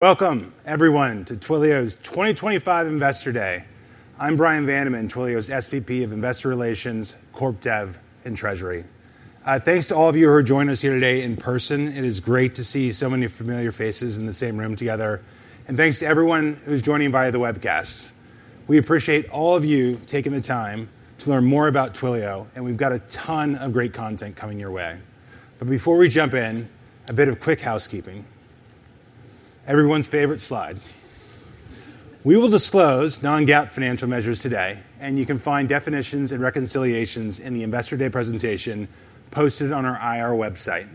Welcome, everyone, to Twilio's 2025 Investor Day. I'm Bryan Vaniman, Twilio's SVP of Investor Relations, Corp Dev, and Treasury. Thanks to all of you who are joining us here today in person. It is great to see so many familiar faces in the same room together, and thanks to everyone who's joining via the webcast. We appreciate all of you taking the time to learn more about Twilio, and we've got a ton of great content coming your way, but before we jump in, a bit of quick housekeeping. Everyone's favorite slide. We will disclose Non-GAAP financial measures today, and you can find definitions and reconciliations in the Investor Day presentation posted on our IR website.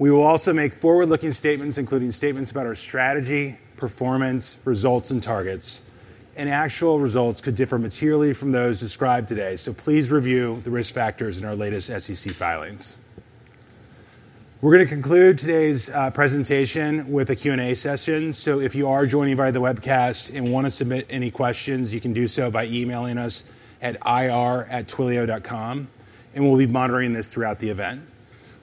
We will also make forward-looking statements, including statements about our strategy, performance, results, and targets. Actual results could differ materially from those described today, so please review the risk factors in our latest SEC filings. We're going to conclude today's presentation with a Q&A session. If you are joining via the webcast and want to submit any questions, you can do so by emailing us at ir@twilio.com, and we'll be monitoring this throughout the event.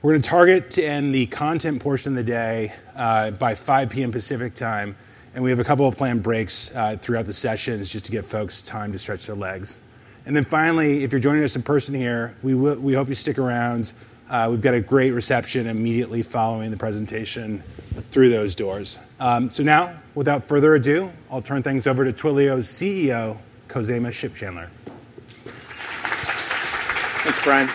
We're going to target to end the content portion of the day by 5:00 P.M. Pacific Time, and we have a couple of planned breaks throughout the sessions just to give folks time to stretch their legs. Then finally, if you're joining us in person here, we hope you stick around. We've got a great reception immediately following the presentation through those doors. Now, without further ado, I'll turn things over to Twilio's CEO, Khozema Shipchandler. Thanks, Brian.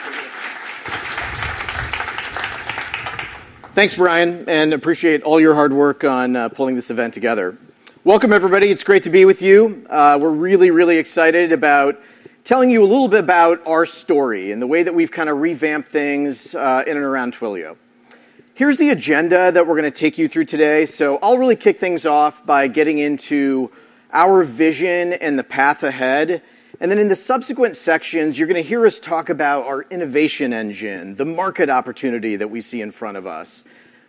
Thanks, Brian, and appreciate all your hard work on pulling this event together. Welcome, everybody. It's great to be with you. We're really, really excited about telling you a little bit about our story and the way that we've kind of revamped things in and around Twilio. Here's the agenda that we're going to take you through today. So I'll really kick things off by getting into our vision and the path ahead, and then in the subsequent sections, you're going to hear us talk about our innovation engine, the market opportunity that we see in front of us,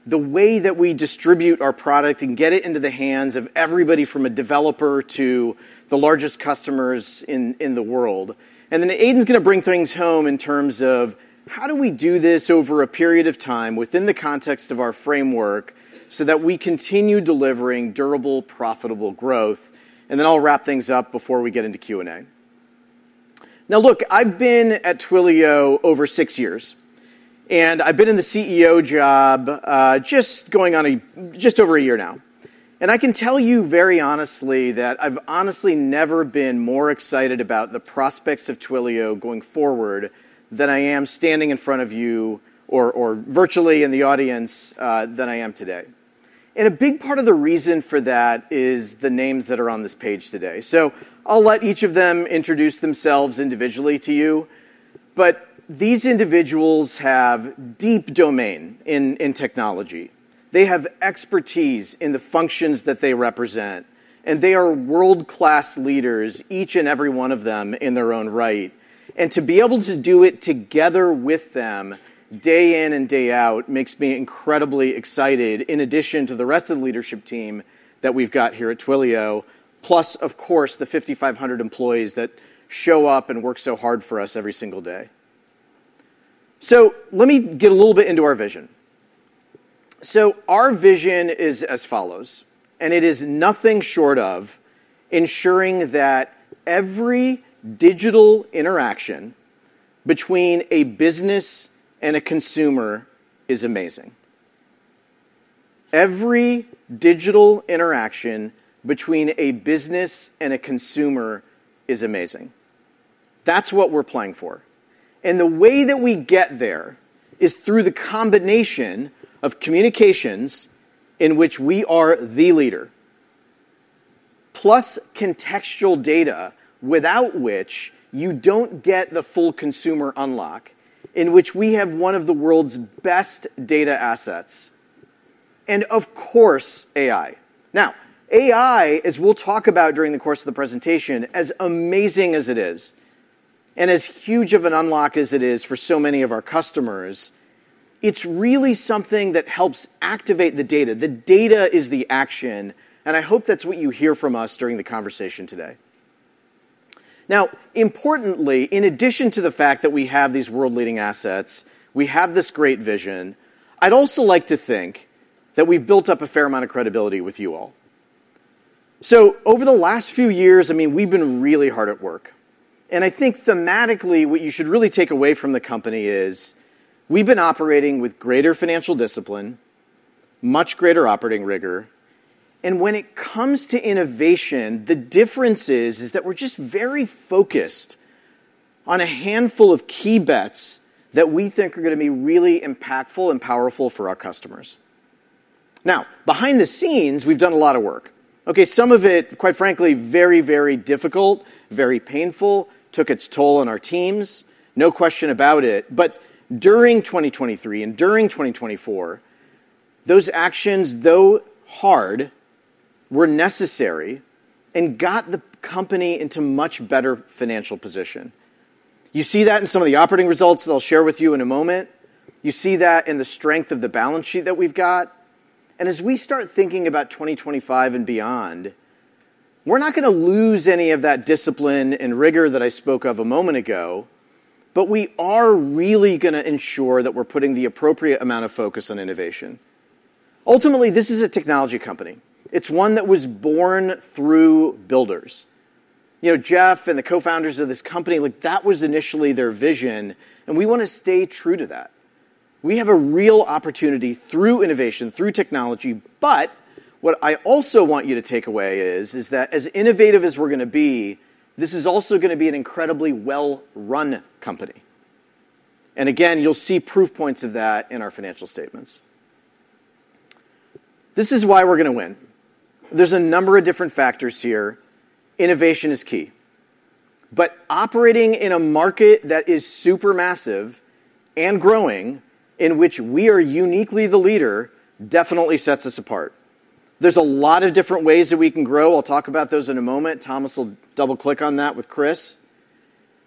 the way that we distribute our product and get it into the hands of everybody from a developer to the largest customers in the world. Then Aidan's going to bring things home in terms of how do we do this over a period of time within the context of our framework so that we continue delivering durable, profitable growth. Then I'll wrap things up before we get into Q&A. Now, look, I've been at Twilio over six years, and I've been in the CEO job just going on just over a year now. I can tell you very honestly that I've honestly never been more excited about the prospects of Twilio going forward than I am standing in front of you or virtually in the audience than I am today. A big part of the reason for that is the names that are on this page today. So I'll let each of them introduce themselves individually to you. These individuals have deep domain in technology. They have expertise in the functions that they represent, and they are world-class leaders, each and every one of them in their own right. And to be able to do it together with them day in and day out makes me incredibly excited in addition to the rest of the leadership team that we've got here at Twilio, plus, of course, the 5,500 employees that show up and work so hard for us every single day. So let me get a little bit into our vision. So our vision is as follows, and it is nothing short of ensuring that every digital interaction between a business and a consumer is amazing. Every digital interaction between a business and a consumer is amazing. That's what we're playing for. The way that we get there is through the combination of communications in which we are the leader, plus contextual data without which you don't get the full consumer unlock, in which we have one of the world's best data assets. Of course, AI. Now, AI, as we'll talk about during the course of the presentation, as amazing as it is and as huge of an unlock as it is for so many of our customers, it's really something that helps activate the data. The data is the action, and I hope that's what you hear from us during the conversation today. Now, importantly, in addition to the fact that we have these world-leading assets, we have this great vision, I'd also like to think that we've built up a fair amount of credibility with you all. Over the last few years, I mean, we've been really hard at work. I think thematically what you should really take away from the company is we've been operating with greater financial discipline, much greater operating rigor. When it comes to innovation, the difference is that we're just very focused on a handful of key bets that we think are going to be really impactful and powerful for our customers. Now, behind the scenes, we've done a lot of work. Okay, some of it, quite frankly, very, very difficult, very painful, took its toll on our teams, no question about it. During 2023 and during 2024, those actions, though hard, were necessary and got the company into a much better financial position. You see that in some of the operating results that I'll share with you in a moment. You see that in the strength of the balance sheet that we've got. And as we start thinking about 2025 and beyond, we're not going to lose any of that discipline and rigor that I spoke of a moment ago, but we are really going to ensure that we're putting the appropriate amount of focus on innovation. Ultimately, this is a technology company. It's one that was born through builders. Jeff and the co-founders of this company, that was initially their vision, and we want to stay true to that. We have a real opportunity through innovation, through technology. But what I also want you to take away is that as innovative as we're going to be, this is also going to be an incredibly well-run company. And again, you'll see proof points of that in our financial statements. This is why we're going to win. There's a number of different factors here. Innovation is key. But operating in a market that is super massive and growing in which we are uniquely the leader definitely sets us apart. There's a lot of different ways that we can grow. I'll talk about those in a moment. Thomas will double-click on that with Chris.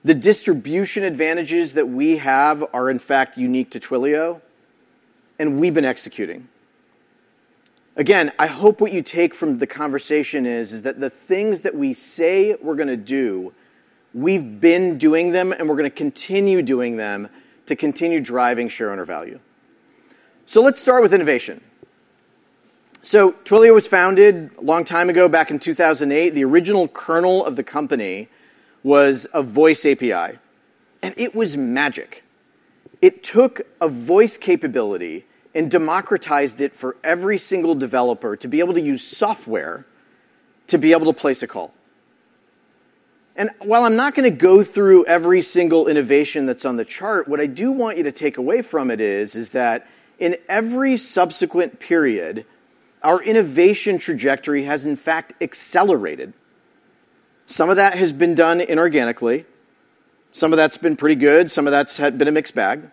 The distribution advantages that we have are, in fact, unique to Twilio, and we've been executing. Again, I hope what you take from the conversation is that the things that we say we're going to do, we've been doing them, and we're going to continue doing them to continue driving shareholder value. So let's start with innovation. So Twilio was founded a long time ago, back in 2008. The original kernel of the company was a voice API, and it was magic. It took a voice capability and democratized it for every single developer to be able to use software to be able to place a call, and while I'm not going to go through every single innovation that's on the chart, what I do want you to take away from it is that in every subsequent period, our innovation trajectory has, in fact, accelerated. Some of that has been done inorganically. Some of that's been pretty good. Some of that's been a mixed bag,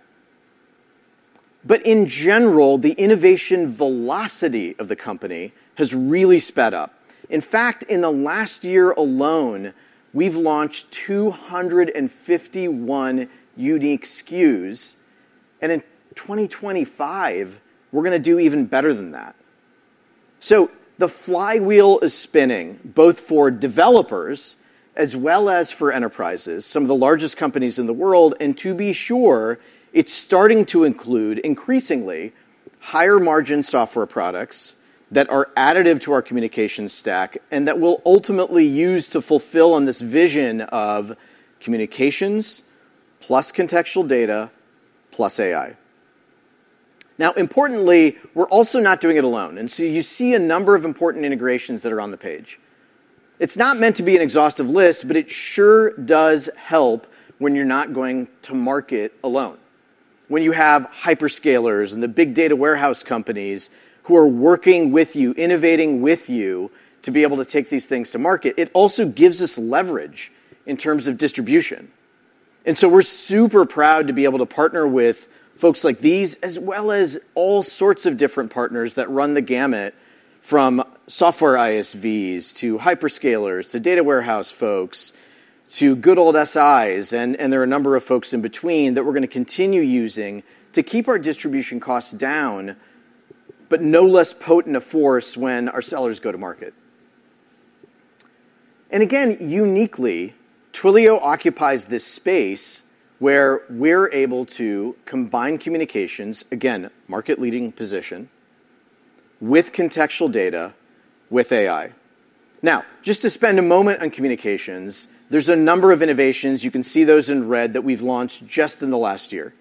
but in general, the innovation velocity of the company has really sped up. In fact, in the last year alone, we've launched 251 unique SKUs, and in 2025, we're going to do even better than that, so the flywheel is spinning both for developers as well as for enterprises, some of the largest companies in the world. And to be sure, it's starting to include increasingly higher-margin software products that are additive to our communication stack and that we'll ultimately use to fulfill on this vision of Communications plus contextual data plus AI. Now, importantly, we're also not doing it alone. And so you see a number of important integrations that are on the page. It's not meant to be an exhaustive list, but it sure does help when you're not going to market alone. When you have hyperscalers and the big data warehouse companies who are working with you, innovating with you to be able to take these things to market, it also gives us leverage in terms of distribution. And so we're super proud to be able to partner with folks like these, as well as all sorts of different partners that run the gamut from software ISVs to hyperscalers to data warehouse folks to good old SIs. And there are a number of folks in between that we're going to continue using to keep our distribution costs down but no less potent a force when our sellers go to market. And again, uniquely, Twilio occupies this space where we're able to combine Communications, again, market-leading position, with contextual data, with AI. Now, just to spend a moment on Communications, there's a number of innovations. You can see those in red that we've launched just in the last year.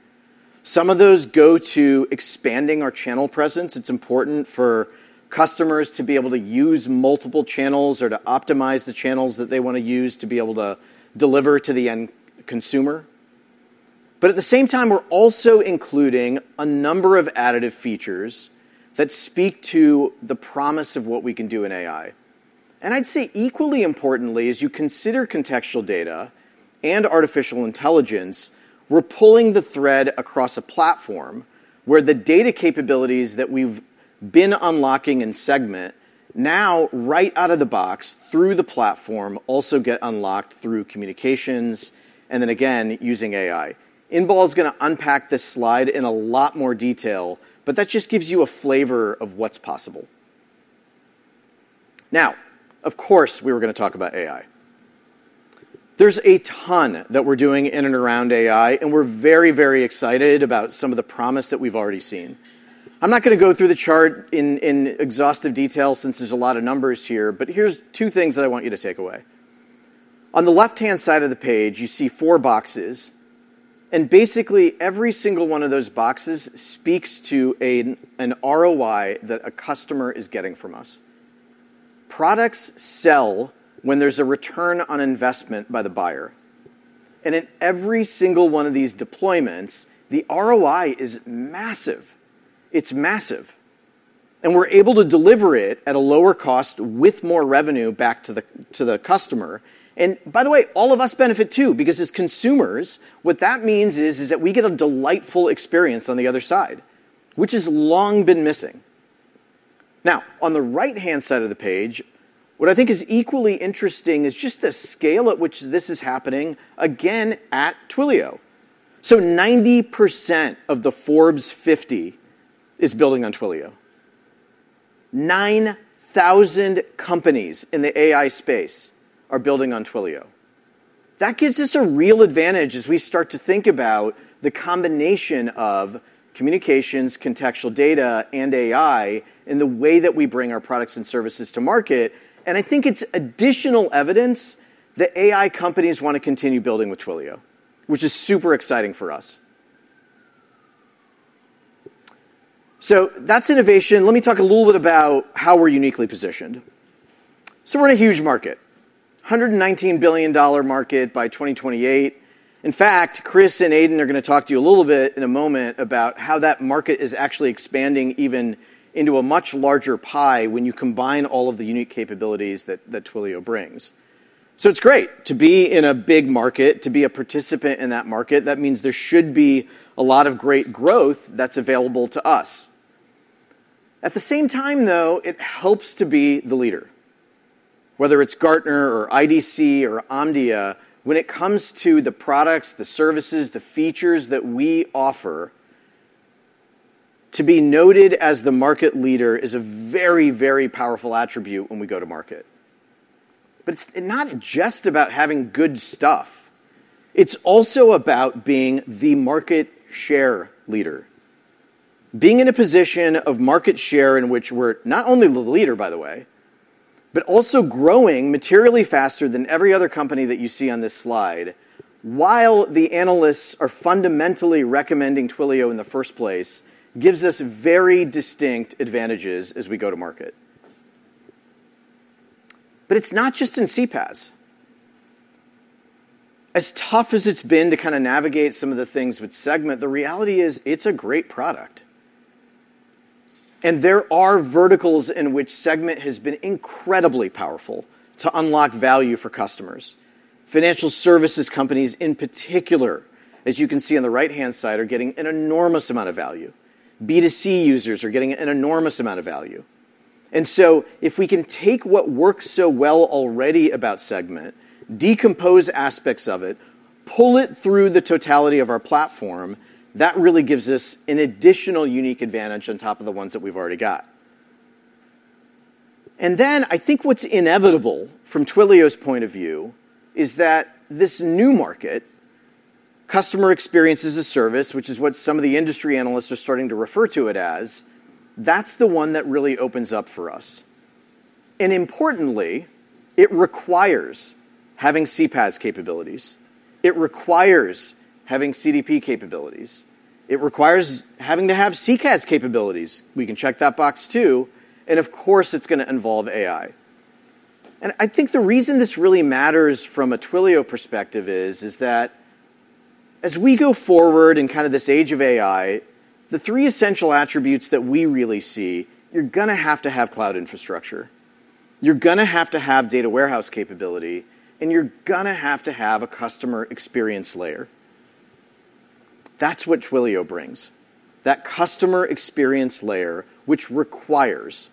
Some of those go to expanding our channel presence. It's important for customers to be able to use multiple channels or to optimize the channels that they want to use to be able to deliver to the end consumer. But at the same time, we're also including a number of additive features that speak to the promise of what we can do in AI. And I'd say equally importantly, as you consider contextual data and artificial intelligence, we're pulling the thread across a platform where the data capabilities that we've been unlocking in Segment now, right out of the box through the platform, also get unlocked through Communications and then, again, using AI. Inbal is going to unpack this slide in a lot more detail, but that just gives you a flavor of what's possible. Now, of course, we were going to talk about AI. There's a ton that we're doing in and around AI, and we're very, very excited about some of the promise that we've already seen. I'm not going to go through the chart in exhaustive detail since there's a lot of numbers here, but here's two things that I want you to take away. On the left-hand side of the page, you see four boxes, and basically every single one of those boxes speaks to an ROI that a customer is getting from us. Products sell when there's a return on investment by the buyer. And in every single one of these deployments, the ROI is massive. It's massive, and we're able to deliver it at a lower cost with more revenue back to the customer. And by the way, all of us benefit too because as consumers, what that means is that we get a delightful experience on the other side, which has long been missing. Now, on the right-hand side of the page, what I think is equally interesting is just the scale at which this is happening, again, at Twilio. So 90% of the Forbes 50 is building on Twilio. 9,000 companies in the AI space are building on Twilio. That gives us a real advantage as we start to think about the combination of Communications, contextual data, and AI in the way that we bring our products and services to market. And I think it's additional evidence that AI companies want to continue building with Twilio, which is super exciting for us. So that's innovation. Let me talk a little bit about how we're uniquely positioned. So we're in a huge market, $119 billion market by 2028. In fact, Chris and Aidan are going to talk to you a little bit in a moment about how that market is actually expanding even into a much larger pie when you combine all of the unique capabilities that Twilio brings. So it's great to be in a big market, to be a participant in that market. That means there should be a lot of great growth that's available to us. At the same time, though, it helps to be the leader, whether it's Gartner or IDC or Omdia, when it comes to the products, the services, the features that we offer. To be noted as the market leader is a very, very powerful attribute when we go to market. But it's not just about having good stuff. It's also about being the market share leader, being in a position of market share in which we're not only the leader, by the way, but also growing materially faster than every other company that you see on this slide. While the analysts are fundamentally recommending Twilio in the first place, it gives us very distinct advantages as we go to market. But it's not just in CPaaS. As tough as it's been to kind of navigate some of the things with Segment, the reality is it's a great product. And there are verticals in which Segment has been incredibly powerful to unlock value for customers. Financial services companies in particular, as you can see on the right-hand side, are getting an enormous amount of value. B2C users are getting an enormous amount of value. And so if we can take what works so well already about Segment, decompose aspects of it, pull it through the totality of our platform, that really gives us an additional unique advantage on top of the ones that we've already got. And then I think what's inevitable from Twilio's point of view is that this new market, Customer Experience as a Service, which is what some of the industry analysts are starting to refer to it as, that's the one that really opens up for us. And importantly, it requires having CPaaS capabilities. It requires having CDP capabilities. It requires having to have CCaaS capabilities. We can check that box too. And of course, it's going to involve AI. And I think the reason this really matters from a Twilio perspective is that as we go forward in kind of this age of AI, the three essential attributes that we really see, you're going to have to have cloud infrastructure. You're going to have to have data warehouse capability, and you're going to have to have a customer experience layer. That's what Twilio brings, that customer experience layer, which requires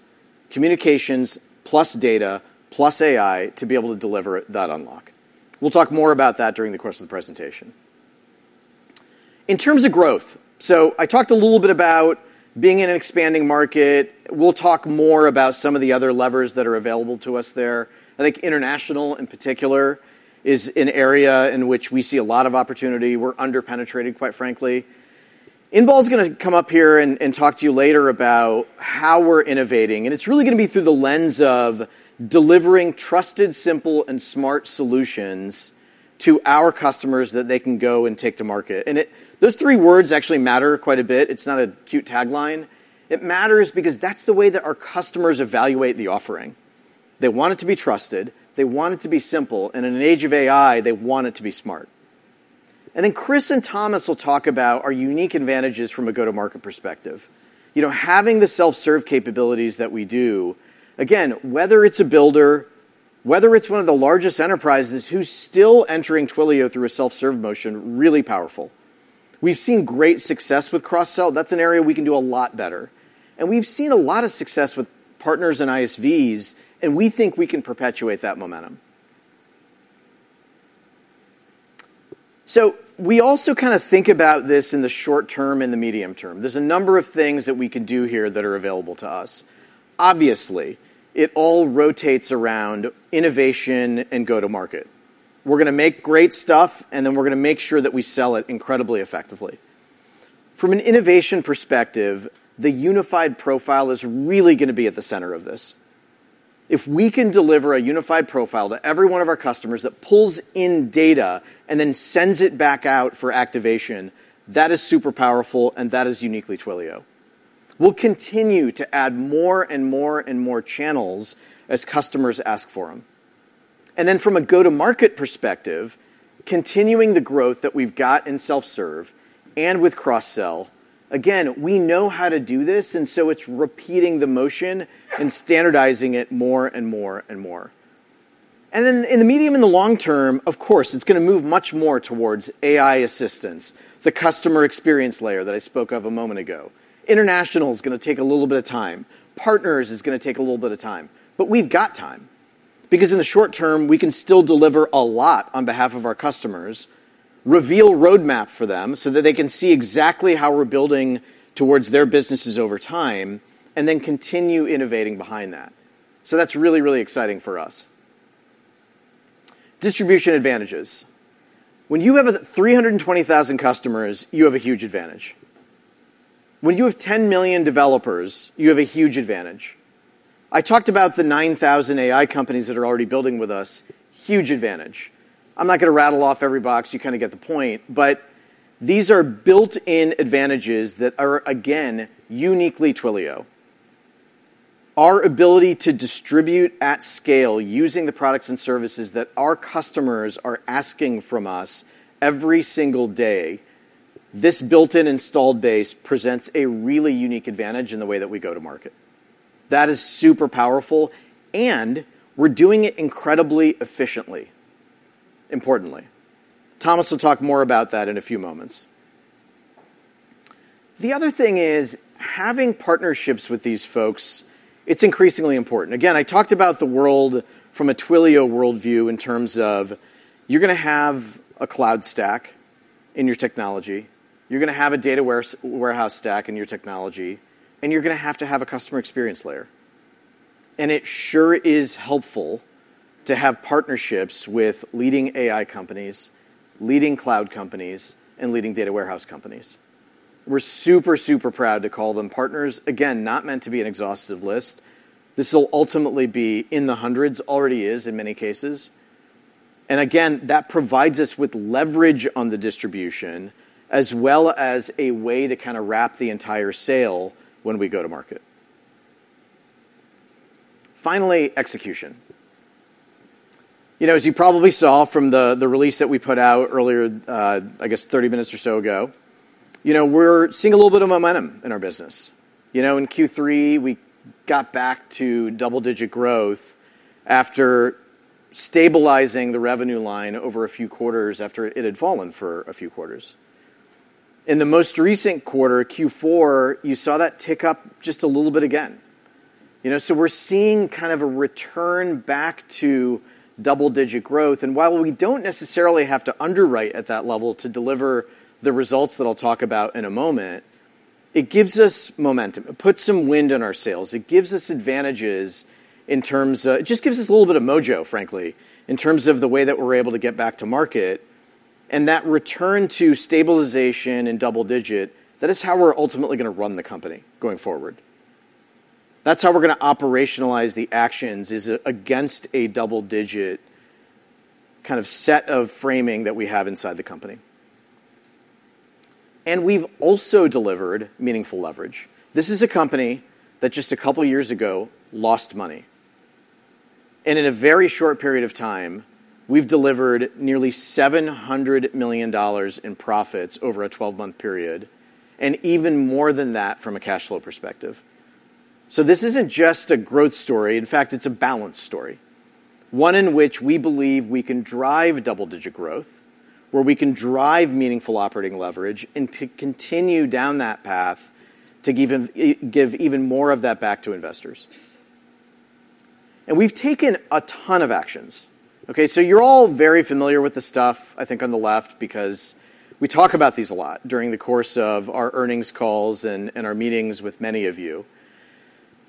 Communications plus data plus AI to be able to deliver that unlock. We'll talk more about that during the course of the presentation. In terms of growth, so I talked a little bit about being in an expanding market. We'll talk more about some of the other levers that are available to us there. I think international, in particular, is an area in which we see a lot of opportunity. We're underpenetrated, quite frankly. Inbal is going to come up here and talk to you later about how we're innovating. It's really going to be through the lens of delivering trusted, simple, and smart solutions to our customers that they can go and take to market. Those three words actually matter quite a bit. It's not a cute tagline. It matters because that's the way that our customers evaluate the offering. They want it to be trusted. They want it to be simple. In an age of AI, they want it to be smart. Chris and Thomas will talk about our unique advantages from a go-to-market perspective. Having the self-serve capabilities that we do, again, whether it's a builder, whether it's one of the largest enterprises who's still entering Twilio through a self-serve motion, really powerful. We've seen great success with cross-sell. That's an area we can do a lot better. And we've seen a lot of success with partners and ISVs, and we think we can perpetuate that momentum. So we also kind of think about this in the short term and the medium term. There's a number of things that we can do here that are available to us. Obviously, it all rotates around innovation and go-to-market. We're going to make great stuff, and then we're going to make sure that we sell it incredibly effectively. From an innovation perspective, the Unified Profile is really going to be at the center of this. If we can deliver a Unified Profile to every one of our customers that pulls in data and then sends it back out for activation, that is super powerful, and that is uniquely Twilio. We'll continue to add more and more and more channels as customers ask for them, and then from a go-to-market perspective, continuing the growth that we've got in self-serve and with cross-sell, again, we know how to do this, and so it's repeating the motion and standardizing it more and more and more, and then in the medium and the long term, of course, it's going to move much more towards AI assistance, the customer experience layer that I spoke of a moment ago. International is going to take a little bit of time. Partners is going to take a little bit of time, but we've got time because in the short term, we can still deliver a lot on behalf of our customers, reveal roadmap for them so that they can see exactly how we're building towards their businesses over time, and then continue innovating behind that. So that's really, really exciting for us. Distribution advantages. When you have 320,000 customers, you have a huge advantage. When you have 10 million developers, you have a huge advantage. I talked about the 9,000 AI companies that are already building with us, huge advantage. I'm not going to rattle off every box. You kind of get the point. But these are built-in advantages that are, again, uniquely Twilio. Our ability to distribute at scale using the products and services that our customers are asking from us every single day, this built-in installed base presents a really unique advantage in the way that we go to market. That is super powerful, and we're doing it incredibly efficiently, importantly. Thomas will talk more about that in a few moments. The other thing is having partnerships with these folks, it's increasingly important. Again, I talked about the world from a Twilio worldview in terms of you're going to have a cloud stack in your technology. You're going to have a data warehouse stack in your technology, and you're going to have to have a customer experience layer. And it sure is helpful to have partnerships with leading AI companies, leading cloud companies, and leading data warehouse companies. We're super, super proud to call them partners. Again, not meant to be an exhaustive list. This will ultimately be in the hundreds, already is in many cases. And again, that provides us with leverage on the distribution as well as a way to kind of wrap the entire sale when we go to market. Finally, execution. As you probably saw from the release that we put out earlier, I guess 30 minutes or so ago, we're seeing a little bit of momentum in our business. In Q3, we got back to double-digit growth after stabilizing the revenue line over a few quarters after it had fallen for a few quarters. In the most recent quarter, Q4, you saw that tick up just a little bit again. So we're seeing kind of a return back to double-digit growth. And while we don't necessarily have to underwrite at that level to deliver the results that I'll talk about in a moment, it gives us momentum. It puts some wind in our sales. It gives us advantages in terms of it just gives us a little bit of mojo, frankly, in terms of the way that we're able to get back to market. And that return to stabilization and double-digit, that is how we're ultimately going to run the company going forward. That's how we're going to operationalize the actions is against a double-digit kind of set of framing that we have inside the company. And we've also delivered meaningful leverage. This is a company that just a couple of years ago lost money. And in a very short period of time, we've delivered nearly $700 million in profits over a 12-month period, and even more than that from a cash flow perspective. So this isn't just a growth story. In fact, it's a balance story, one in which we believe we can drive double-digit growth, where we can drive meaningful operating leverage and to continue down that path to give even more of that back to investors. And we've taken a ton of actions. Okay, so you're all very familiar with the stuff, I think, on the left because we talk about these a lot during the course of our earnings calls and our meetings with many of you.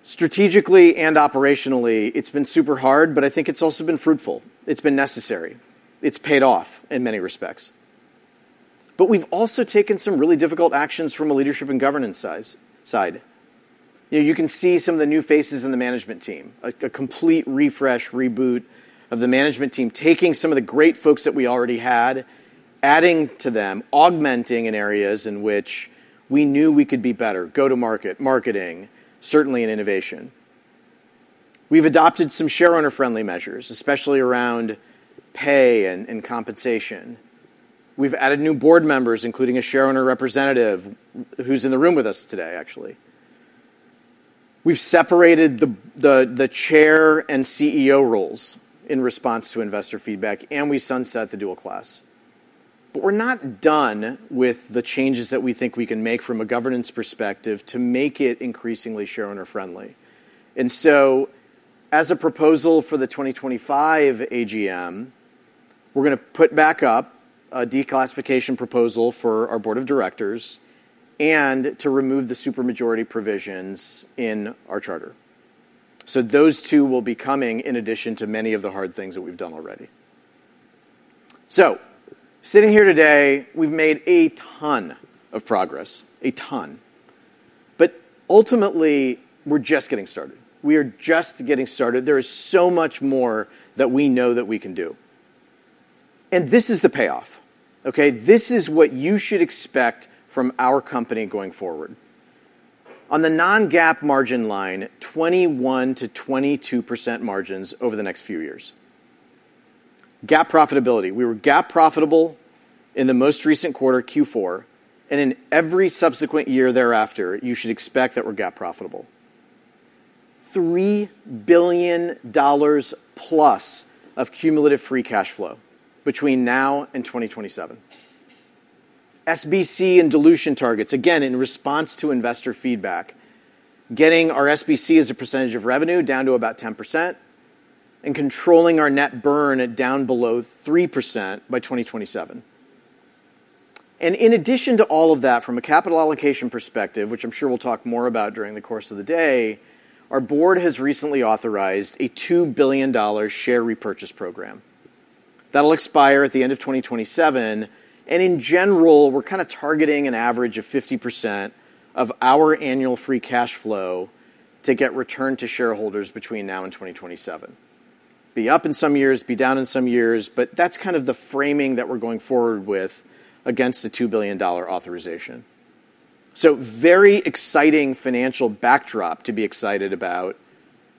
Strategically and operationally, it's been super hard, but I think it's also been fruitful. It's been necessary. It's paid off in many respects. But we've also taken some really difficult actions from a leadership and governance side. You can see some of the new faces in the management team, a complete refresh, reboot of the management team, taking some of the great folks that we already had, adding to them, augmenting in areas in which we knew we could be better, go-to-market, marketing, certainly in innovation. We've adopted some shareholder-friendly measures, especially around pay and compensation. We've added new board members, including a shareholder representative who's in the room with us today, actually. We've separated the chair and CEO roles in response to investor feedback, and we sunset the dual class, but we're not done with the changes that we think we can make from a governance perspective to make it increasingly shareholder-friendly, and so as a proposal for the 2025 AGM, we're going to put back up a declassification proposal for our board of directors and to remove the supermajority provisions in our charter, so those two will be coming in addition to many of the hard things that we've done already, so sitting here today, we've made a ton of progress, a ton, but ultimately, we're just getting started. We are just getting started. There is so much more that we know that we can do, and this is the payoff. Okay, this is what you should expect from our company going forward. On the non-GAAP margin line, 21%-22% margins over the next few years. GAAP profitability. We were GAAP profitable in the most recent quarter, Q4, and in every subsequent year thereafter, you should expect that we're GAAP profitable. $3 billion+ of cumulative free cash flow between now and 2027. SBC and dilution targets, again, in response to investor feedback, getting our SBC as a percentage of revenue down to about 10% and controlling our net burn down below 3% by 2027. In addition to all of that, from a capital allocation perspective, which I'm sure we'll talk more about during the course of the day, our board has recently authorized a $2 billion share repurchase program. That'll expire at the end of 2027. And in general, we're kind of targeting an average of 50% of our annual free cash flow to get returned to shareholders between now and 2027. Be up in some years, be down in some years, but that's kind of the framing that we're going forward with against the $2 billion authorization. So very exciting financial backdrop to be excited about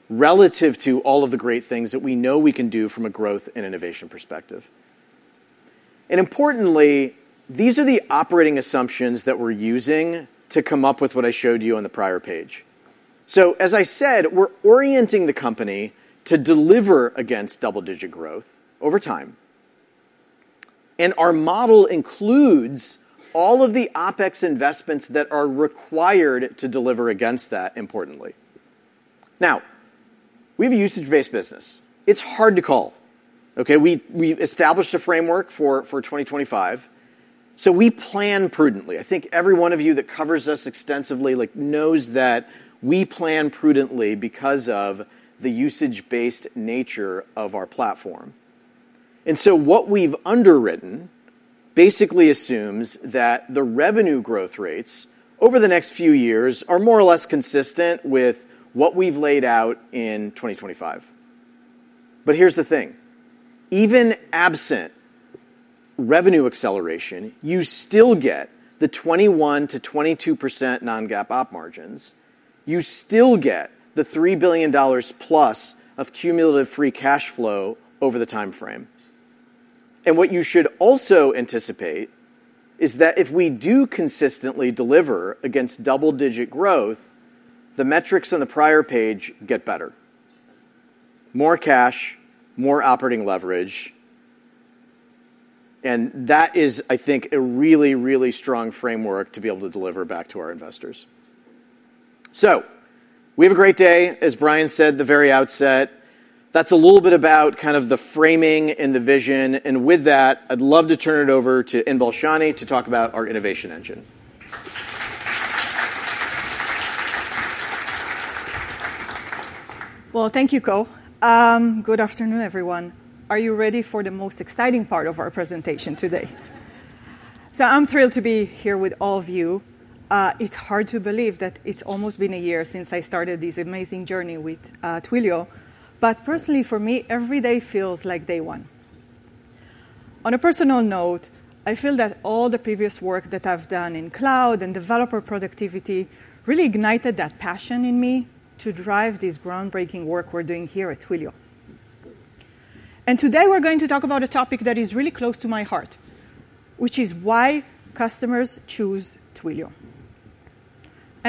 relative to all of the great things that we know we can do from a growth and innovation perspective. And importantly, these are the operating assumptions that we're using to come up with what I showed you on the prior page. So as I said, we're orienting the company to deliver against double-digit growth over time. And our model includes all of the OpEx investments that are required to deliver against that, importantly. Now, we have a usage-based business. It's hard to call. Okay, we established a framework for 2025. So we plan prudently. I think every one of you that covers us extensively knows that we plan prudently because of the usage-based nature of our platform. And so what we've underwritten basically assumes that the revenue growth rates over the next few years are more or less consistent with what we've laid out in 2025. But here's the thing. Even absent revenue acceleration, you still get the 21%-22% non-GAAP op margins. You still get the $3 billion+ of cumulative free cash flow over the timeframe. And what you should also anticipate is that if we do consistently deliver against double-digit growth, the metrics on the prior page get better. More cash, more operating leverage. And that is, I think, a really, really strong framework to be able to deliver back to our investors. So we have a great day, as Brian said at the very outset. That's a little bit about kind of the framing and the vision. And with that, I'd love to turn it over to Inbal Shani to talk about our innovation engine. Well, thank you, Kho. Good afternoon, everyone. Are you ready for the most exciting part of our presentation today? So I'm thrilled to be here with all of you. It's hard to believe that it's almost been a year since I started this amazing journey with Twilio. But personally, for me, every day feels like day one. On a personal note, I feel that all the previous work that I've done in cloud and developer productivity really ignited that passion in me to drive this groundbreaking work we're doing here at Twilio. Today, we're going to talk about a topic that is really close to my heart, which is why customers choose Twilio.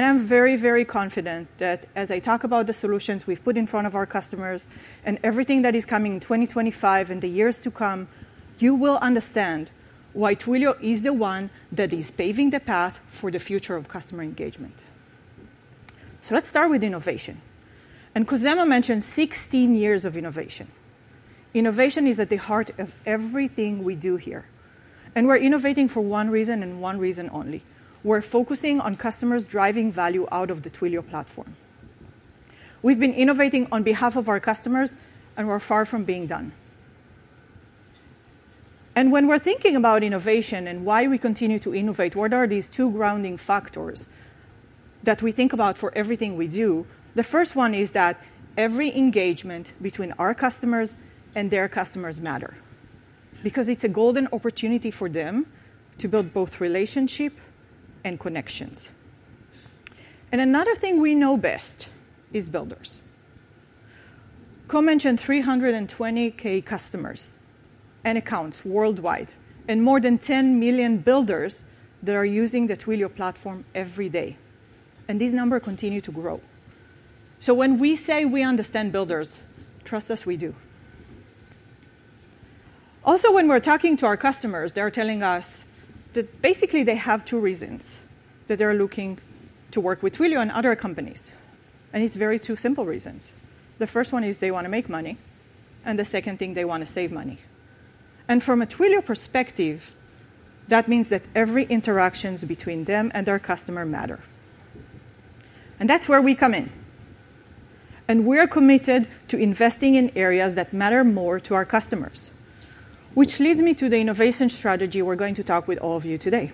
I'm very, very confident that as I talk about the solutions we've put in front of our customers and everything that is coming in 2025 and the years to come, you will understand why Twilio is the one that is paving the path for the future of customer engagement. Let's start with innovation. Khozema mentioned 16 years of innovation. Innovation is at the heart of everything we do here. We're innovating for one reason and one reason only. We're focusing on customers driving value out of the Twilio platform. We've been innovating on behalf of our customers, and we're far from being done. And when we're thinking about innovation and why we continue to innovate, what are these two grounding factors that we think about for everything we do? The first one is that every engagement between our customers and their customers matters because it's a golden opportunity for them to build both relationships and connections. And another thing we know best is builders. Kho mentioned 320K customers and accounts worldwide and more than 10 million builders that are using the Twilio platform every day. And this number continues to grow. So when we say we understand builders, trust us, we do. Also, when we're talking to our customers, they're telling us that basically they have two reasons that they're looking to work with Twilio and other companies. And it's very two simple reasons. The first one is they want to make money, and the second thing, they want to save money. And from a Twilio perspective, that means that every interaction between them and their customer matters. And that's where we come in. And we're committed to investing in areas that matter more to our customers, which leads me to the innovation strategy we're going to talk with all of you today.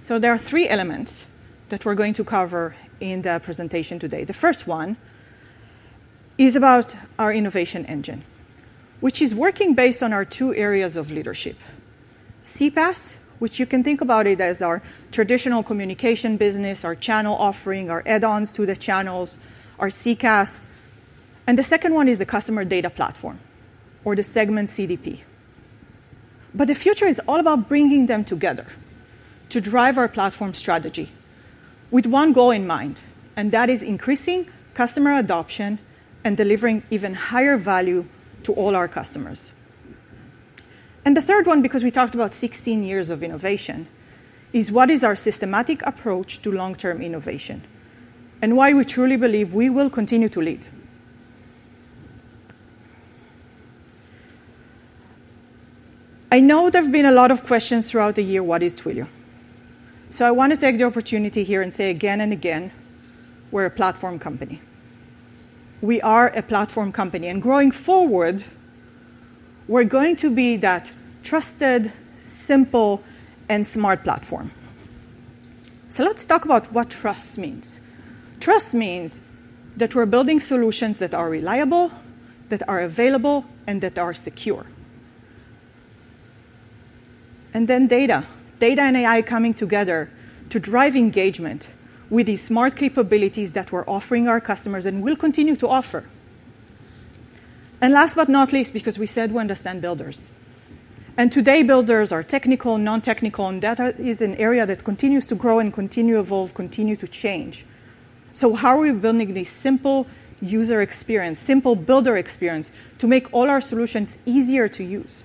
So there are three elements that we're going to cover in the presentation today. The first one is about our innovation engine, which is working based on our two areas of leadership: CPaaS, which you can think about as our traditional communication business, our channel offering, our add-ons to the channels, our CCaaS. And the second one is the customer data platform or the Segment CDP. But the future is all about bringing them together to drive our platform strategy with one goal in mind, and that is increasing customer adoption and delivering even higher value to all our customers. And the third one, because we talked about 16 years of innovation, is what is our systematic approach to long-term innovation and why we truly believe we will continue to lead. I know there have been a lot of questions throughout the year, what is Twilio? So I want to take the opportunity here and say again and again, we're a platform company. We are a platform company. And growing forward, we're going to be that trusted, simple, and smart platform. So let's talk about what trust means. Trust means that we're building solutions that are reliable, that are available, and that are secure. And then data, data and AI coming together to drive engagement with these smart capabilities that we're offering our customers and will continue to offer. And last but not least, because we said we understand builders. And today, builders are technical, non-technical, and that is an area that continues to grow and continue to evolve, continue to change. So how are we building this simple user experience, simple builder experience to make all our solutions easier to use?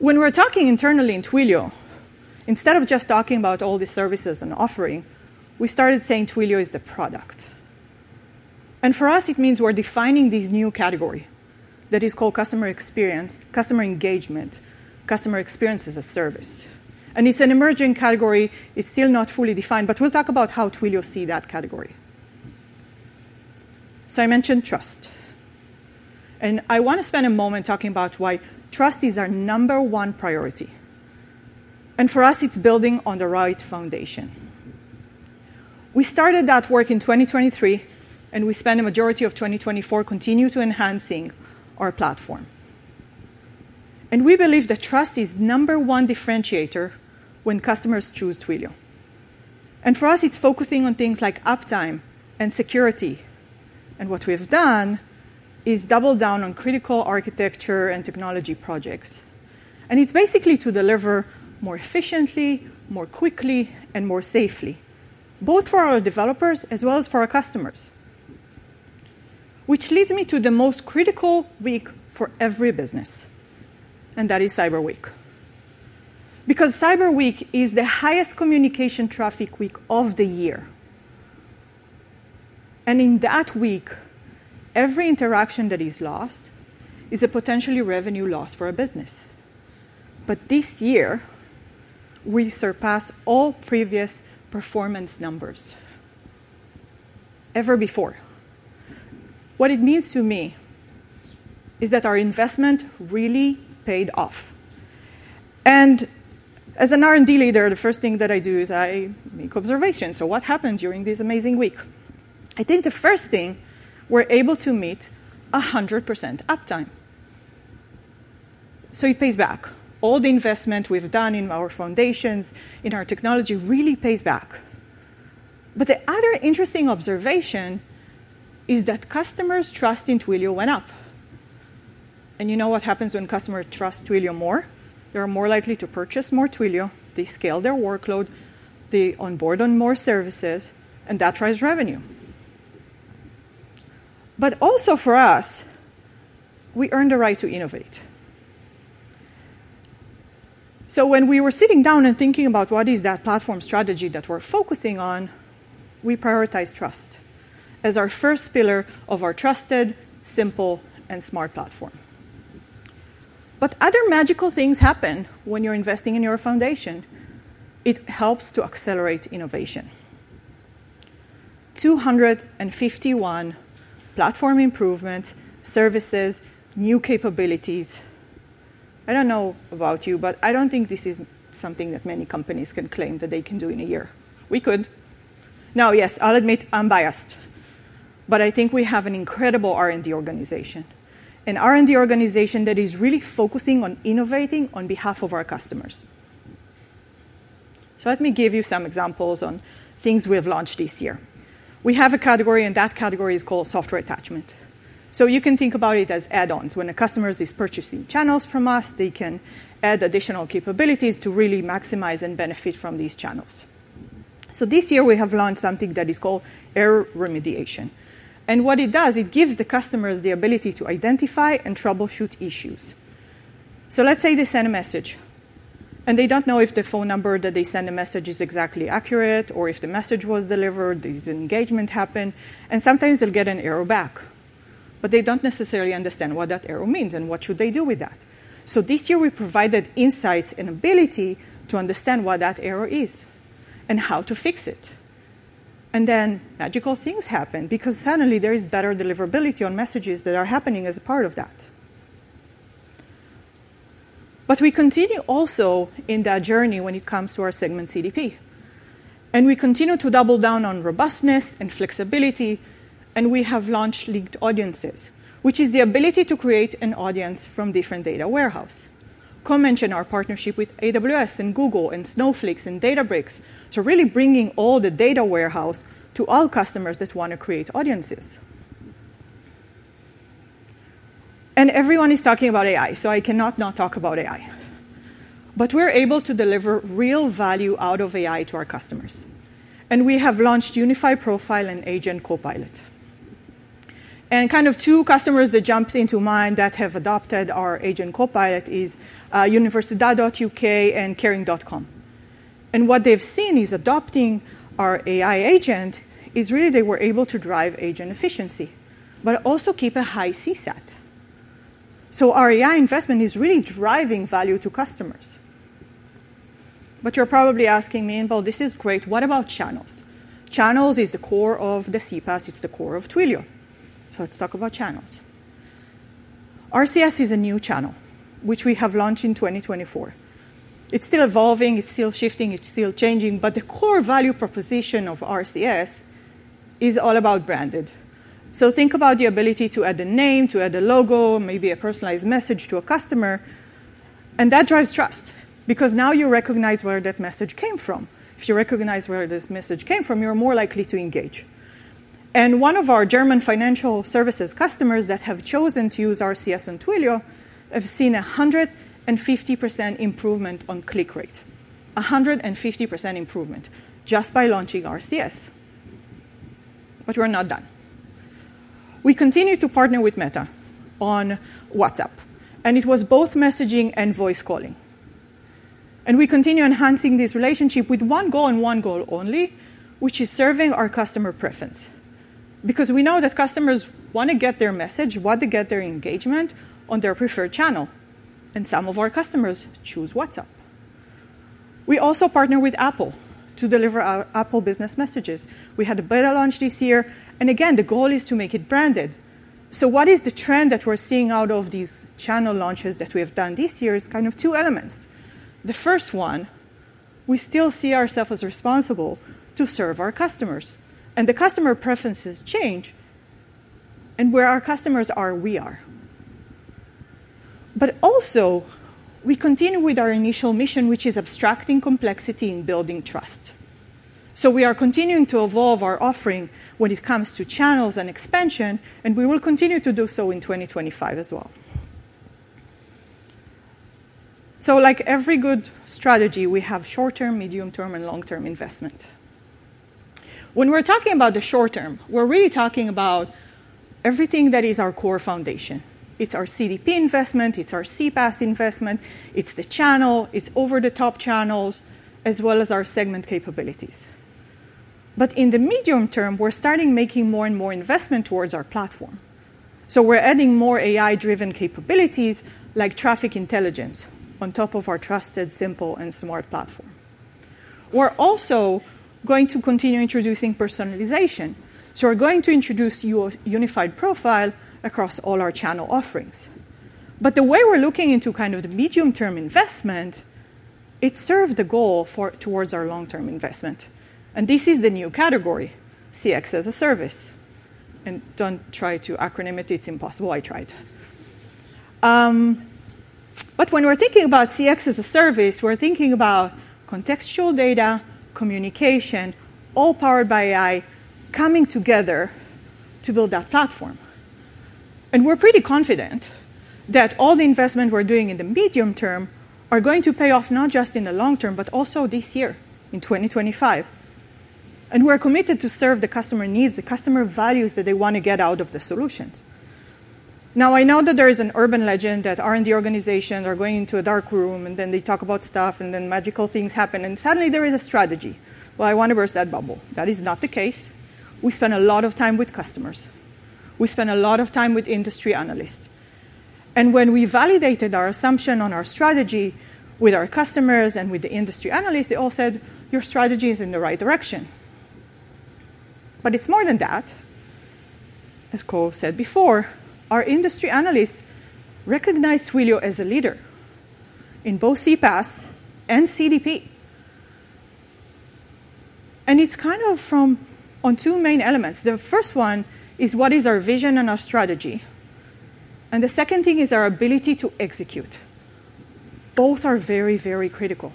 When we're talking internally in Twilio, instead of just talking about all the services and offering, we started saying Twilio is the product. And for us, it means we're defining this new category that is called customer experience, customer engagement, Customer Experience as a Service. And it's an emerging category. It's still not fully defined, but we'll talk about how Twilio sees that category. So I mentioned trust. I want to spend a moment talking about why trust is our number one priority. For us, it's building on the right foundation. We started that work in 2023, and we spent the majority of 2024 continuing to enhance our platform. We believe that trust is the number one differentiator when customers choose Twilio. For us, it's focusing on things like uptime and security. What we have done is double down on critical architecture and technology projects. It's basically to deliver more efficiently, more quickly, and more safely, both for our developers as well as for our customers, which leads me to the most critical week for every business, and that is Cyber Week. Because Cyber Week is the highest communication traffic week of the year. In that week, every interaction that is lost is a potentially revenue loss for a business. But this year, we surpassed all previous performance numbers ever before. What it means to me is that our investment really paid off. And as an R&D leader, the first thing that I do is I make observations. So what happened during this amazing week? I think the first thing, we're able to meet 100% uptime. So it pays back. All the investment we've done in our foundations, in our technology really pays back. But the other interesting observation is that customers' trust in Twilio went up. And you know what happens when customers trust Twilio more? They're more likely to purchase more Twilio. They scale their workload. They onboard more services, and that drives revenue. But also for us, we earned the right to innovate. So when we were sitting down and thinking about what is that platform strategy that we're focusing on, we prioritized trust as our first pillar of our trusted, simple, and smart platform. But other magical things happen when you're investing in your foundation. It helps to accelerate innovation. 251 platform improvements, services, new capabilities. I don't know about you, but I don't think this is something that many companies can claim that they can do in a year. We could. Now, yes, I'll admit I'm biased, but I think we have an incredible R&D organization, an R&D organization that is really focusing on innovating on behalf of our customers. So let me give you some examples on things we have launched this year. We have a category, and that category is called software attachment. So you can think about it as add-ons. When a customer is purchasing channels from us, they can add additional capabilities to really maximize and benefit from these channels. So this year, we have launched something that is called error remediation. And what it does, it gives the customers the ability to identify and troubleshoot issues. So let's say they send a message, and they don't know if the phone number that they send a message is exactly accurate or if the message was delivered, this engagement happened, and sometimes they'll get an error back. But they don't necessarily understand what that error means and what should they do with that. So this year, we provided insights and ability to understand what that error is and how to fix it. And then magical things happen because suddenly there is better deliverability on messages that are happening as a part of that. But we continue also in that journey when it comes to our Segment CDP. And we continue to double down on robustness and flexibility, and we have launched Linked Audiences, which is the ability to create an audience from different data warehouses. Kho mentioned our partnership with AWS and Google and Snowflake and Databricks to really bring all the data warehouse to all customers that want to create audiences. And everyone is talking about AI, so I cannot not talk about AI. But we're able to deliver real value out of AI to our customers. And we have launched Unified Profile and Agent Copilot. And kind of two customers that jump into mind that have adopted our Agent Copilot are Universal UK and Caring.com. And what they've seen is adopting our AI agent is really they were able to drive agent efficiency, but also keep a high CSAT. So our AI investment is really driving value to customers. But you're probably asking me, Inbal, this is great. What about channels? Channels is the core of the CPaaS. It's the core of Twilio. So let's talk about channels. RCS is a new channel, which we have launched in 2024. It's still evolving. It's still shifting. It's still changing. But the core value proposition of RCS is all about branded. So think about the ability to add a name, to add a logo, maybe a personalized message to a customer. And that drives trust because now you recognize where that message came from. If you recognize where this message came from, you're more likely to engage. And one of our German financial services customers that have chosen to use RCS on Twilio has seen a 150% improvement on click rate, a 150% improvement just by launching RCS. But we're not done. We continue to partner with Meta on WhatsApp, and it was both messaging and voice calling. And we continue enhancing this relationship with one goal and one goal only, which is serving our customer preference because we know that customers want to get their message, want to get their engagement on their preferred channel. And some of our customers choose WhatsApp. We also partner with Apple to deliver Apple Business Messages. We had a beta launch this year. And again, the goal is to make it branded. So what is the trend that we're seeing out of these channel launches that we have done this year is kind of two elements. The first one, we still see ourselves as responsible to serve our customers. And the customer preferences change and where our customers are, we are. But also, we continue with our initial mission, which is abstracting complexity and building trust. So we are continuing to evolve our offering when it comes to channels and expansion, and we will continue to do so in 2025 as well. So like every good strategy, we have short-term, medium-term, and long-term investment. When we're talking about the short-term, we're really talking about everything that is our core foundation. It's our CDP investment. It's our CPaaS investment. It's the channel. It's over-the-top channels as well as our segment capabilities. But in the medium term, we're starting making more and more investment towards our platform. So we're adding more AI-driven capabilities like traffic intelligence on top of our trusted, simple, and smart platform. We're also going to continue introducing personalization. So we're going to introduce Unified Profile across all our channel offerings. But the way we're looking into kind of the medium-term investment, it serves the goal towards our long-term investment. And this is the new category, CX as a Service. And don't try to acronym it. It's impossible. I tried. But when we're thinking about CX as a Service, we're thinking about contextual data, communication, all powered by AI coming together to build that platform. And we're pretty confident that all the investment we're doing in the medium term are going to pay off not just in the long term, but also this year in 2025. And we're committed to serve the customer needs, the customer values that they want to get out of the solutions. Now, I know that there is an urban legend that R&D organizations are going into a dark room, and then they talk about stuff, and then magical things happen. And suddenly, there is a strategy. I want to burst that bubble. That is not the case. We spend a lot of time with customers. We spend a lot of time with industry analysts, and when we validated our assumption on our strategy with our customers and with the industry analysts, they all said, "Your strategy is in the right direction," but it's more than that. As Kho said before, our industry analysts recognize Twilio as a leader in both CPaaS and CDP, and it's kind of based on two main elements. The first one is what is our vision and our strategy, and the second thing is our ability to execute. Both are very, very critical,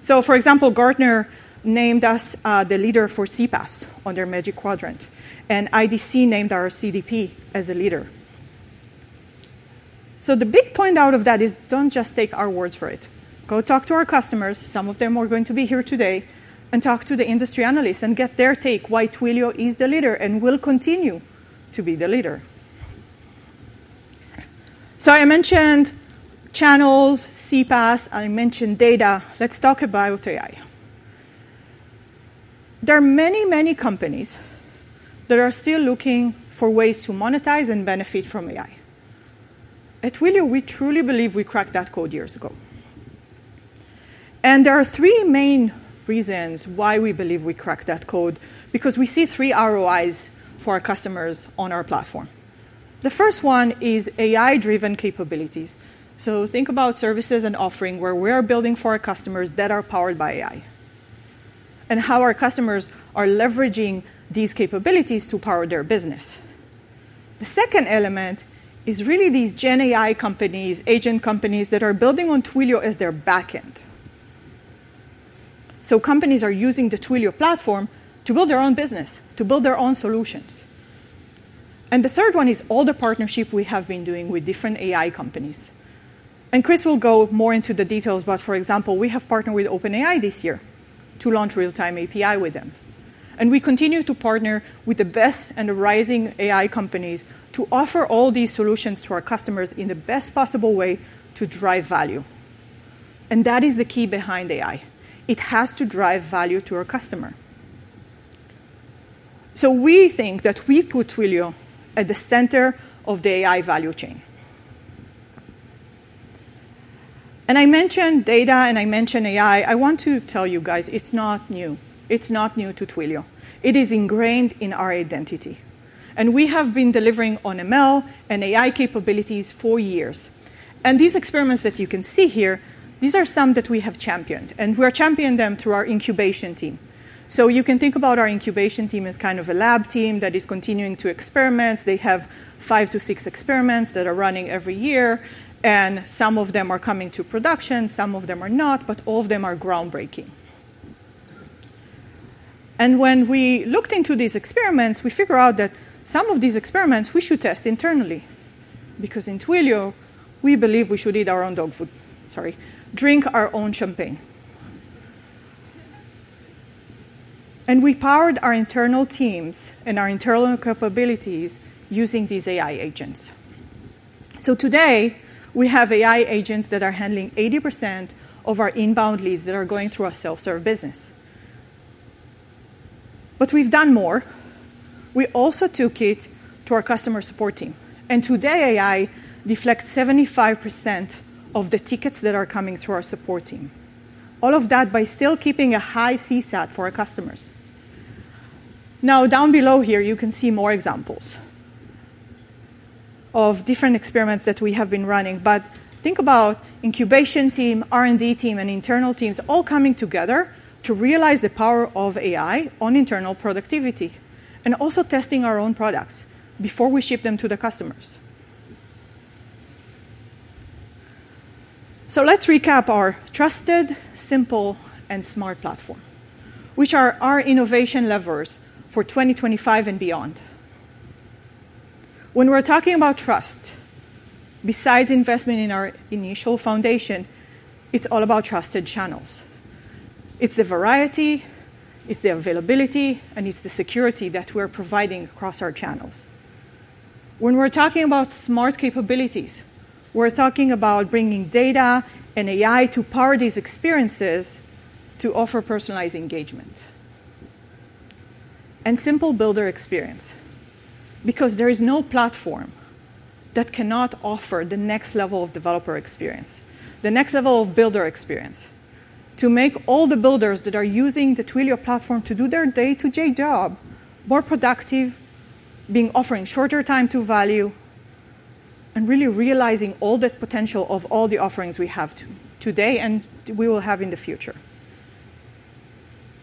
so for example, Gartner named us the leader for CPaaS on their Magic Quadrant, and IDC named our CDP as a leader, so the big point out of that is don't just take our words for it. Go talk to our customers. Some of them are going to be here today and talk to the industry analysts and get their take why Twilio is the leader and will continue to be the leader. So I mentioned channels, CPaaS. I mentioned data. Let's talk about AI. There are many, many companies that are still looking for ways to monetize and benefit from AI. At Twilio, we truly believe we cracked that code years ago. And there are three main reasons why we believe we cracked that code, because we see three ROIs for our customers on our platform. The first one is AI-driven capabilities. So think about services and offering where we are building for our customers that are powered by AI and how our customers are leveraging these capabilities to power their business. The second element is really these GenAI companies, agent companies that are building on Twilio as their backend. So companies are using the Twilio platform to build their own business, to build their own solutions. The third one is all the partnership we have been doing with different AI companies. Chris will go more into the details, but for example, we have partnered with OpenAI this year to launch Realtime API with them. We continue to partner with the best and the rising AI companies to offer all these solutions to our customers in the best possible way to drive value. That is the key behind AI. It has to drive value to our customer. We think that we put Twilio at the center of the AI value chain, and I mentioned data and I mentioned AI. I want to tell you guys, it's not new. It's not new to Twilio. It is ingrained in our identity, and we have been delivering on ML and AI capabilities for years. These experiments that you can see here are some that we have championed, and we championed them through our incubation team, so you can think about our incubation team as kind of a lab team that is continuing to experiment. They have five to six experiments that are running every year, and some of them are coming to production. Some of them are not, but all of them are groundbreaking. When we looked into these experiments, we figured out that some of these experiments we should test internally because in Twilio, we believe we should eat our own dog food, sorry, drink our own champagne. And we powered our internal teams and our internal capabilities using these AI agents. So today, we have AI agents that are handling 80% of our inbound leads that are going through our self-serve business. But we've done more. We also took it to our customer support team. And today, AI deflects 75% of the tickets that are coming through our support team, all of that by still keeping a high CSAT for our customers. Now, down below here, you can see more examples of different experiments that we have been running. But think about the incubation team, R&D team, and internal teams all coming together to realize the power of AI on internal productivity and also testing our own products before we ship them to the customers. So let's recap our trusted, simple, and smart platform, which are our innovation levers for 2025 and beyond. When we're talking about trust, besides investment in our initial foundation, it's all about trusted channels. It's the variety, it's the availability, and it's the security that we're providing across our channels. When we're talking about smart capabilities, we're talking about bringing data and AI to power these experiences to offer personalized engagement and simple builder experience because there is no platform that cannot offer the next level of developer experience, the next level of builder experience to make all the builders that are using the Twilio platform to do their day-to-day job more productive, being offering shorter time to value, and really realizing all that potential of all the offerings we have today and we will have in the future.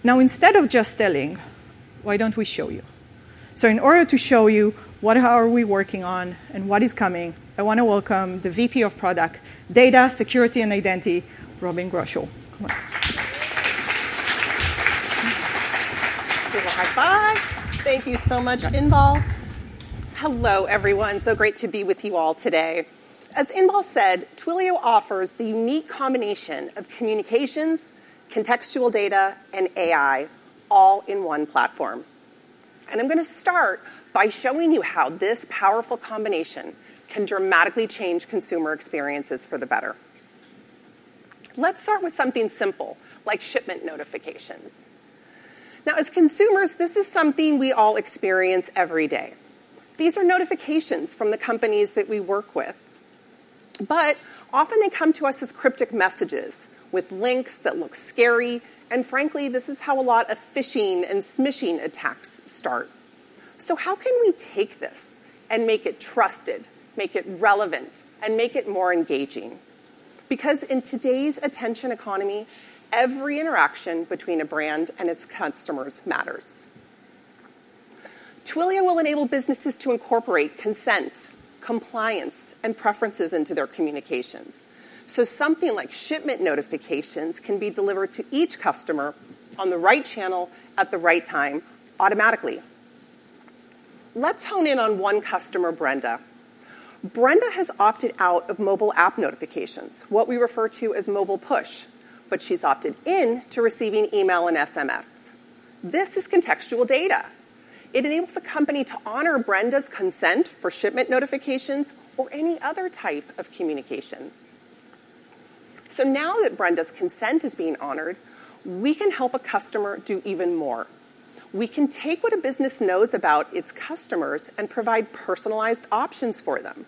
Now, instead of just telling, why don't we show you? So in order to show you what are we working on and what is coming, I want to welcome the VP of Product, Data, Security, and Identity, Robin Grochol. Come on. Say a high five. Thank you so much, Inbal. Hello, everyone. So great to be with you all today. As Inbal said, Twilio offers the unique combination of Communications, contextual data, and AI all in one platform. And I'm going to start by showing you how this powerful combination can dramatically change consumer experiences for the better. Let's start with something simple like shipment notifications. Now, as consumers, this is something we all experience every day. These are notifications from the companies that we work with. But often, they come to us as cryptic messages with links that look scary. And frankly, this is how a lot of phishing and smishing attacks start. So how can we take this and make it trusted, make it relevant, and make it more engaging? Because in today's attention economy, every interaction between a brand and its customers matters. Twilio will enable businesses to incorporate consent, compliance, and preferences into their Communications. So something like shipment notifications can be delivered to each customer on the right channel at the right time automatically. Let's hone in on one customer, Brenda. Brenda has opted out of mobile app notifications, what we refer to as mobile push, but she's opted in to receiving email and SMS. This is contextual data. It enables a company to honor Brenda's consent for shipment notifications or any other type of communication. So now that Brenda's consent is being honored, we can help a customer do even more. We can take what a business knows about its customers and provide personalized options for them.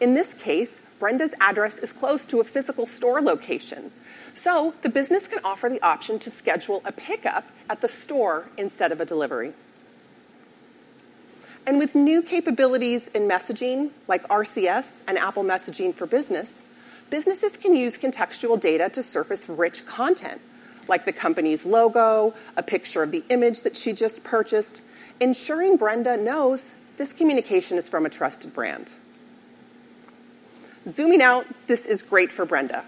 In this case, Brenda's address is close to a physical store location. So the business can offer the option to schedule a pickup at the store instead of a delivery. And with new capabilities in messaging like RCS and Apple Messages for Business, businesses can use contextual data to surface rich content like the company's logo, a picture of the image that she just purchased, ensuring Brenda knows this communication is from a trusted brand. Zooming out, this is great for Brenda.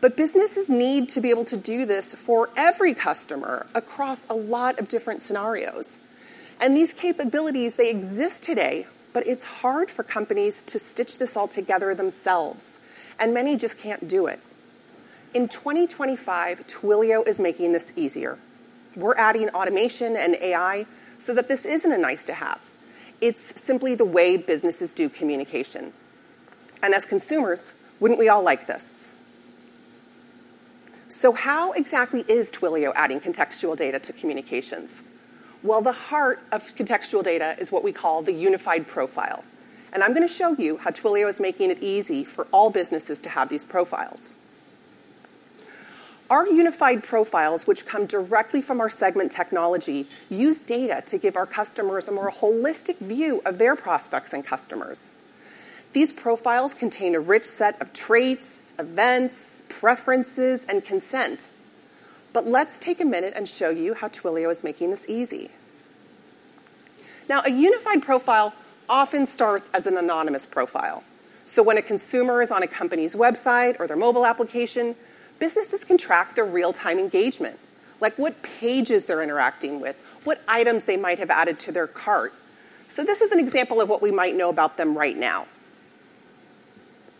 But businesses need to be able to do this for every customer across a lot of different scenarios. And these capabilities, they exist today, but it's hard for companies to stitch this all together themselves. And many just can't do it. In 2025, Twilio is making this easier. We're adding automation and AI so that this isn't a nice-to-have. It's simply the way businesses do communication. As consumers, wouldn't we all like this? So how exactly is Twilio adding contextual data to Communications? Well, the heart of contextual data is what we call the Unified Profile. And I'm going to show you how Twilio is making it easy for all businesses to have these profiles. Our Unified Profiles, which come directly from our Segment technology, use data to give our customers a more holistic view of their prospects and customers. These profiles contain a rich set of traits, events, preferences, and consent. But let's take a minute and show you how Twilio is making this easy. Now, a Unified Profile often starts as an anonymous profile. So when a consumer is on a company's website or their mobile application, businesses can track their real-time engagement, like what pages they're interacting with, what items they might have added to their cart. So this is an example of what we might know about them right now.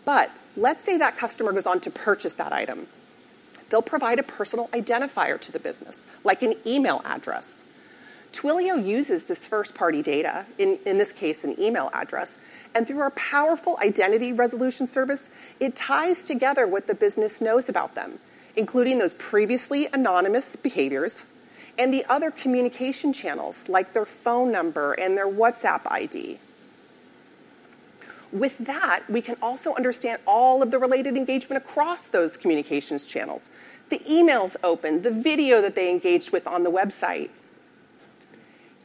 But let's say that customer goes on to purchase that item. They'll provide a personal identifier to the business, like an email address. Twilio uses this first-party data, in this case, an email address. And through our powerful identity resolution service, it ties together what the business knows about them, including those previously anonymous behaviors and the other communication channels, like their phone number and their WhatsApp ID. With that, we can also understand all of the related engagement across those Communications channels, the emails open, the video that they engaged with on the website.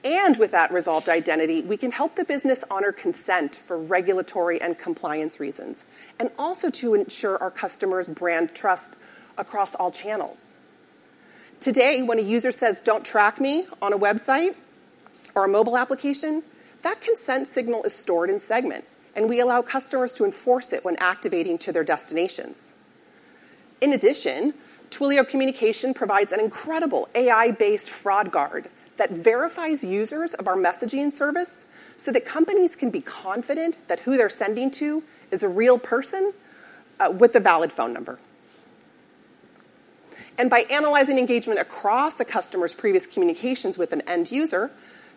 And with that resolved identity, we can help the business honor consent for regulatory and compliance reasons and also to ensure our customers' brand trust across all channels. Today, when a user says, "Don't track me" on a website or a mobile application, that consent signal is stored in Segment, and we allow customers to enforce it when activating to their destinations. In addition, Twilio Communications provides an incredible AI-based Fraud Guard that verifies users of our messaging service so that companies can be confident that who they're sending to is a real person with a valid phone number. And by analyzing engagement across a customer's previous Communications with an end user,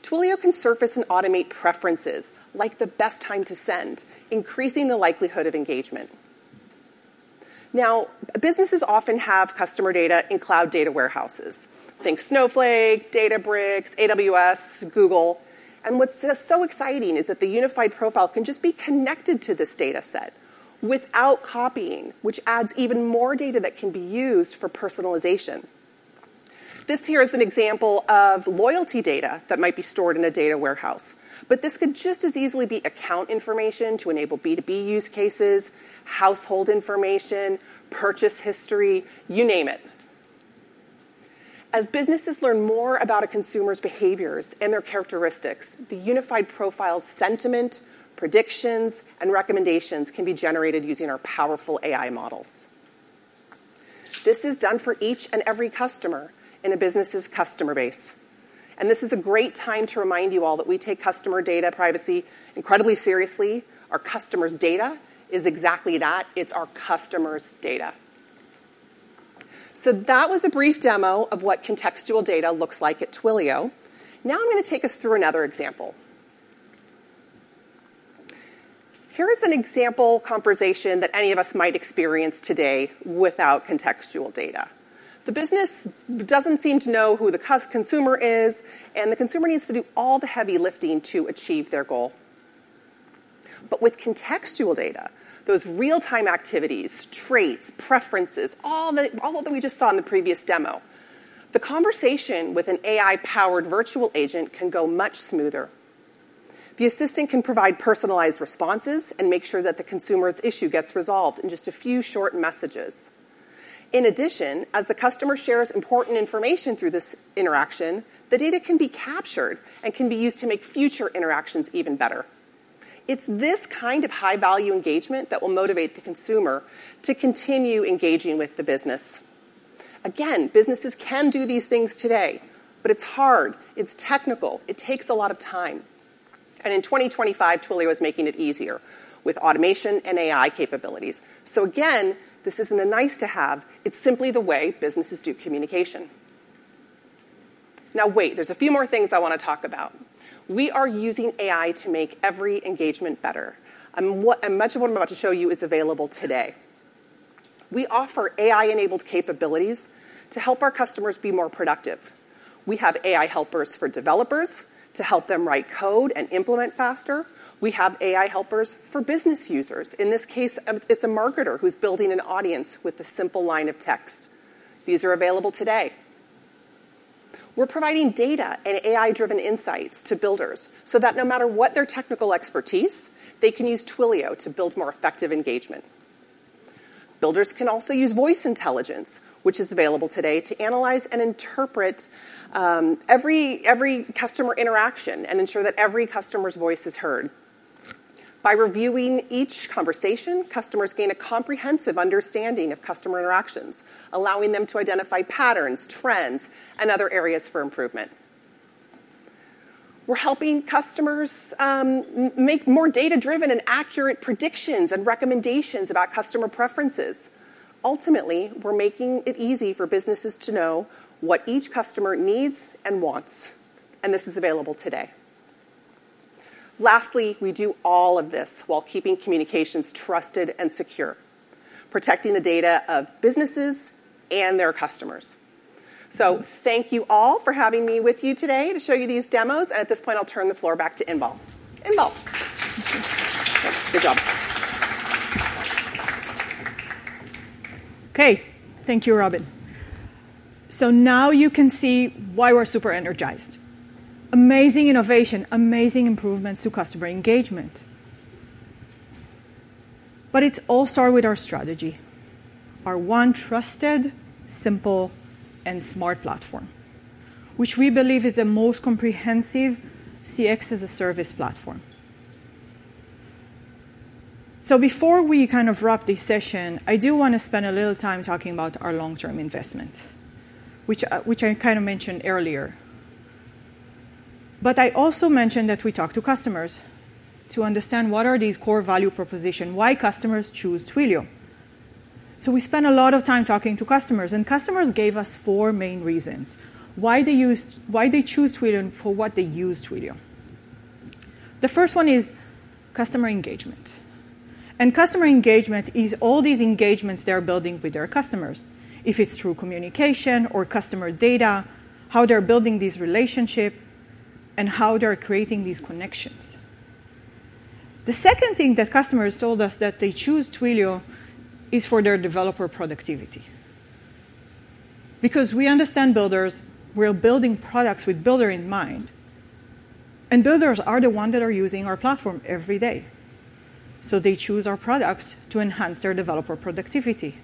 Twilio can surface and automate preferences like the best time to send, increasing the likelihood of engagement. Now, businesses often have customer data in cloud data warehouses, think Snowflake, Databricks, AWS, Google. And what's so exciting is that the Unified Profile can just be connected to this dataset without copying, which adds even more data that can be used for personalization. This here is an example of loyalty data that might be stored in a data warehouse. But this could just as easily be account information to enable B2B use cases, household information, purchase history, you name it. As businesses learn more about a consumer's behaviors and their characteristics, the Unified Profile's sentiment, predictions, and recommendations can be generated using our powerful AI models. This is done for each and every customer in a business's customer base. And this is a great time to remind you all that we take customer data privacy incredibly seriously. Our customers' data is exactly that. It's our customers' data. So that was a brief demo of what contextual data looks like at Twilio. Now I'm going to take us through another example. Here is an example conversation that any of us might experience today without contextual data. The business doesn't seem to know who the consumer is, and the consumer needs to do all the heavy lifting to achieve their goal. But with contextual data, those real-time activities, traits, preferences, all that we just saw in the previous demo, the conversation with an AI-powered virtual agent can go much smoother. The assistant can provide personalized responses and make sure that the consumer's issue gets resolved in just a few short messages. In addition, as the customer shares important information through this interaction, the data can be captured and can be used to make future interactions even better. It's this kind of high-value engagement that will motivate the consumer to continue engaging with the business. Again, businesses can do these things today, but it's hard. It's technical. It takes a lot of time. And in 2025, Twilio is making it easier with automation and AI capabilities. Again, this isn't a nice-to-have. It's simply the way businesses do communication. Now, wait, there's a few more things I want to talk about. We are using AI to make every engagement better. And much of what I'm about to show you is available today. We offer AI-enabled capabilities to help our customers be more productive. We have AI helpers for developers to help them write code and implement faster. We have AI helpers for business users. In this case, it's a marketer who's building an audience with a simple line of text. These are available today. We're providing data and AI-driven insights to builders so that no matter what their technical expertise, they can use Twilio to build more effective engagement. Builders can also use Voice Intelligence, which is available today, to analyze and interpret every customer interaction and ensure that every customer's voice is heard. By reviewing each conversation, customers gain a comprehensive understanding of customer interactions, allowing them to identify patterns, trends, and other areas for improvement. We're helping customers make more data-driven and accurate predictions and recommendations about customer preferences. Ultimately, we're making it easy for businesses to know what each customer needs and wants. And this is available today. Lastly, we do all of this while keeping Communications trusted and secure, protecting the data of businesses and their customers. So thank you all for having me with you today to show you these demos. And at this point, I'll turn the floor back to Inbal. Inbal. Thanks. Good job. Okay. Thank you, Robin. So now you can see why we're super energized. Amazing innovation, amazing improvements to customer engagement. But it's all started with our strategy, our one trusted, simple, and smart platform, which we believe is the most comprehensive CX as a Service platform. So before we kind of wrap this session, I do want to spend a little time talking about our long-term investment, which I kind of mentioned earlier. But I also mentioned that we talk to customers to understand what are these core value propositions, why customers choose Twilio. So we spent a lot of time talking to customers. And customers gave us four main reasons why they choose Twilio and for what they use Twilio. The first one is customer engagement. And customer engagement is all these engagements they're building with their customers, if it's through communication or customer data, how they're building these relationships, and how they're creating these connections. The second thing that customers told us that they choose Twilio is for their developer productivity. Because we understand builders, we're building products with builder in mind. And builders are the ones that are using our platform every day. So they choose our products to enhance their developer productivity.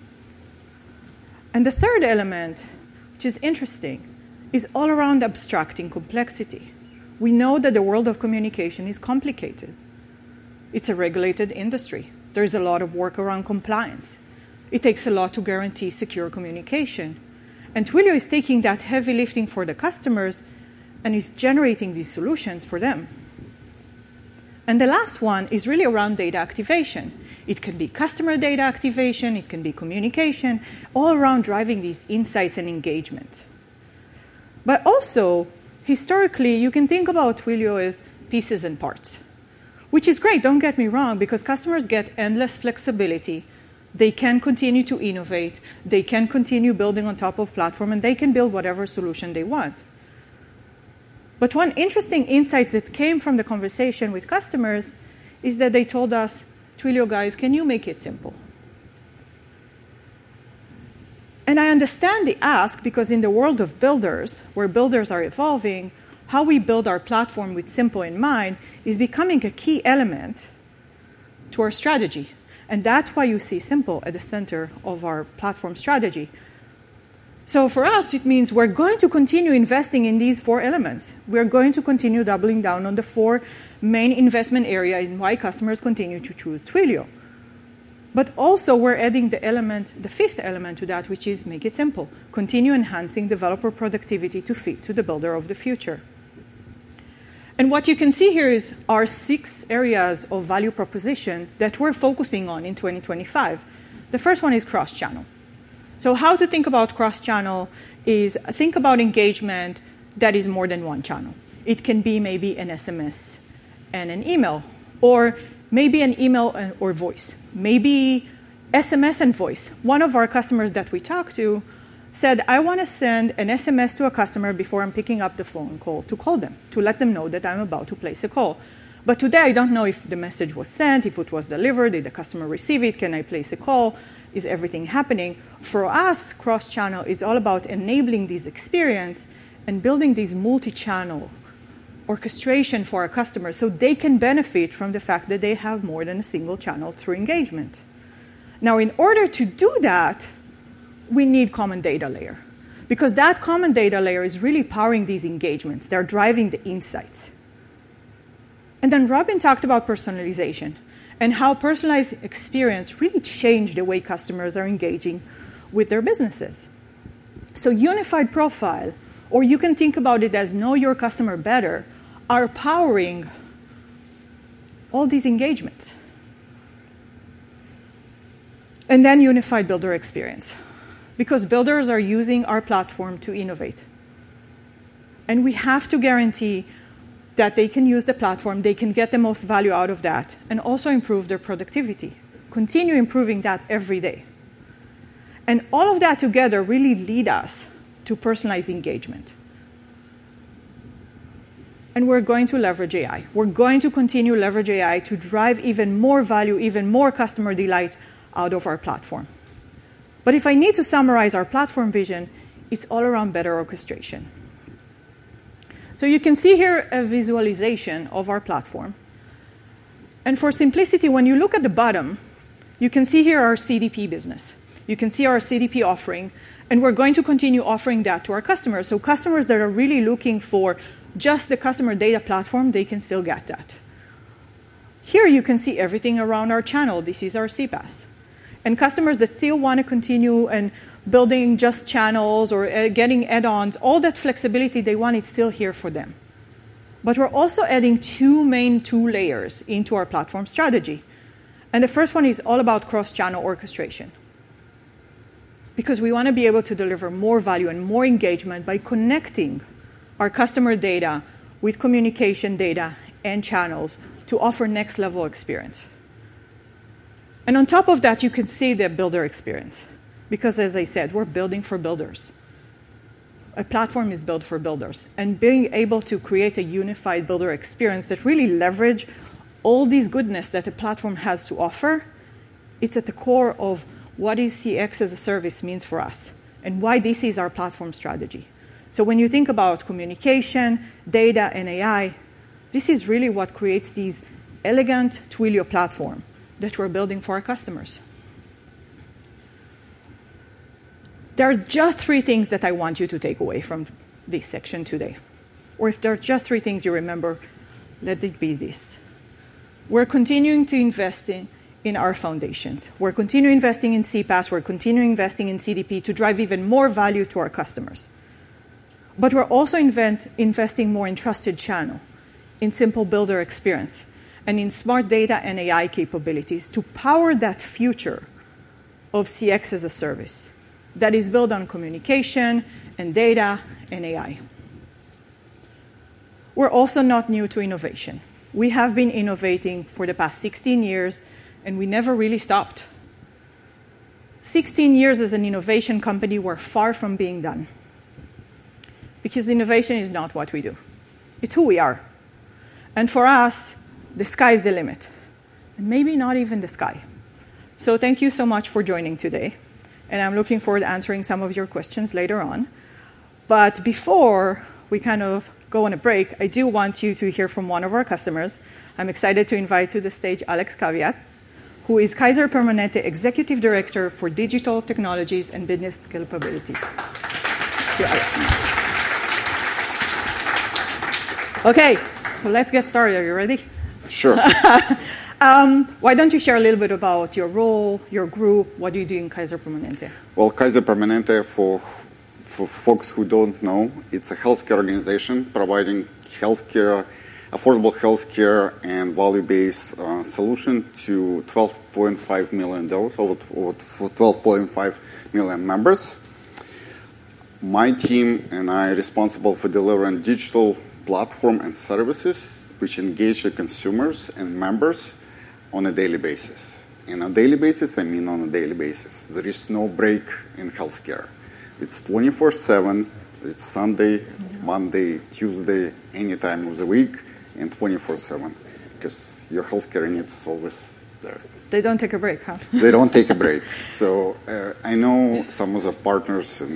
And the third element, which is interesting, is all around abstracting complexity. We know that the world of communication is complicated. It's a regulated industry. There is a lot of work around compliance. It takes a lot to guarantee secure communication. And Twilio is taking that heavy lifting for the customers and is generating these solutions for them. And the last one is really around data activation. It can be customer data activation. It can be communication, all around driving these insights and engagement. But also, historically, you can think about Twilio as pieces and parts, which is great. Don't get me wrong, because customers get endless flexibility. They can continue to innovate. They can continue building on top of the platform, and they can build whatever solution they want. But one interesting insight that came from the conversation with customers is that they told us, "Twilio guys, can you make it simple?" And I understand the ask because in the world of builders, where builders are evolving, how we build our platform with simple in mind is becoming a key element to our strategy. And that's why you see simple at the center of our platform strategy. So for us, it means we're going to continue investing in these four elements. We're going to continue doubling down on the four main investment areas in why customers continue to choose Twilio. But also, we're adding the element, the fifth element to that, which is make it simple, continue enhancing developer productivity to fit to the builder of the future. And what you can see here is our six areas of value proposition that we're focusing on in 2025. The first one is cross-channel. So how to think about cross-channel is think about engagement that is more than one channel. It can be maybe an SMS and an email, or maybe an email or voice, maybe SMS and voice. One of our customers that we talked to said, "I want to send an SMS to a customer before I'm picking up the phone call to call them, to let them know that I'm about to place a call." But today, I don't know if the message was sent, if it was delivered, did the customer receive it, can I place a call, is everything happening? For us, cross-channel is all about enabling this experience and building this multi-channel orchestration for our customers so they can benefit from the fact that they have more than a single channel through engagement. Now, in order to do that, we need a common data layer because that common data layer is really powering these engagements. They're driving the insights. And then Robin talked about personalization and how personalized experience really changed the way customers are engaging with their businesses. Unified Profile, or you can think about it as know your customer better, are powering all these engagements. And then unified builder experience because builders are using our platform to innovate. And we have to guarantee that they can use the platform, they can get the most value out of that, and also improve their productivity, continue improving that every day. And all of that together really leads us to personalized engagement. And we're going to leverage AI. We're going to continue to leverage AI to drive even more value, even more customer delight out of our platform. But if I need to summarize our platform vision, it's all around better orchestration. So you can see here a visualization of our platform. And for simplicity, when you look at the bottom, you can see here our CDP business. You can see our CDP offering. We're going to continue offering that to our customers. Customers that are really looking for just the customer data platform, they can still get that. Here you can see everything around our channel. This is our CPaaS. Customers that still want to continue and building just channels or getting add-ons, all that flexibility they want, it's still here for them. We're also adding two main layers into our platform strategy. The first one is all about cross-channel orchestration because we want to be able to deliver more value and more engagement by connecting our customer data with communication data and channels to offer next-level experience. On top of that, you can see the builder experience because, as I said, we're building for builders. A platform is built for builders. Being able to create a unified builder experience that really leverages all this goodness that the platform has to offer, it's at the core of what CX as a Service means for us and why this is our platform strategy. When you think about communication, data, and AI, this is really what creates this elegant Twilio platform that we're building for our customers. There are just three things that I want you to take away from this section today. If there are just three things you remember, let it be this. We're continuing to invest in our foundations. We're continuing to invest in CPaaS. We're continuing to invest in CDP to drive even more value to our customers. But we're also investing more in trusted channel, in simple builder experience, and in smart data and AI capabilities to power that future of CX as a Service that is built on communication and data and AI. We're also not new to innovation. We have been innovating for the past 16 years, and we never really stopped. 16 years as an innovation company, we're far from being done because innovation is not what we do. It's who we are. And for us, the sky is the limit. And maybe not even the sky. So thank you so much for joining today. And I'm looking forward to answering some of your questions later on. But before we kind of go on a break, I do want you to hear from one of our customers. I'm excited to invite to the stage Aleš Cvak, who is Kaiser Permanente Executive Director for Digital Technologies and Business Capabilities. Thank you, Alex. Okay. So let's get started. Are you ready? Sure. Why don't you share a little bit about your role, your group, what do you do in Kaiser Permanente? Well, Kaiser Permanente, for folks who don't know, it's a healthcare organization providing healthcare, affordable healthcare, and value-based solutions to 12.5 million members. My team and I are responsible for delivering digital platforms and services which engage consumers and members on a daily basis, and on a daily basis I mean on a daily basis. There is no break in healthcare. It's 24/7. It's Sunday, Monday, Tuesday, any time of the week, and 24/7 because your healthcare needs are always there. They don't take a break, huh? They don't take a break. So, I know some of the partners and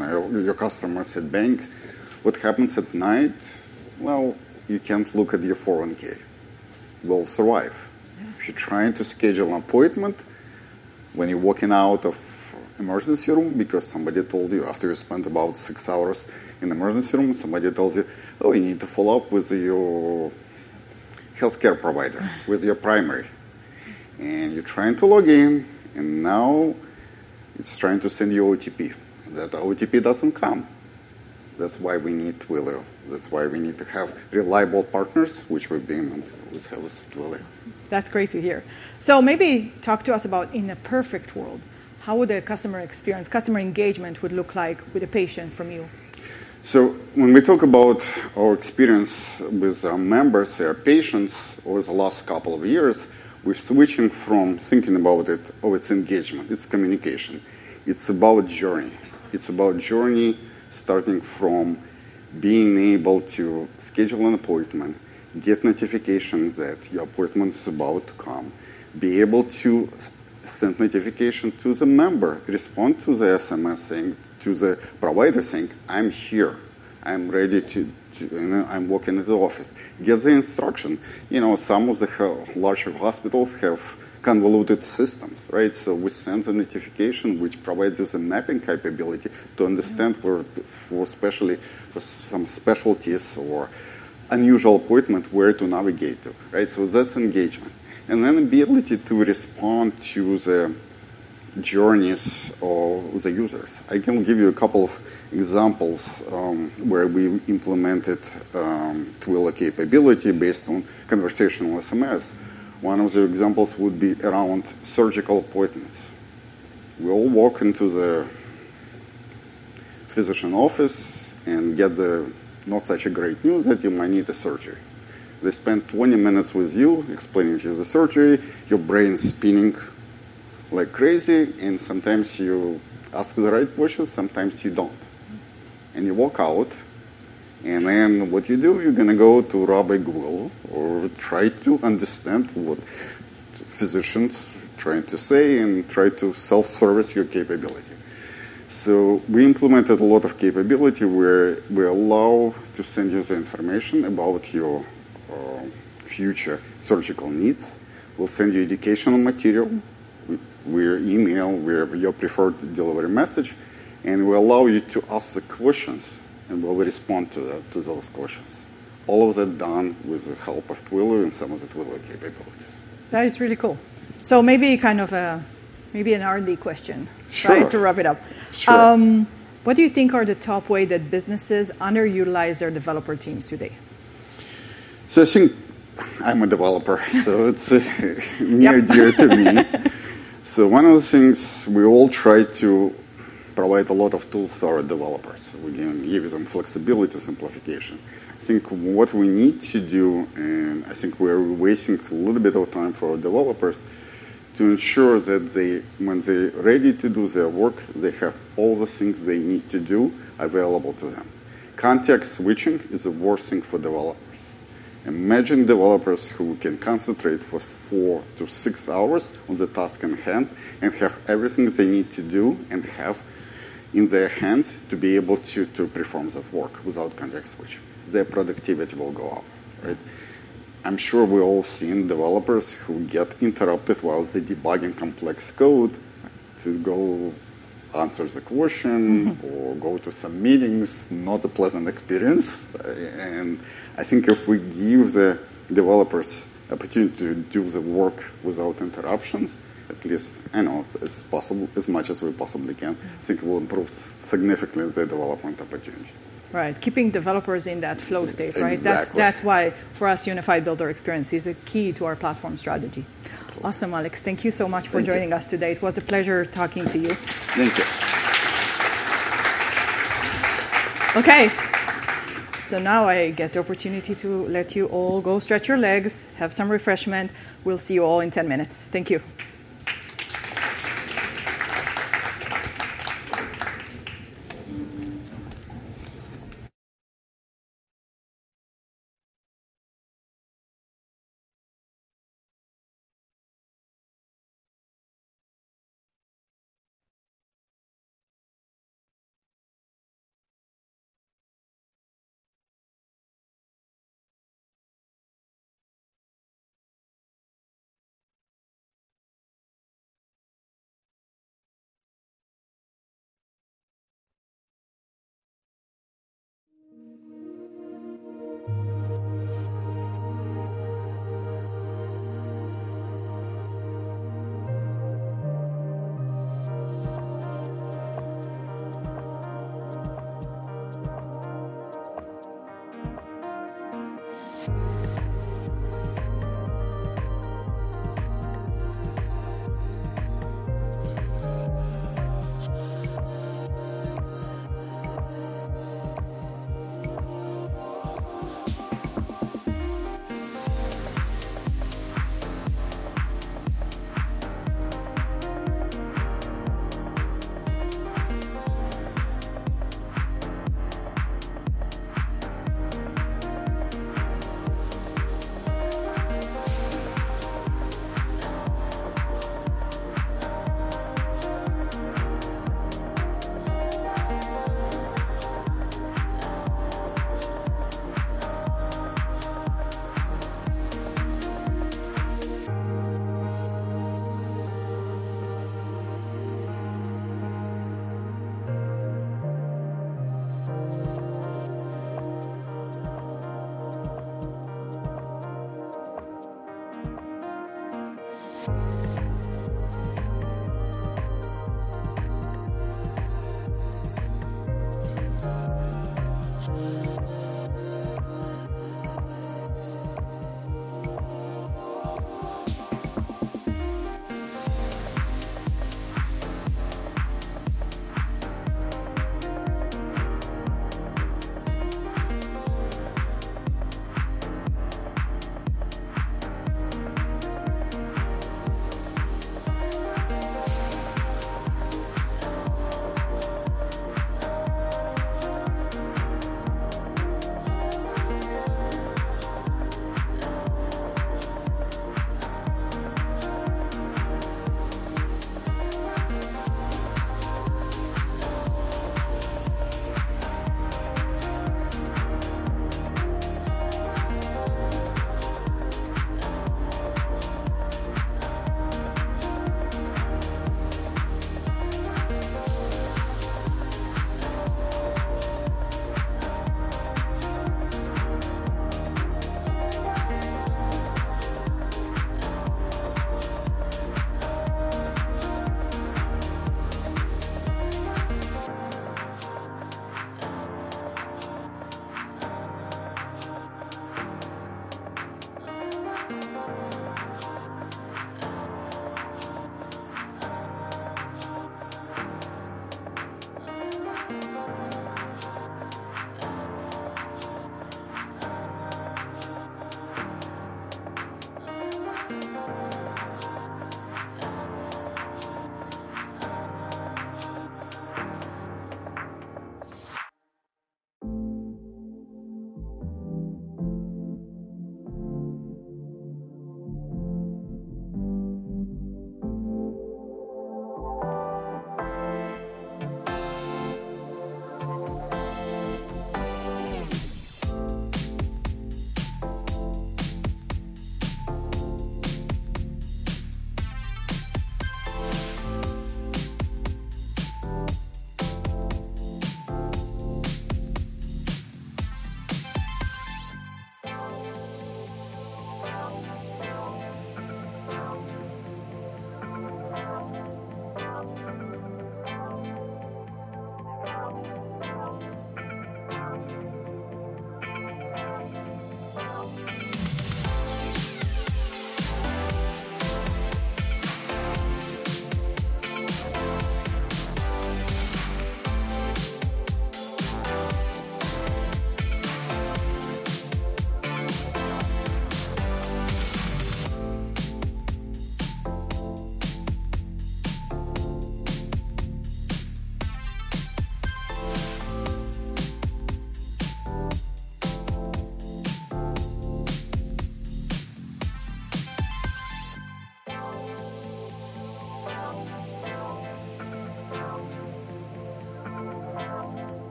your customers at banks. What happens at night? Well, you can't look at your 401(k). Will survive. If you're trying to schedule an appointment when you're walking out of the emergency room because somebody told you after you spent about six hours in the emergency room, somebody tells you, "Oh, you need to follow up with your healthcare provider, with your primary." And you're trying to log in, and now it's trying to send you OTP. That OTP doesn't come. That's why we need Twilio. That's why we need to have reliable partners, which we've been with Twilio. That's great to hear, so maybe talk to us about, in a perfect world, how would the customer experience, customer engagement, look like with a patient from you? So, when we talk about our experience with our members, our patients, over the last couple of years, we're switching from thinking about it or its engagement, its communication. It's about journey. It's about journey starting from being able to schedule an appointment, get notifications that your appointment is about to come, be able to send notifications to the member, respond to the SMS, to the provider saying, "I'm here. I'm ready to, and I'm walking to the office." Get the instruction. Some of the larger hospitals have convoluted systems, right? So we send the notification, which provides us a mapping capability to understand where for some specialties or unusual appointment, where to navigate to, right? So that's engagement. And then the ability to respond to the journeys of the users. I can give you a couple of examples where we implemented Twilio capability based on conversational SMS. One of the examples would be around surgical appointments. We all walk into the physician's office and get the not such great news that you might need a surgery. They spend 20 minutes with you explaining to you the surgery. Your brain's spinning like crazy, and sometimes you ask the right questions. Sometimes you don't and you walk out, and then what you do, you're going to go to Reddit or Google or try to understand what physicians are trying to say and try to self-service your capability, so we implemented a lot of capability where we allow to send you the information about your future surgical needs. We'll send you educational material via email, via your preferred delivery message, and we'll allow you to ask the questions, and we'll respond to those questions. All of that done with the help of Twilio and some of the Twilio capabilities. That is really cool. So maybe kind of an R&D question to wrap it up. Sure. What do you think are the top ways that businesses underutilize their developer teams today? So I think I'm a developer, so it's near and dear to me. So one of the things we all try to provide a lot of tools to our developers. We give them flexibility, simplification. I think what we need to do, and I think we're wasting a little bit of time for our developers, is to ensure that when they're ready to do their work, they have all the things they need to do available to them. Context switching is the worst thing for developers. Imagine developers who can concentrate for four to six hours on the task at hand and have everything they need to do and have in their hands to be able to perform that work without context switching. Their productivity will go up, right? I'm sure we've all seen developers who get interrupted while they're debugging complex code to go answer the question or go to some meetings. Not a pleasant experience. And I think if we give the developers the opportunity to do the work without interruptions, at least as much as we possibly can, I think it will improve significantly their development opportunity. Right. Keeping developers in that flow state, right? That's why, for us, unified builder experience is a key to our platform strategy. Awesome, Alex. Thank you so much for joining us today. It was a pleasure talking to you. Thank you. Okay. So now I get the opportunity to let you all go stretch your legs, have some refreshment. We'll see you all in 10 minutes. Thank you.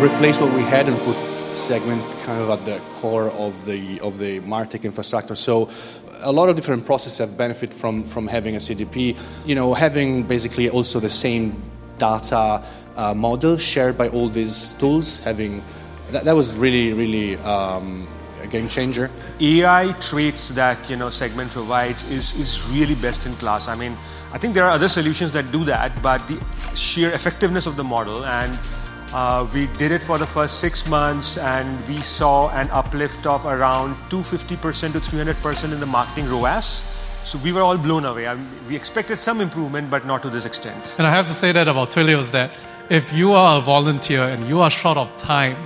Replace what we had and put a Segment kind of at the core of the MarTech infrastructure. So a lot of different processes have benefited from having a CDP, having basically also the same data model shared by all these tools. That was really, really a game changer. It treats that Segment traits as really best in class. I mean, I think there are other solutions that do that, but the sheer effectiveness of the model, and we did it for the first six months, and we saw an uplift of around 250%-300% in the marketing ROAS. So we were all blown away. We expected some improvement, but not to this extent. I have to say that about Twilio is that if you are a volunteer and you are short of time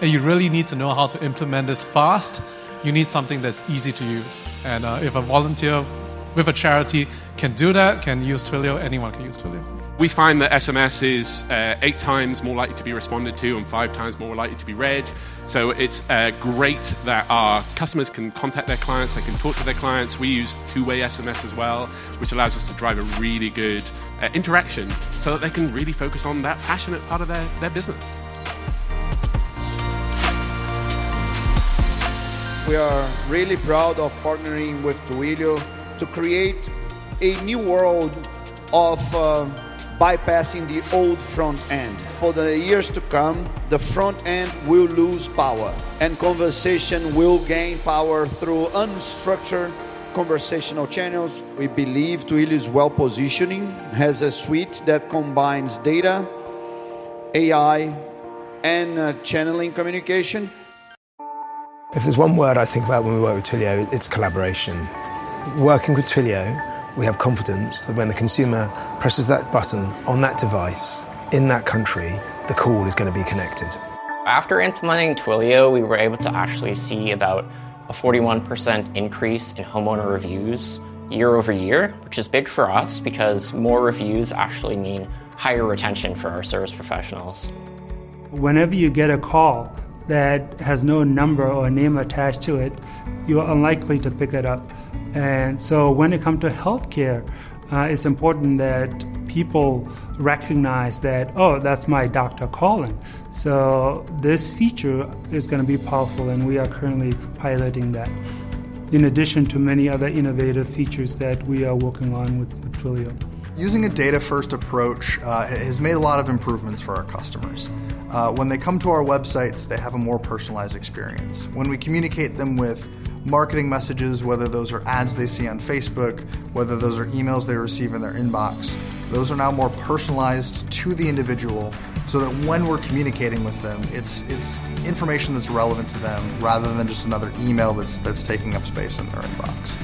and you really need to know how to implement this fast, you need something that's easy to use. If a volunteer with a charity can do that, can use Twilio, anyone can use Twilio. We find that SMS is eight times more likely to be responded to and five times more likely to be read. It's great that our customers can contact their clients. They can talk to their clients. We use two-way SMS as well, which allows us to drive a really good interaction so that they can really focus on that passionate part of their business. We are really proud of partnering with Twilio to create a new world of bypassing the old front end. For the years to come, the front end will lose power, and conversation will gain power through unstructured conversational channels. We believe Twilio is well positioned. It has a suite that combines data, AI, and channeling communication. If there's one word I think about when we work with Twilio, it's collaboration. Working with Twilio, we have confidence that when the consumer presses that button on that device in that country, the call is going to be connected. After implementing Twilio, we were able to actually see about a 41% increase in homeowner reviews year over year, which is big for us because more reviews actually mean higher retention for our service professionals. Whenever you get a call that has no number or name attached to it, you're unlikely to pick it up. So when it comes to healthcare, it's important that people recognize that, "Oh, that's my doctor calling." This feature is going to be powerful, and we are currently piloting that in addition to many other innovative features that we are working on with Twilio. Using a data-first approach has made a lot of improvements for our customers. When they come to our websites, they have a more personalized experience. When we communicate them with marketing messages, whether those are ads they see on Facebook, whether those are emails they receive in their inbox, those are now more personalized to the individual so that when we're communicating with them, it's information that's relevant to them rather than just another email that's taking up space in their inbox.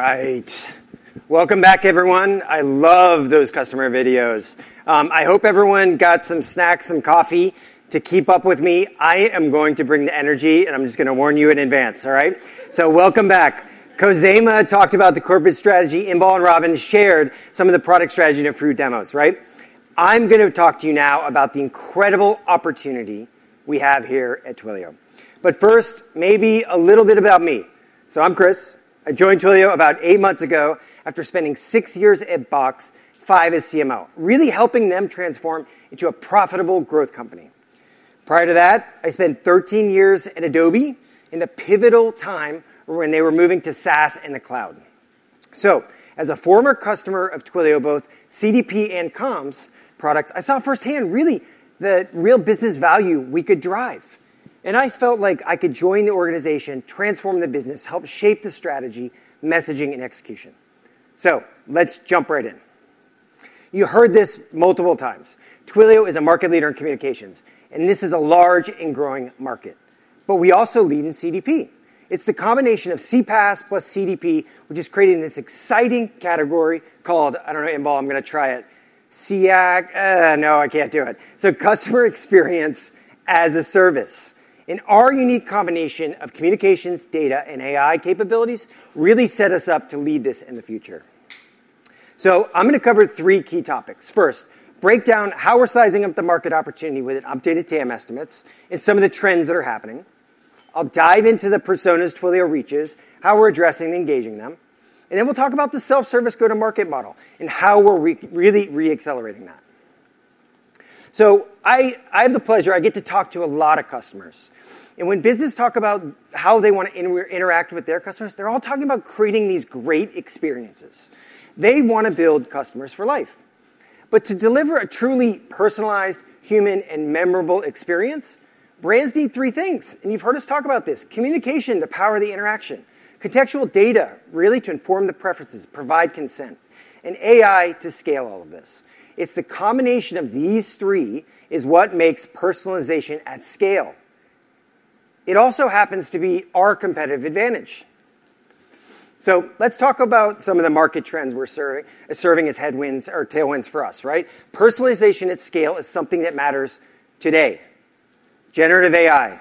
All right. Welcome back, everyone. I love those customer videos. I hope everyone got some snacks, some coffee to keep up with me. I am going to bring the energy, and I'm just going to warn you in advance, all right? So welcome back. Khozema talked about the corporate strategy. Inbal and Robin shared some of the product strategy and the great demos, right? I'm going to talk to you now about the incredible opportunity we have here at Twilio. But first, maybe a little bit about me. So I'm Chris. I joined Twilio about eight months ago after spending six years at Box, five as CMO, really helping them transform into a profitable growth company. Prior to that, I spent 13 years at Adobe in the pivotal time when they were moving to SaaS and the cloud. So as a former customer of Twilio, both CDP and comms products, I saw firsthand the real business value we could drive, and I felt like I could join the organization, transform the business, help shape the strategy, messaging, and execution, so let's jump right in. You heard this multiple times. Twilio is a market leader in Communications, and this is a large and growing market. But we also lead in CDP. It's the combination of CPaaS plus CDP, which is creating this exciting category called, I don't know, Inbal, I'm going to try it. CIA - no, I can't do it, so Customer Experience as a Service. And our unique combination of Communications, data, and AI capabilities really set us up to lead this in the future, so I'm going to cover three key topics. First, break down how we're sizing up the market opportunity with updated TAM estimates and some of the trends that are happening. I'll dive into the personas Twilio reaches, how we're addressing and engaging them. And then we'll talk about the self-service go-to-market model and how we're really re-accelerating that. So I have the pleasure - I get to talk to a lot of customers. And when business talks about how they want to interact with their customers, they're all talking about creating these great experiences. They want to build customers for life. But to deliver a truly personalized, human, and memorable experience, brands need three things. And you've heard us talk about this: communication to power the interaction, contextual data really to inform the preferences, provide consent, and AI to scale all of this. It's the combination of these three that is what makes personalization at scale. It also happens to be our competitive advantage. So let's talk about some of the market trends we're seeing as headwinds or tailwinds for us, right? Personalization at scale is something that matters today. Generative AI.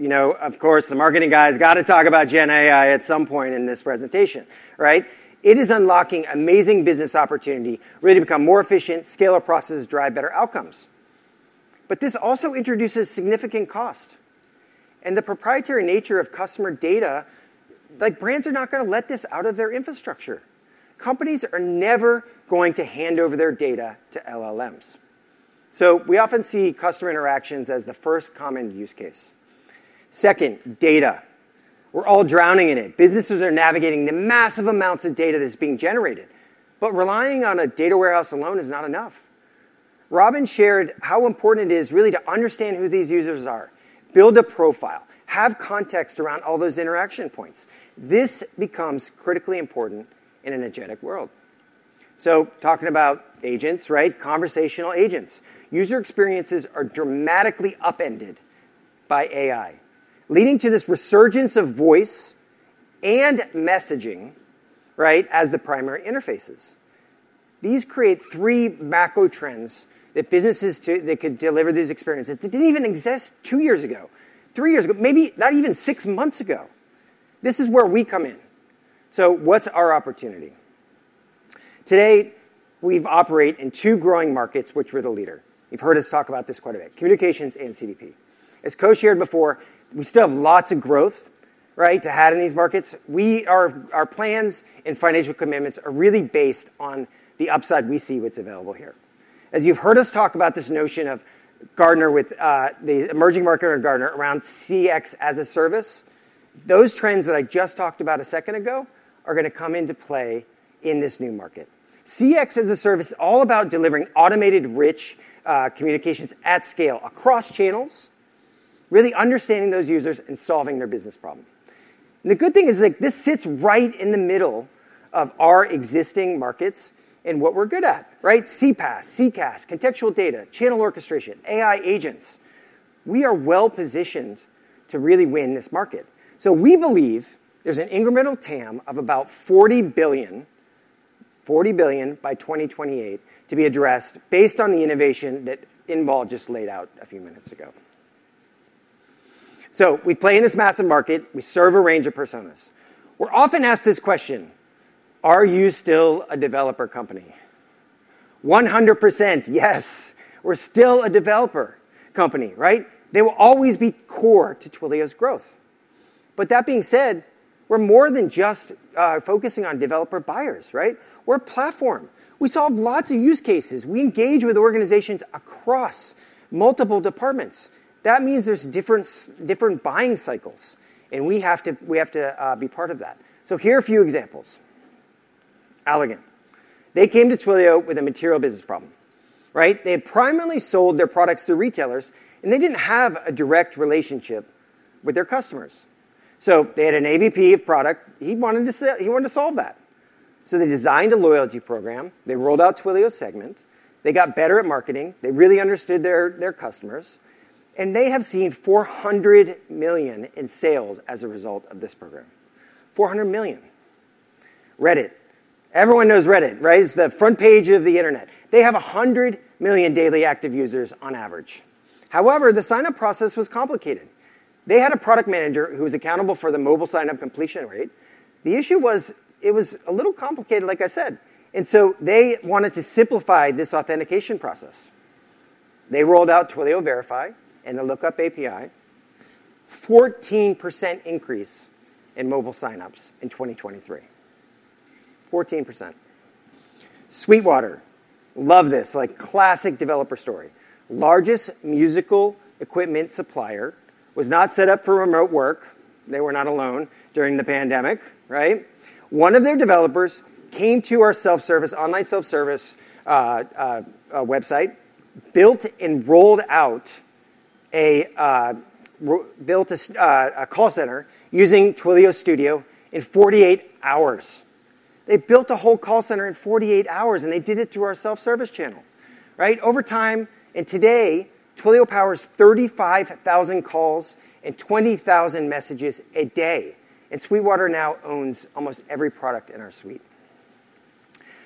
Of course, the marketing guy has got to talk about Gen AI at some point in this presentation, right? It is unlocking amazing business opportunity really to become more efficient, scale our processes, drive better outcomes. But this also introduces significant cost, and the proprietary nature of customer data, brands are not going to let this out of their infrastructure. Companies are never going to hand over their data to LLMs. So we often see customer interactions as the first common use case. Second, data. We're all drowning in it. Businesses are navigating the massive amounts of data that's being generated. But relying on a data warehouse alone is not enough. Robin shared how important it is really to understand who these users are, build a profile, have context around all those interaction points. This becomes critically important in an agentic world. So talking about agents, right? Conversational agents. User experiences are dramatically upended by AI, leading to this resurgence of voice and messaging as the primary interfaces. These create three macro trends that businesses could deliver these experiences that didn't even exist two years ago, three years ago, maybe not even six months ago. This is where we come in. So what's our opportunity? Today, we operate in two growing markets, which we're the leader. You've heard us talk about this quite a bit: Communications and CDP. As Kho shared before, we still have lots of growth to add in these markets. Our plans and financial commitments are really based on the upside we see what's available here. As you've heard us talk about this notion of the emerging market or Gartner around CX as a Service, those trends that I just talked about a second ago are going to come into play in this new market. CX as a Service is all about delivering automated, rich Communications at scale across channels, really understanding those users and solving their business problem. And the good thing is this sits right in the middle of our existing markets and what we're good at, right? CPaaS, CCaaS, contextual data, channel orchestration, AI agents. We are well positioned to really win this market. So we believe there's an incremental TAM of about $40 billion by 2028 to be addressed based on the innovation that Inbal just laid out a few minutes ago. So we play in this massive market. We serve a range of personas. We're often asked this question: Are you still a developer company? 100%, yes. We're still a developer company, right? They will always be core to Twilio's growth. But that being said, we're more than just focusing on developer buyers, right? We're a platform. We solve lots of use cases. We engage with organizations across multiple departments. That means there's different buying cycles, and we have to be part of that. So here are a few examples. Allergan. They came to Twilio with a material business problem, right? They had primarily sold their products to retailers, and they didn't have a direct relationship with their customers. So they had an AVP of Product. He wanted to solve that. So they designed a loyalty program. They rolled out Twilio Segment. They got better at marketing. They really understood their customers. And they have seen $400 million in sales as a result of this program. $400 million. Reddit. Everyone knows Reddit, right? It's the front page of the internet. They have 100 million daily active users on average. However, the sign-up process was complicated. They had a product manager who was accountable for the mobile sign-up completion rate. The issue was it was a little complicated, like I said. And so they wanted to simplify this authentication process. They rolled out Twilio Verify and the Lookup API. 14% increase in mobile sign-ups in 2023. 14%. Sweetwater. Love this. Classic developer story. Largest musical equipment supplier was not set up for remote work. They were not alone during the pandemic, right? One of their developers came to our self-service, online self-service website, built and rolled out a call center using Twilio Studio in 48 hours. They built a whole call center in 48 hours, and they did it through our self-service channel, right? Over time, and today, Twilio powers 35,000 calls and 20,000 messages a day. And Sweetwater now owns almost every product in our suite.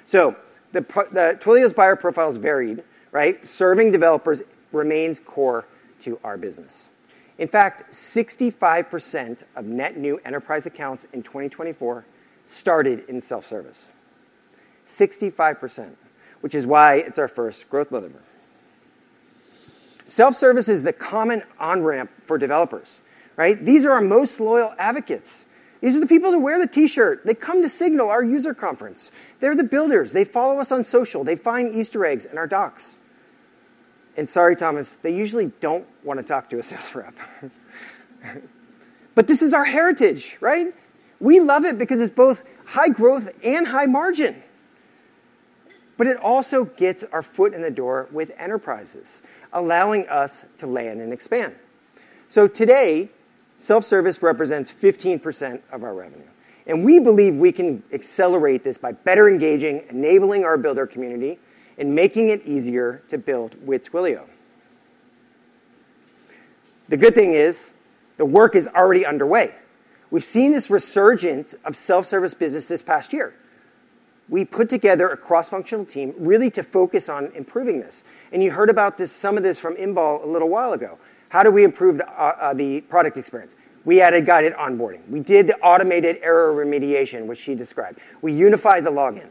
So Twilio's buyer profiles varied, right? Serving developers remains core to our business. In fact, 65% of net new enterprise accounts in 2024 started in self-service. 65%, which is why it's our first growth level. Self-service is the common on-ramp for developers, right? These are our most loyal advocates. These are the people who wear the T-shirt. They come to Signal, our user conference. They're the builders. They follow us on social. They find Easter eggs in our docs. And sorry, Thomas, they usually don't want to talk to a sales rep. But this is our heritage, right? We love it because it's both high growth and high margin. It also gets our foot in the door with enterprises, allowing us to land and expand. Today, self-service represents 15% of our revenue. We believe we can accelerate this by better engaging, enabling our builder community, and making it easier to build with Twilio. The good thing is the work is already underway. We've seen this resurgence of self-service business this past year. We put together a cross-functional team really to focus on improving this. You heard about some of this from Inbal a little while ago. How do we improve the product experience? We added guided onboarding. We did the automated error remediation, which she described. We unified the login.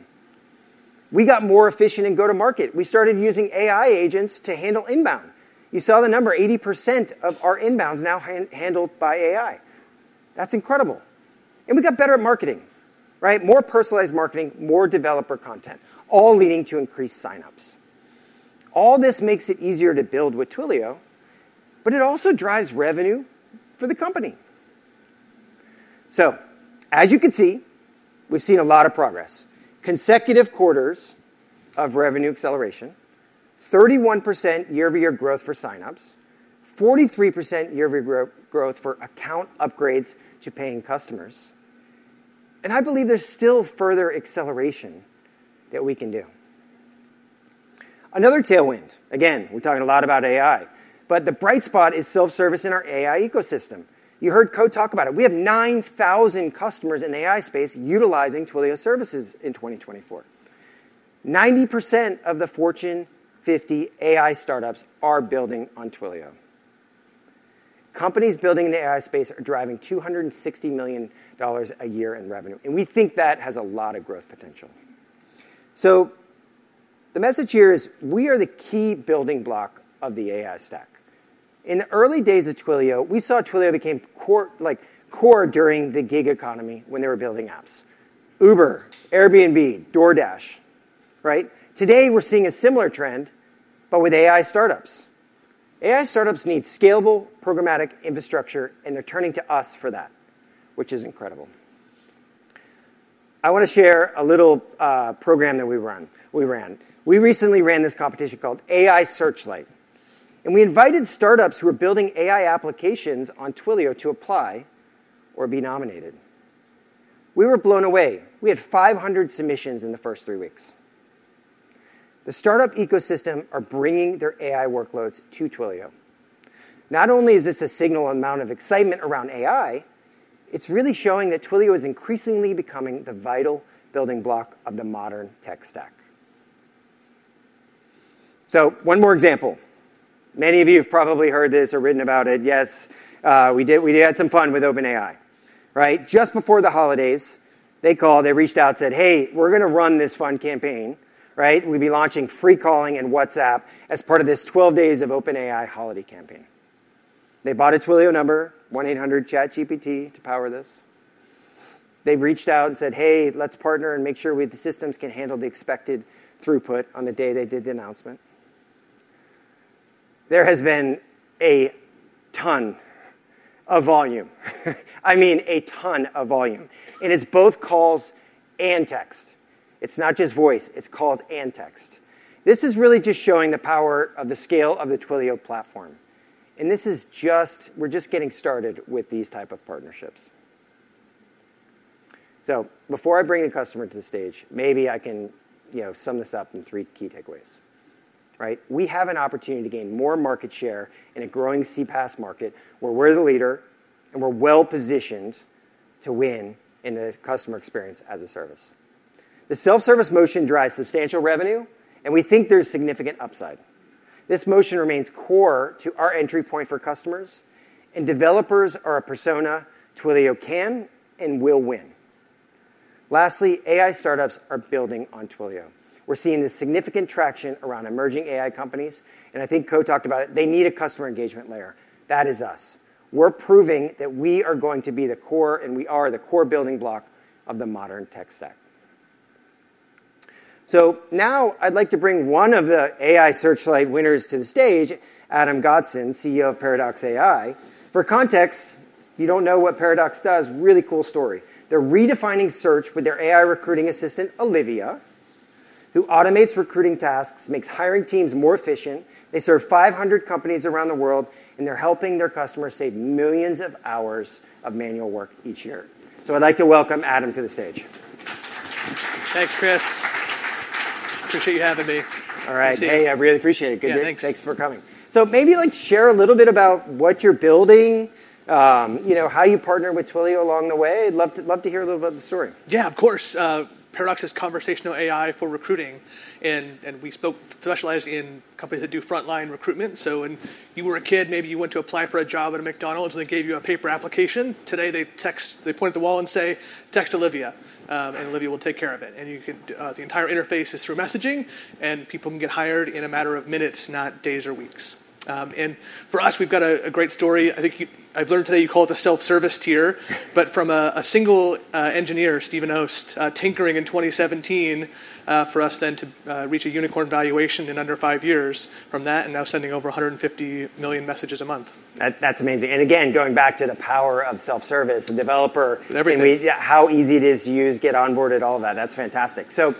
We got more efficient in go-to-market. We started using AI agents to handle inbound. You saw the number: 80% of our inbound is now handled by AI. That's incredible. And we got better at marketing, right? More personalized marketing, more developer content, all leading to increased sign-ups. All this makes it easier to build with Twilio, but it also drives revenue for the company. So as you can see, we've seen a lot of progress. Consecutive quarters of revenue acceleration, 31% year-over-year growth for sign-ups, 43% year-over-year growth for account upgrades to paying customers. And I believe there's still further acceleration that we can do. Another tailwind. Again, we're talking a lot about AI, but the bright spot is self-service in our AI ecosystem. You heard Kho talk about it. We have 9,000 customers in the AI space utilizing Twilio services in 2024. 90% of the Fortune 50 AI startups are building on Twilio. Companies building in the AI space are driving $260 million a year in revenue. And we think that has a lot of growth potential. The message here is we are the key building block of the AI stack. In the early days of Twilio, we saw Twilio become core during the gig economy when they were building apps. Uber, Airbnb, DoorDash, right? Today, we're seeing a similar trend, but with AI startups. AI startups need scalable programmatic infrastructure, and they're turning to us for that, which is incredible. I want to share a little program that we ran. We recently ran this competition called AI Searchlight. We invited startups who were building AI applications on Twilio to apply or be nominated. We were blown away. We had 500 submissions in the first three weeks. The startup ecosystem is bringing their AI workloads to Twilio. Not only is this a signal of the amount of excitement around AI, it's really showing that Twilio is increasingly becoming the vital building block of the modern tech stack. So one more example. Many of you have probably heard this or written about it. Yes, we had some fun with OpenAI, right? Just before the holidays, they called, they reached out, said, "Hey, we're going to run this fun campaign, right? We'll be launching free calling and WhatsApp as part of this 12 Days of OpenAI holiday campaign." They bought a Twilio number, 1-800-ChatGPT to power this. They reached out and said, "Hey, let's partner and make sure the systems can handle the expected throughput on the day they did the announcement." There has been a ton of volume. I mean, a ton of volume. And it's both calls and text. It's not just voice. It's calls and text. This is really just showing the power of the scale of the Twilio platform. And this is just getting started with these types of partnerships. So before I bring a customer to the stage, maybe I can sum this up in three key takeaways, right? We have an opportunity to gain more market share in a growing CPaaS market where we're the leader and we're well positioned to win in the Customer Experience as a Service. The self-service motion drives substantial revenue, and we think there's significant upside. This motion remains core to our entry point for customers, and developers are a persona Twilio can and will win. Lastly, AI startups are building on Twilio. We're seeing this significant traction around emerging AI companies. And I think Kho talked about it. They need a customer engagement layer. That is us. We're proving that we are going to be the core, and we are the core building block of the modern tech stack. So now I'd like to bring one of the AI Searchlight winners to the stage, Adam Godson, CEO of Paradox. For context, if you don't know what Paradox does, really cool story. They're redefining search with their AI recruiting assistant, Olivia, who automates recruiting tasks, makes hiring teams more efficient. They serve 500 companies around the world, and they're helping their customers save millions of hours of manual work each year. So I'd like to welcome Adam to the stage. Thanks, Chris. Appreciate you having me. All right. Hey, I really appreciate it. Good to hear. Thanks for coming. So maybe share a little bit about what you're building, how you partnered with Twilio along the way. I'd love to hear a little bit about the story. Yeah, of course. Paradox is conversational AI for recruiting. And we specialize in companies that do frontline recruitment. So when you were a kid, maybe you went to apply for a job at a McDonald's, and they gave you a paper application. Today, they point at the wall and say, "Text Olivia, and Olivia will take care of it." And the entire interface is through messaging, and people can get hired in a matter of minutes, not days or weeks. And for us, we've got a great story. I think I've learned today you call it the self-service tier, but from a single engineer, Stephen Ost, tinkering in 2017 for us then to reach a unicorn valuation in under five years from that and now sending over 150 million messages a month. That's amazing, and again, going back to the power of self-service, the developer. Everything. How easy it is to use, get onboarded, all of that. That's fantastic. So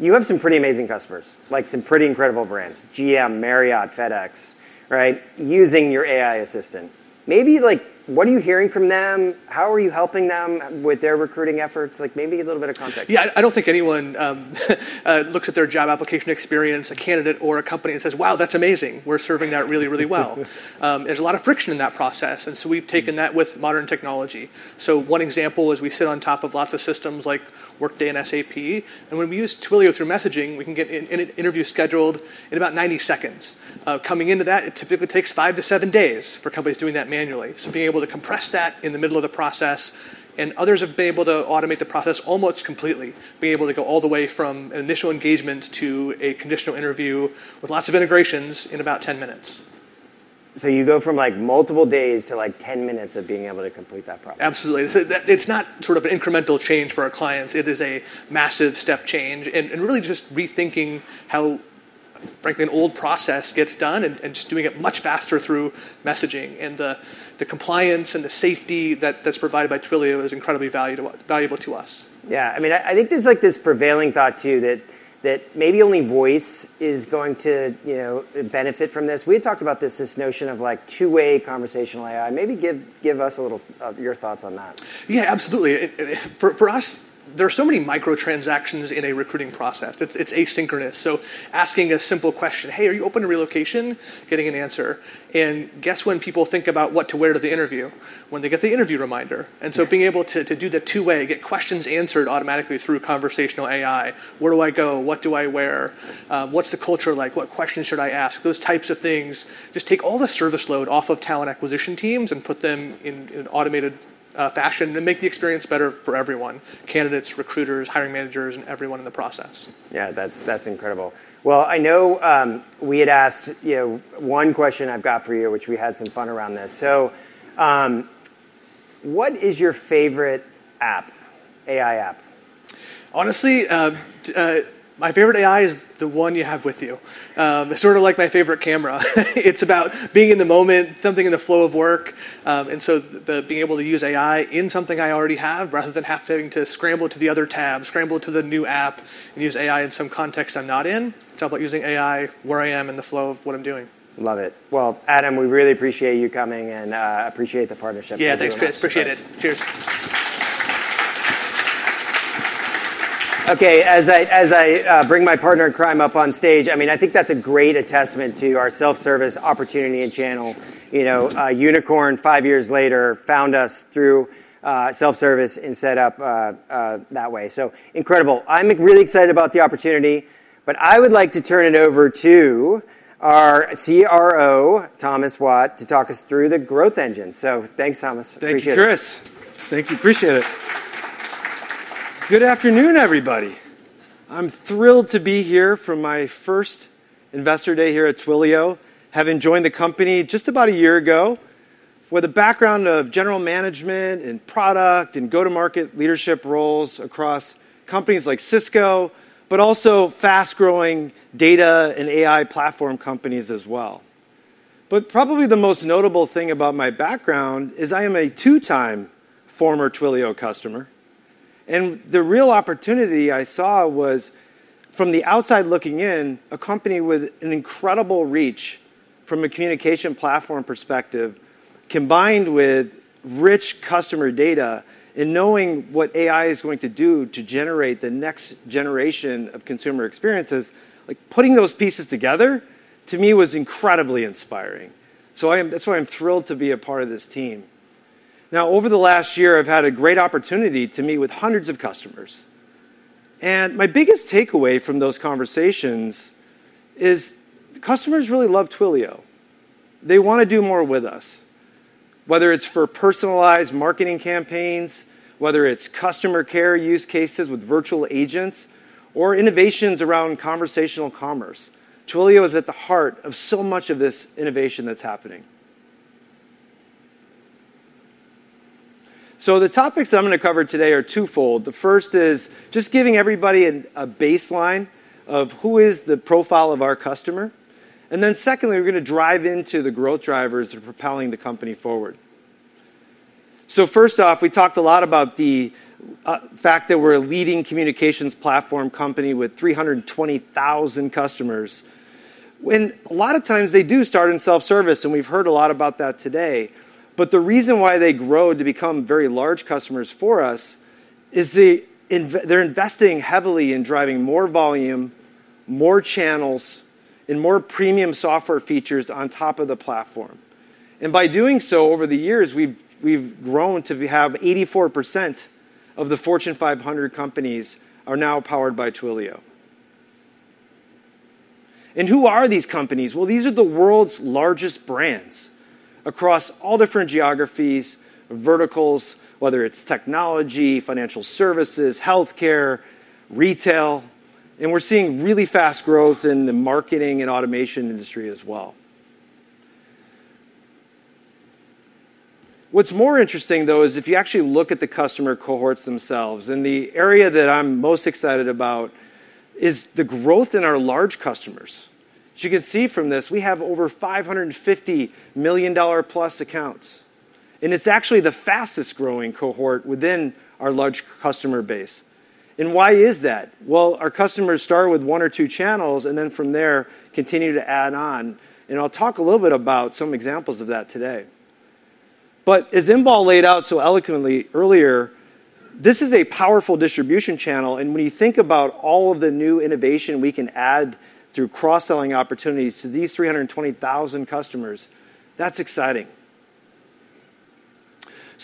you have some pretty amazing customers, like some pretty incredible brands, GM, Marriott, FedEx, right, using your AI assistant. Maybe what are you hearing from them? How are you helping them with their recruiting efforts? Maybe a little bit of context. Yeah, I don't think anyone looks at their job application experience, a candidate or a company, and says, "Wow, that's amazing. We're serving that really, really well." There's a lot of friction in that process. And so we've taken that with modern technology. So one example is we sit on top of lots of systems like Workday and SAP. And when we use Twilio through messaging, we can get an interview scheduled in about 90 seconds. Coming into that, it typically takes five to seven days for companies doing that manually. So being able to compress that in the middle of the process, and others have been able to automate the process almost completely, being able to go all the way from an initial engagement to a conditional interview with lots of integrations in about 10 minutes. So you go from multiple days to 10 minutes of being able to complete that process. Absolutely. It's not sort of an incremental change for our clients. It is a massive step change and really just rethinking how, frankly, an old process gets done and just doing it much faster through messaging, and the compliance and the safety that's provided by Twilio is incredibly valuable to us. Yeah. I mean, I think there's this prevailing thought, too, that maybe only voice is going to benefit from this. We had talked about this notion of two-way conversational AI. Maybe give us a little of your thoughts on that. Yeah, absolutely. For us, there are so many microtransactions in a recruiting process. It's asynchronous. So asking a simple question, "Hey, are you open to relocation?" Getting an answer. And guess when people think about what to wear to the interview? When they get the interview reminder. And so being able to do the two-way, get questions answered automatically through conversational AI. Where do I go? What do I wear? What's the culture like? What questions should I ask? Those types of things. Just take all the service load off of talent acquisition teams and put them in automated fashion and make the experience better for everyone: candidates, recruiters, hiring managers, and everyone in the process. Yeah, that's incredible. Well, I know we had asked one question I've got for you, which we had some fun around this. So what is your favorite app, AI app? Honestly, my favorite AI is the one you have with you. It's sort of like my favorite camera. It's about being in the moment, something in the flow of work. And so being able to use AI in something I already have rather than having to scramble to the other tab, scramble to the new app, and use AI in some context I'm not in. It's all about using AI where I am in the flow of what I'm doing. Love it. Well, Adam, we really appreciate you coming and appreciate the partnership. Yeah, thanks, Chris. Appreciate it. Cheers. Okay, as I bring my partner in crime up on stage, I mean, I think that's a great testament to our self-service opportunity and channel. Unicorn, five years later, found us through self-service and set up that way. So incredible. I'm really excited about the opportunity, but I would like to turn it over to our CRO, Thomas Wyatt, to talk us through the growth engine. So thanks, Thomas. Thank you, Chris. Thank you. Appreciate it. Good afternoon, everybody. I'm thrilled to be here for my first investor day here at Twilio. Having joined the company just about a year ago with a background of general management and product and go-to-market leadership roles across companies like Cisco, but also fast-growing data and AI platform companies as well. But probably the most notable thing about my background is I am a two-time former Twilio customer. And the real opportunity I saw was, from the outside looking in, a company with an incredible reach from a communication platform perspective, combined with rich customer data and knowing what AI is going to do to generate the next generation of consumer experiences. Putting those pieces together, to me, was incredibly inspiring. So that's why I'm thrilled to be a part of this team. Now, over the last year, I've had a great opportunity to meet with hundreds of customers, and my biggest takeaway from those conversations is customers really love Twilio. They want to do more with us, whether it's for personalized marketing campaigns, whether it's customer care use cases with virtual agents, or innovations around conversational commerce. Twilio is at the heart of so much of this innovation that's happening, so the topics I'm going to cover today are twofold. The first is just giving everybody a baseline of who is the profile of our customer, and then secondly, we're going to drive into the growth drivers that are propelling the company forward. So first off, we talked a lot about the fact that we're a leading Communications platform company with 320,000 customers, and a lot of times, they do start in self-service, and we've heard a lot about that today. But the reason why they grow to become very large customers for us is they're investing heavily in driving more volume, more channels, and more premium software features on top of the platform. And by doing so, over the years, we've grown to have 84% of the Fortune 500 companies now powered by Twilio. And who are these companies? Well, these are the world's largest brands across all different geographies, verticals, whether it's technology, financial services, healthcare, retail. And we're seeing really fast growth in the marketing and automation industry as well. What's more interesting, though, is if you actually look at the customer cohorts themselves, and the area that I'm most excited about is the growth in our large customers. As you can see from this, we have over $550 million+ accounts. And it's actually the fastest growing cohort within our large customer base. And why is that? Our customers start with one or two channels and then from there continue to add on. I'll talk a little bit about some examples of that today. As Inbal laid out so eloquently earlier, this is a powerful distribution channel. When you think about all of the new innovation we can add through cross-selling opportunities to these 320,000 customers, that's exciting.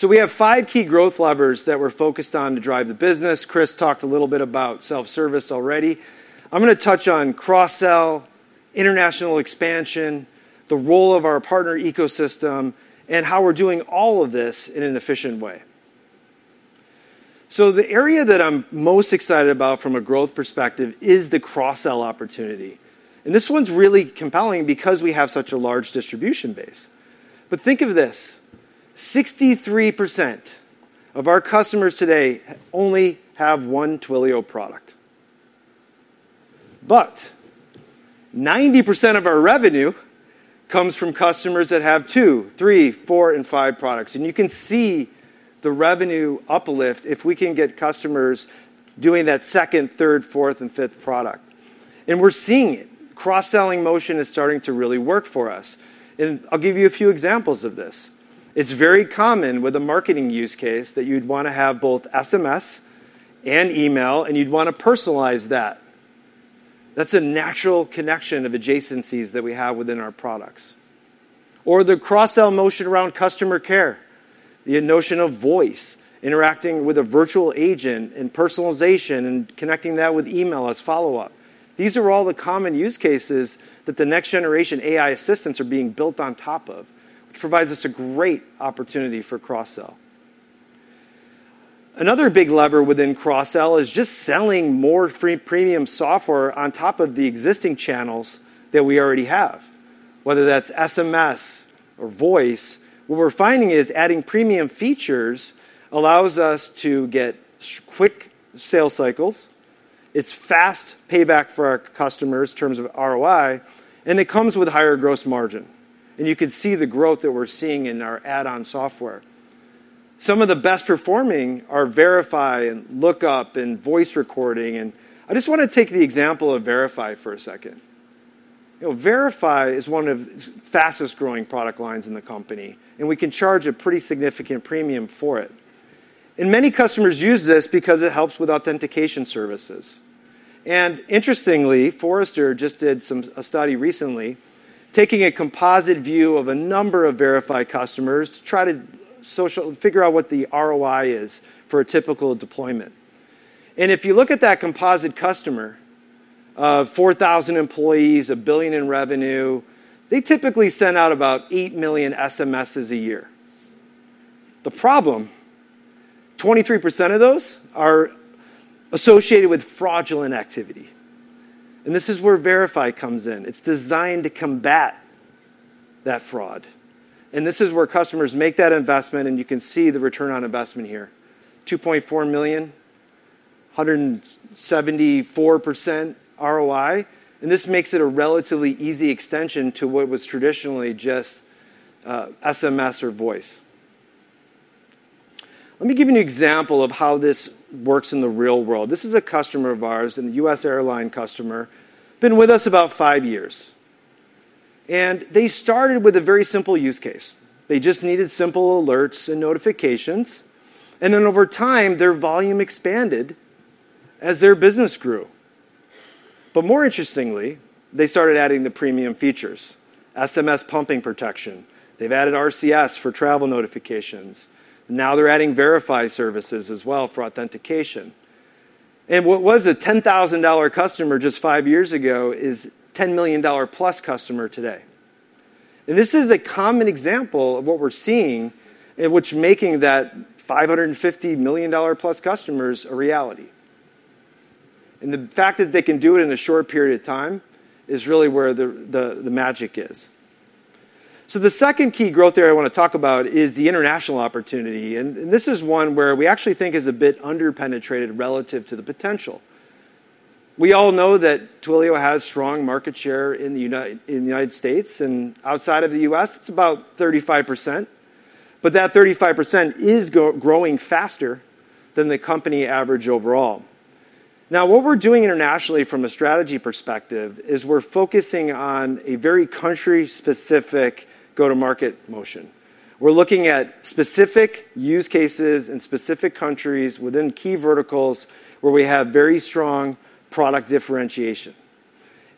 We have five key growth levers that we're focused on to drive the business. Chris talked a little bit about self-service already. I'm going to touch on cross-sell, international expansion, the role of our partner ecosystem, and how we're doing all of this in an efficient way. The area that I'm most excited about from a growth perspective is the cross-sell opportunity. This one's really compelling because we have such a large distribution base. But think of this: 63% of our customers today only have one Twilio product. But 90% of our revenue comes from customers that have two, three, four, and five products. And you can see the revenue uplift if we can get customers doing that second, third, fourth, and fifth product. And we're seeing it. Cross-selling motion is starting to really work for us. And I'll give you a few examples of this. It's very common with a marketing use case that you'd want to have both SMS and email, and you'd want to personalize that. That's a natural connection of adjacencies that we have within our products. Or the cross-sell motion around customer care, the notion of voice, interacting with a virtual agent and personalization and connecting that with email as follow-up. These are all the common use cases that the next generation AI assistants are being built on top of, which provides us a great opportunity for cross-sell. Another big lever within cross-sell is just selling more premium software on top of the existing channels that we already have, whether that's SMS or voice. What we're finding is adding premium features allows us to get quick sales cycles. It's fast payback for our customers in terms of ROI, and it comes with higher gross margin. And you can see the growth that we're seeing in our add-on software. Some of the best performing are Verify and Lookup and voice recording. And I just want to take the example of Verify for a second. Verify is one of the fastest growing product lines in the company, and we can charge a pretty significant premium for it. Many customers use this because it helps with authentication services. Interestingly, Forrester just did a study recently, taking a composite view of a number of Verify customers to try to figure out what the ROI is for a typical deployment. If you look at that composite customer, 4,000 employees, $1 billion in revenue, they typically send out about 8 million SMSs a year. The problem is 23% of those are associated with fraudulent activity. This is where Verify comes in. It's designed to combat that fraud. This is where customers make that investment, and you can see the return on investment here: $2.4 million, 174% ROI. This makes it a relatively easy extension to what was traditionally just SMS or voice. Let me give you an example of how this works in the real world. This is a customer of ours, a U.S. airline customer, been with us about five years. They started with a very simple use case. They just needed simple alerts and notifications. Then over time, their volume expanded as their business grew. But more interestingly, they started adding the premium features: SMS Pumping Protection. They've added RCS for travel notifications. Now they're adding Verify services as well for authentication. And what was a $10,000 customer just five years ago is a $10 million+ customer today. And this is a common example of what we're seeing in which making that $550 million+ customers a reality. And the fact that they can do it in a short period of time is really where the magic is. The second key growth area I want to talk about is the international opportunity. This is one where we actually think is a bit underpenetrated relative to the potential. We all know that Twilio has strong market share in the United States. Outside of the U.S., it's about 35%. That 35% is growing faster than the company average overall. Now, what we're doing internationally from a strategy perspective is we're focusing on a very country-specific go-to-market motion. We're looking at specific use cases in specific countries within key verticals where we have very strong product differentiation.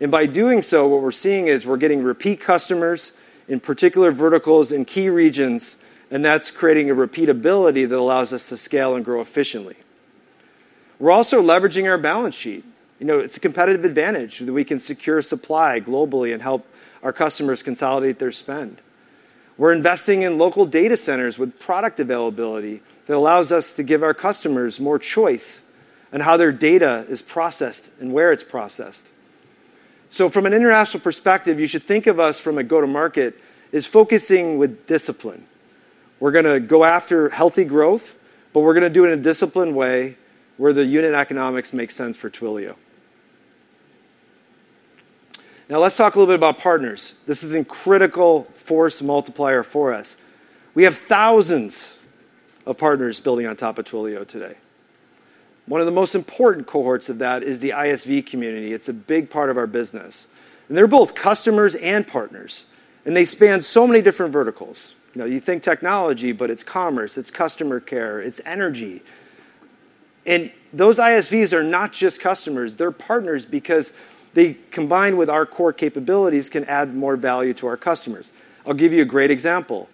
By doing so, what we're seeing is we're getting repeat customers in particular verticals in key regions, and that's creating a repeatability that allows us to scale and grow efficiently. We're also leveraging our balance sheet. It's a competitive advantage that we can secure supply globally and help our customers consolidate their spend. We're investing in local data centers with product availability that allows us to give our customers more choice in how their data is processed and where it's processed, so from an international perspective, you should think of us from a go-to-market as focusing with discipline. We're going to go after healthy growth, but we're going to do it in a disciplined way where the unit economics make sense for Twilio. Now, let's talk a little bit about partners. This is a critical force multiplier for us. We have thousands of partners building on top of Twilio today. One of the most important cohorts of that is the ISV community. It's a big part of our business, and they're both customers and partners. And they span so many different verticals. You think technology, but it's commerce, it's customer care, it's energy, and those ISVs are not just customers. They're partners because they, combined with our core capabilities, can add more value to our customers. I'll give you a great example.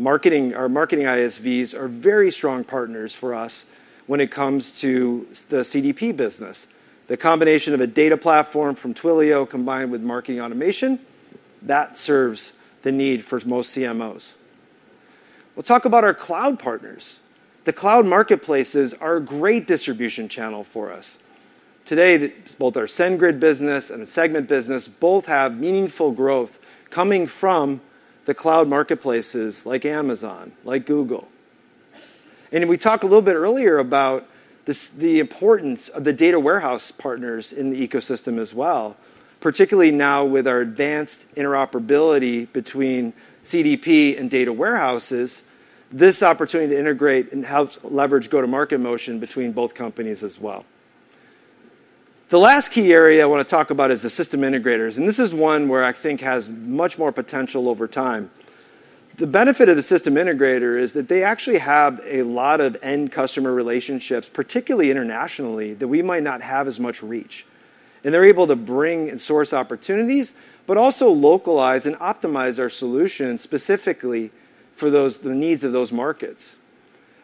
Our marketing ISVs are very strong partners for us when it comes to the CDP business. The combination of a data platform from Twilio combined with marketing automation that serves the need for most CMOs. We'll talk about our cloud partners. The cloud marketplaces are a great distribution channel for us. Today, both our SendGrid business and Segment business both have meaningful growth coming from the cloud marketplaces like Amazon, like Google, and we talked a little bit earlier about the importance of the data warehouse partners in the ecosystem as well, particularly now with our advanced interoperability between CDP and data warehouses. This opportunity to integrate helps leverage go-to-market motion between both companies as well. The last key area I want to talk about is the system integrators, and this is one where I think has much more potential over time. The benefit of the system integrator is that they actually have a lot of end customer relationships, particularly internationally, that we might not have as much reach, and they're able to bring and source opportunities, but also localize and optimize our solutions specifically for the needs of those markets,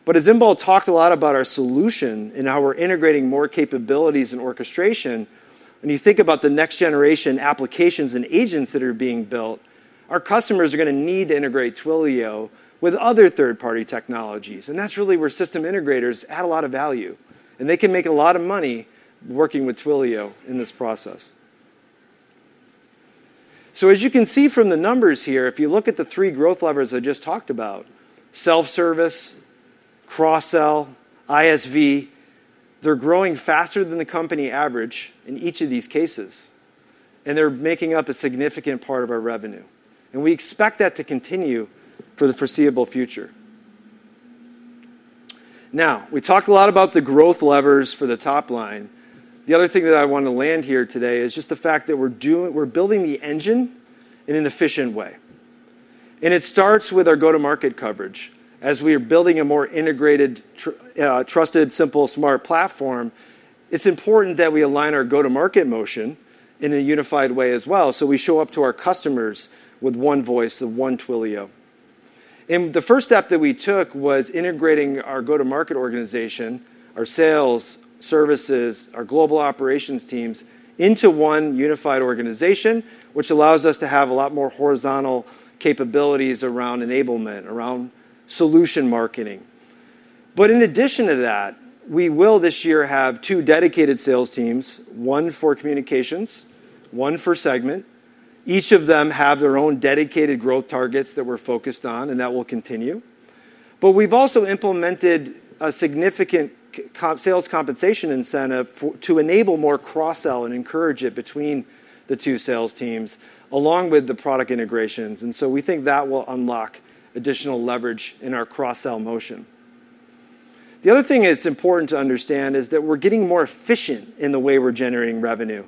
but as Inbal talked a lot about our solution and how we're integrating more capabilities and orchestration, when you think about the next generation applications and agents that are being built, our customers are going to need to integrate Twilio with other third-party technologies, and that's really where system integrators add a lot of value, and they can make a lot of money working with Twilio in this process. So as you can see from the numbers here, if you look at the three growth levers I just talked about, self-service, cross-sell, ISV, they're growing faster than the company average in each of these cases. And they're making up a significant part of our revenue. And we expect that to continue for the foreseeable future. Now, we talked a lot about the growth levers for the top line. The other thing that I want to land here today is just the fact that we're building the engine in an efficient way. And it starts with our go-to-market coverage. As we are building a more integrated, trusted, simple, smart platform, it's important that we align our go-to-market motion in a unified way as well so we show up to our customers with one voice, the one Twilio. The first step that we took was integrating our go-to-market organization, our sales, services, our global operations teams into one unified organization, which allows us to have a lot more horizontal capabilities around enablement, around solution marketing. In addition to that, we will this year have two dedicated sales teams, one for Communications, one for Segment. Each of them has their own dedicated growth targets that we're focused on, and that will continue. We’ve also implemented a significant sales compensation incentive to enable more cross-sell and encourage it between the two sales teams, along with the product integrations. So we think that will unlock additional leverage in our cross-sell motion. The other thing that's important to understand is that we're getting more efficient in the way we're generating revenue.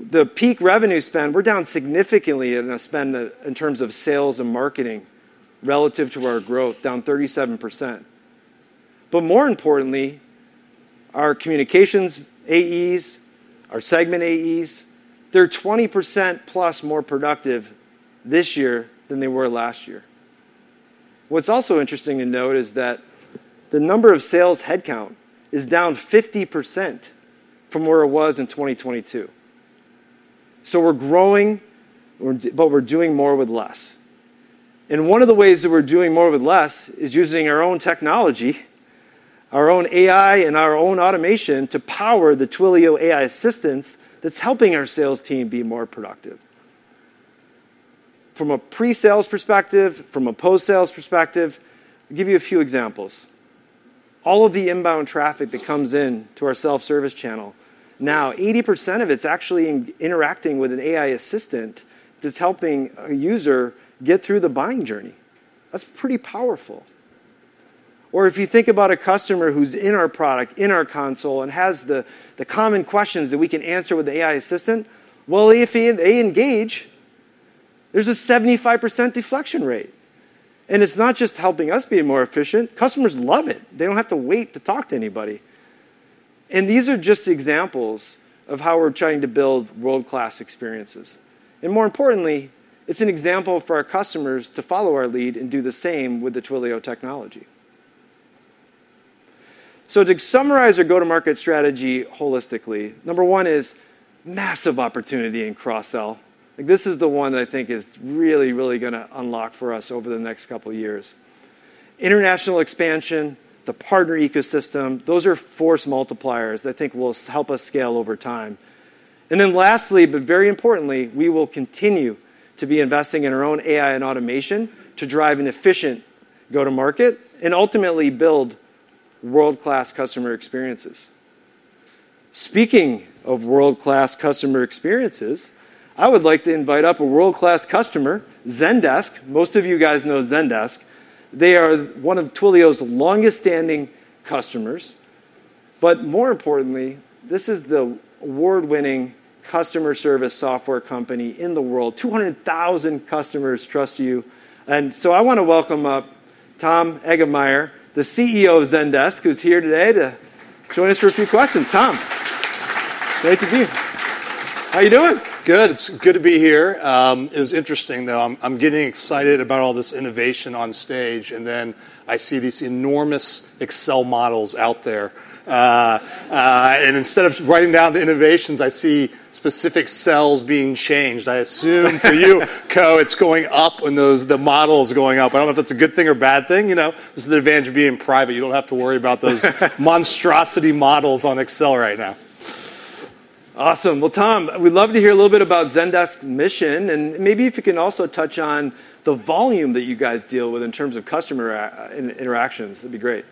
The peak revenue spend, we're down significantly in our spend in terms of sales and marketing relative to our growth, down 37%. But more importantly, our Communications AEs, our Segment AEs, they're 20%+ more productive this year than they were last year. What's also interesting to note is that the number of sales headcount is down 50% from where it was in 2022. So we're growing, but we're doing more with less. And one of the ways that we're doing more with less is using our own technology, our own AI, and our own automation to power the Twilio AI Assistant that's helping our sales team be more productive. From a pre-sales perspective, from a post-sales perspective, I'll give you a few examples. All of the inbound traffic that comes into our self-service channel, now 80% of it's actually interacting with an AI assistant that's helping a user get through the buying journey. That's pretty powerful. Or if you think about a customer who's in our product, in our console, and has the common questions that we can answer with the AI assistant, well, if they engage, there's a 75% deflection rate. And it's not just helping us be more efficient. Customers love it. They don't have to wait to talk to anybody. And these are just examples of how we're trying to build world-class experiences. And more importantly, it's an example for our customers to follow our lead and do the same with the Twilio technology. So to summarize our go-to-market strategy holistically, number one is massive opportunity in cross-sell. This is the one that I think is really, really going to unlock for us over the next couple of years. International expansion, the partner ecosystem, those are force multipliers that I think will help us scale over time. And then lastly, but very importantly, we will continue to be investing in our own AI and automation to drive an efficient go-to-market and ultimately build world-class customer experiences. Speaking of world-class customer experiences, I would like to invite up a world-class customer, Zendesk. Most of you guys know Zendesk. They are one of Twilio's longest-standing customers. But more importantly, this is the award-winning customer service software company in the world. 200,000 customers trust you. And so I want to welcome up Tom Eggemeier, the CEO of Zendesk, who's here today to join us for a few questions. Tom, great to be here. How are you doing? Good. It's good to be here. It's interesting, though. I'm getting excited about all this innovation on stage. And then I see these enormous Excel models out there. And instead of writing down the innovations, I see specific cells being changed. I assume for you, Kho, it's going up when the model is going up. I don't know if that's a good thing or bad thing. This is the advantage of being private. You don't have to worry about those monstrosity models on Excel right now. Awesome. Well, Tom, we'd love to hear a little bit about Zendesk's mission. And maybe if you can also touch on the volume that you guys deal with in terms of customer interactions, that'd be great.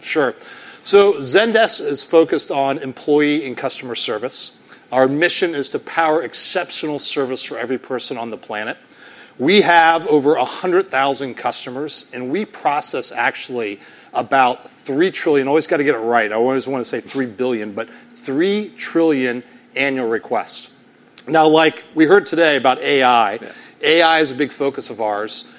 Sure. So Zendesk is focused on employee and customer service. Our mission is to power exceptional service for every person on the planet. We have over 100,000 customers, and we process actually about 3 trillion. Always got to get it right. I always want to say 3 billion, but 3 trillion annual requests. Now, like we heard today about AI, AI is a big focus of ours. And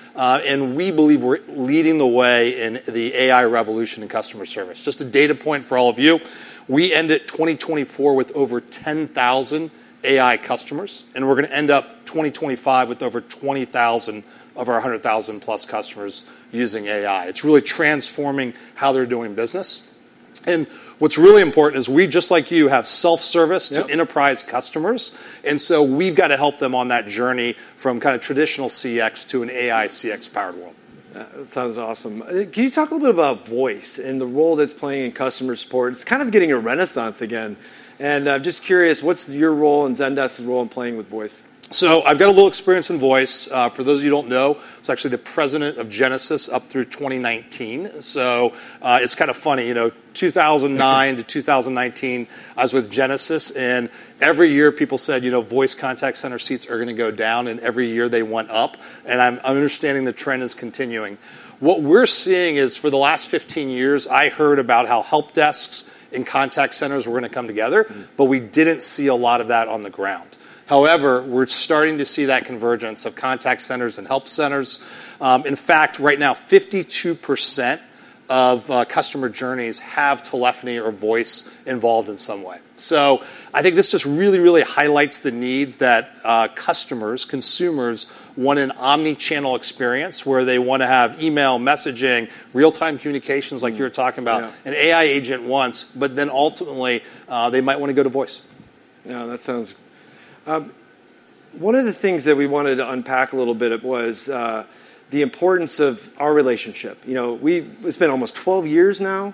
we believe we're leading the way in the AI revolution in customer service. Just a data point for all of you, we ended 2024 with over 10,000 AI customers. And we're going to end up 2025 with over 20,000 of our 100,000+ customers using AI. It's really transforming how they're doing business. And what's really important is we, just like you, have self-service to enterprise customers. We've got to help them on that journey from kind of traditional CX to an AI CX powered world. That sounds awesome. Can you talk a little bit about Voice and the role that it's playing in customer support? It's kind of getting a renaissance again, and I'm just curious, what's your role and Zendesk's role in playing with Voice? So I've got a little experience in Voice. For those of you who don't know, I was actually the president of Genesys up through 2019. So it's kind of funny. 2009- 2019, I was with Genesys. And every year, people said Voice contact center seats are going to go down. And every year, they went up. And I'm understanding the trend is continuing. What we're seeing is for the last 15 years, I heard about how help desks and contact centers were going to come together. But we didn't see a lot of that on the ground. However, we're starting to see that convergence of contact centers and help centers. In fact, right now, 52% of customer journeys have telephony or Voice involved in some way. So I think this just really, really highlights the need that customers, consumers want an omnichannel experience where they want to have email messaging, real-time Communications like you were talking about, an AI agent once, but then ultimately, they might want to go to Voice. Yeah, that sounds good. One of the things that we wanted to unpack a little bit was the importance of our relationship. It's been almost 12 years now,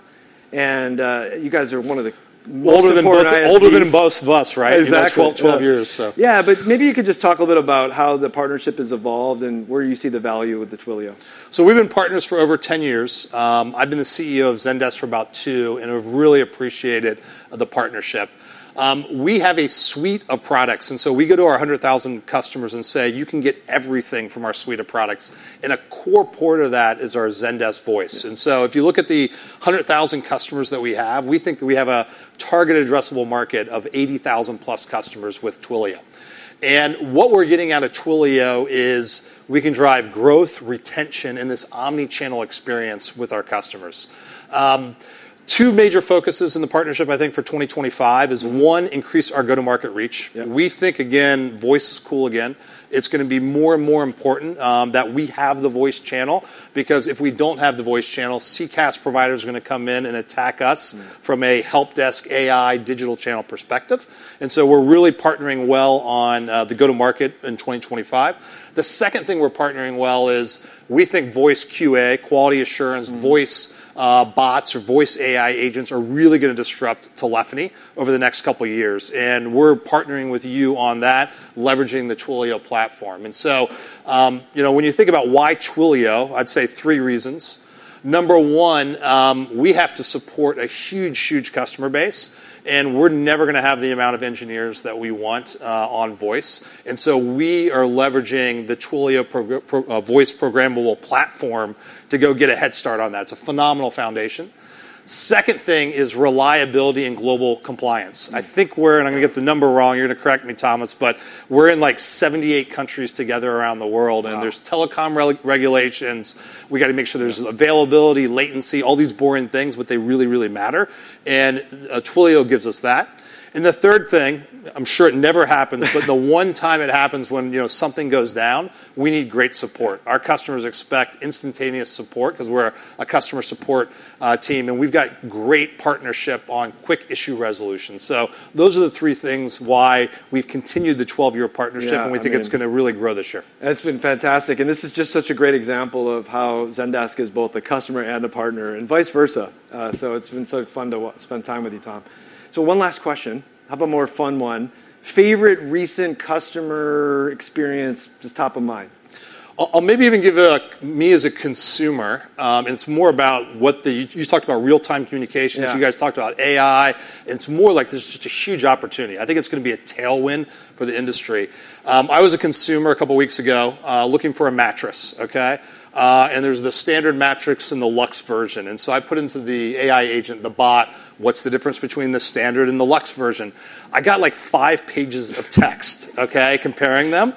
and you guys are one of the most important ISVs. Older than both of us, right? Exactly. 12 years, so. Yeah, but maybe you could just talk a little bit about how the partnership has evolved and where you see the value with the Twilio. So we've been partners for over 10 years. I've been the CEO of Zendesk for about two. And I've really appreciated the partnership. We have a suite of products. And so we go to our 100,000 customers and say, "You can get everything from our suite of products." And a core part of that is our Zendesk Voice. And so if you look at the 100,000 customers that we have, we think that we have a targeted addressable market of 80,000+ customers with Twilio. And what we're getting out of Twilio is we can drive growth, retention, and this omnichannel experience with our customers. Two major focuses in the partnership, I think, for 2025 is, one, increase our go-to-market reach. We think, again, Voice is cool again. It's going to be more and more important that we have the Voice channel. Because if we don't have the Voice channel, CCaaS providers are going to come in and attack us from a help desk AI digital channel perspective. And so we're really partnering well on the go-to-market in 2025. The second thing we're partnering well is we think Voice QA, quality assurance, Voice bots or Voice AI agents are really going to disrupt telephony over the next couple of years. And we're partnering with you on that, leveraging the Twilio platform. And so when you think about why Twilio, I'd say three reasons. Number one, we have to support a huge, huge customer base. And we're never going to have the amount of engineers that we want on Voice. And so we are leveraging the Twilio Voice programmable platform to go get a head start on that. It's a phenomenal foundation. Second thing is reliability and global compliance. I think we're in. I'm going to get the number wrong. You're going to correct me, Thomas, but we're in like 78 countries together around the world. And there's telecom regulations. We got to make sure there's availability, latency, all these boring things, but they really, really matter. And Twilio gives us that. And the third thing, I'm sure it never happens, but the one time it happens when something goes down, we need great support. Our customers expect instantaneous support because we're a customer support team. And we've got great partnership on quick issue resolution. So those are the three things why we've continued the 12-year partnership. That's awesome. We think it's going to really grow this year. That's been fantastic, and this is just such a great example of how Zendesk is both a customer and a partner, and vice versa. It's been so fun to spend time with you, Tom. One last question. How about a more fun one? Favorite recent customer experience, just top of mind? I'll maybe even give it to me as a consumer. And it's more about what you talked about real-time Communications. You guys talked about AI. And it's more like there's just a huge opportunity. I think it's going to be a tailwind for the industry. I was a consumer a couple of weeks ago looking for a mattress. And there's the standard mattress and the luxe version. And so I put into the AI agent, the bot, what's the difference between the standard and the luxe version. I got like five pages of text comparing them.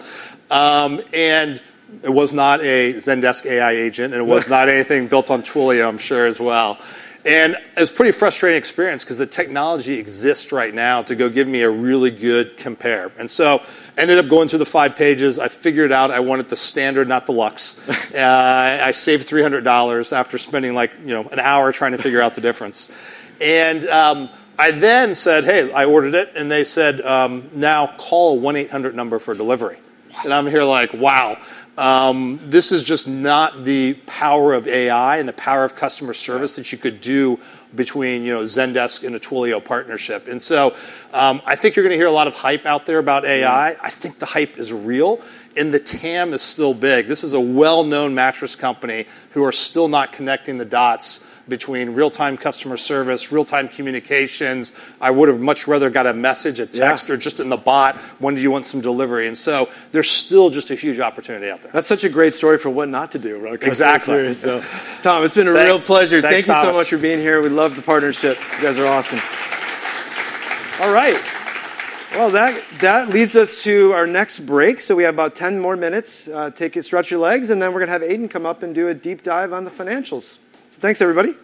And it was not a Zendesk AI agent. And it was not anything built on Twilio, I'm sure, as well. And it was a pretty frustrating experience because the technology exists right now to go give me a really good compare. And so I ended up going through the five pages. I figured out I wanted the standard, not the luxe. I saved $300 after spending like an hour trying to figure out the difference. And I then said, "Hey, I ordered it." And they said, "Now call a 1-800 number for delivery." And I'm here like, "Wow." This is just not the power of AI and the power of customer service that you could do between Zendesk and a Twilio partnership. And so I think you're going to hear a lot of hype out there about AI. I think the hype is real. And the TAM is still big. This is a well-known mattress company who are still not connecting the dots between real-time customer service, real-time Communications. I would have much rather got a message, a text, or just in the bot, "When do you want some delivery?" And so there's still just a huge opportunity out there. That's such a great story for what not to do. Exactly. Tom, it's been a real pleasure. Thank you so much for being here. We love the partnership. You guys are awesome. All right. Well, that leads us to our next break. So we have about ten more minutes. Stretch your legs. And then we're going to have Aidan come up and do a deep dive on the financials. So thanks, everybody.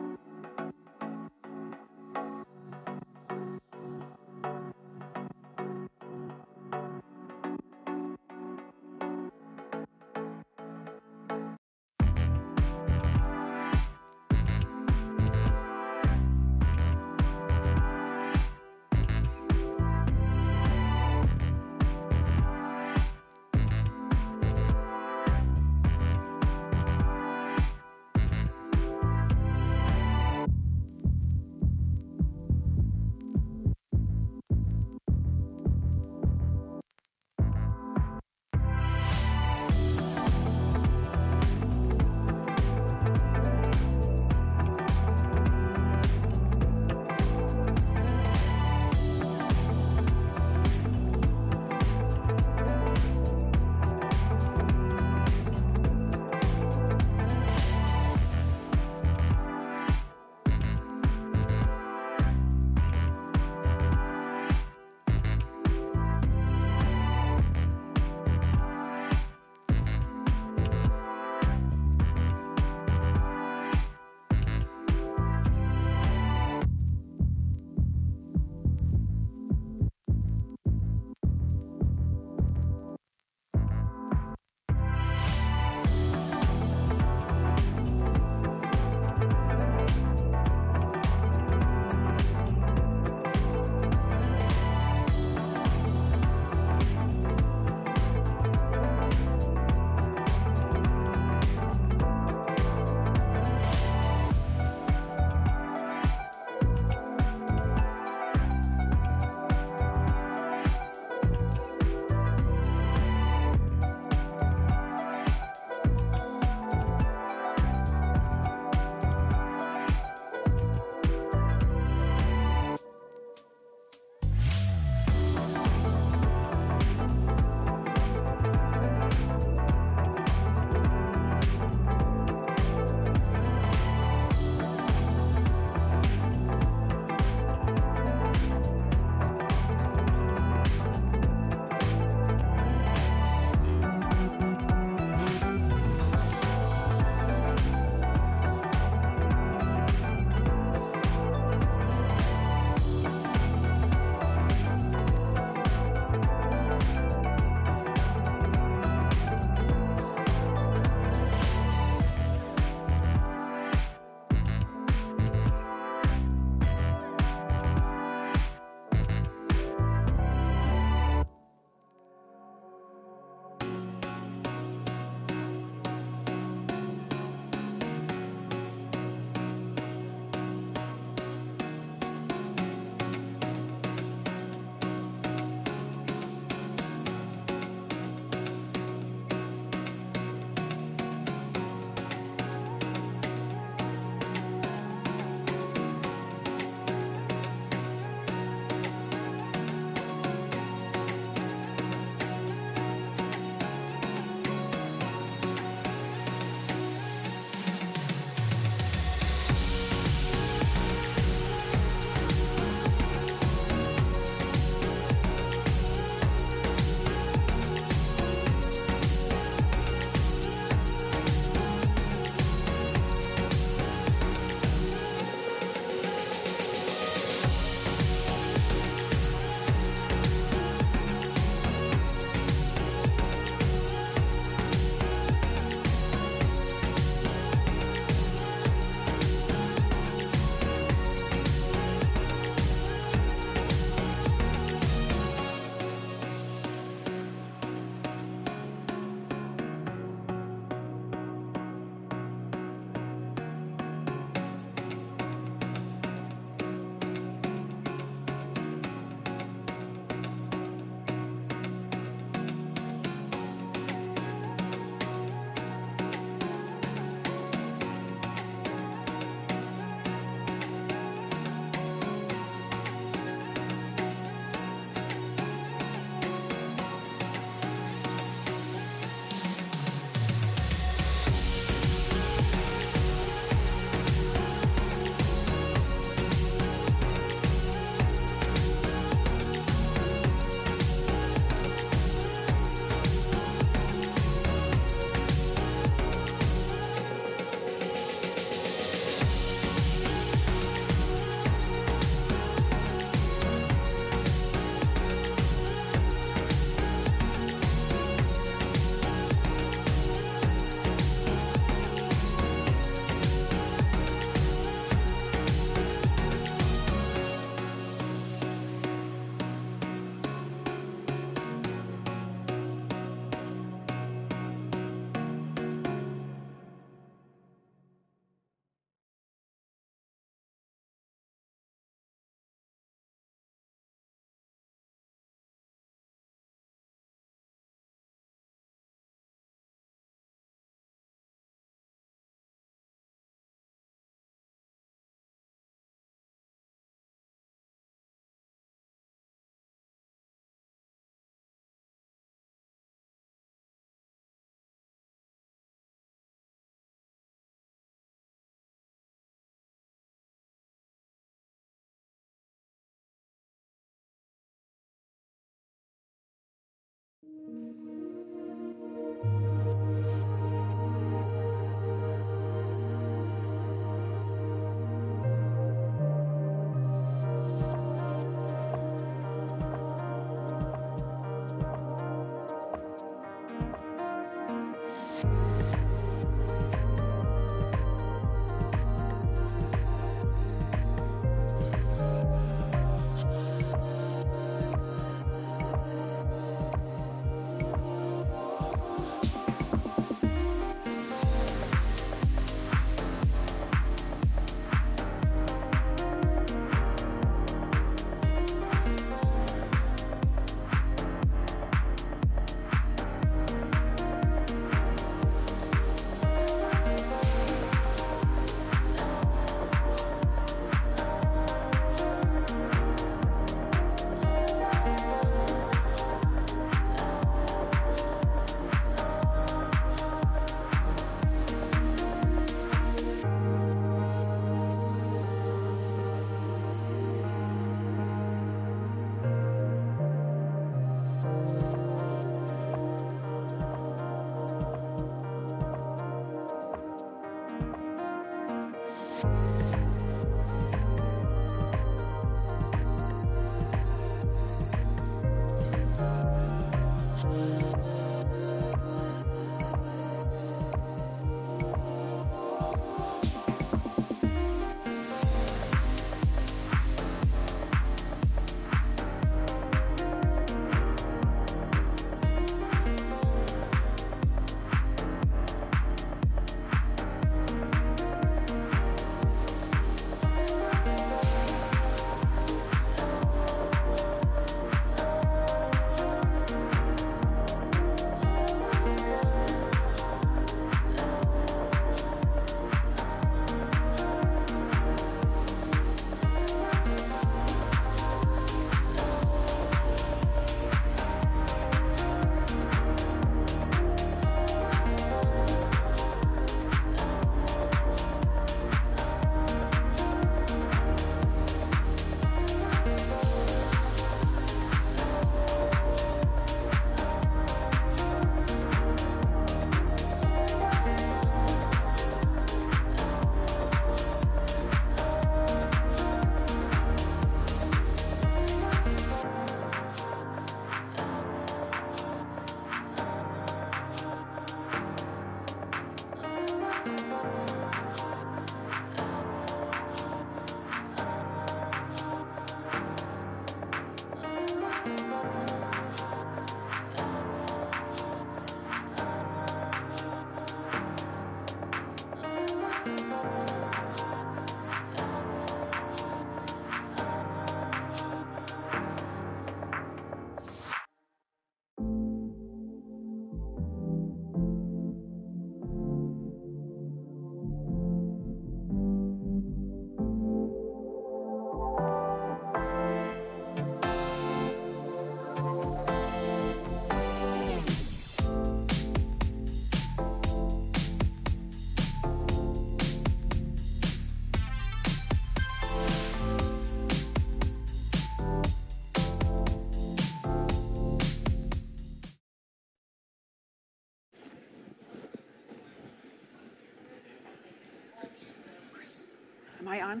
All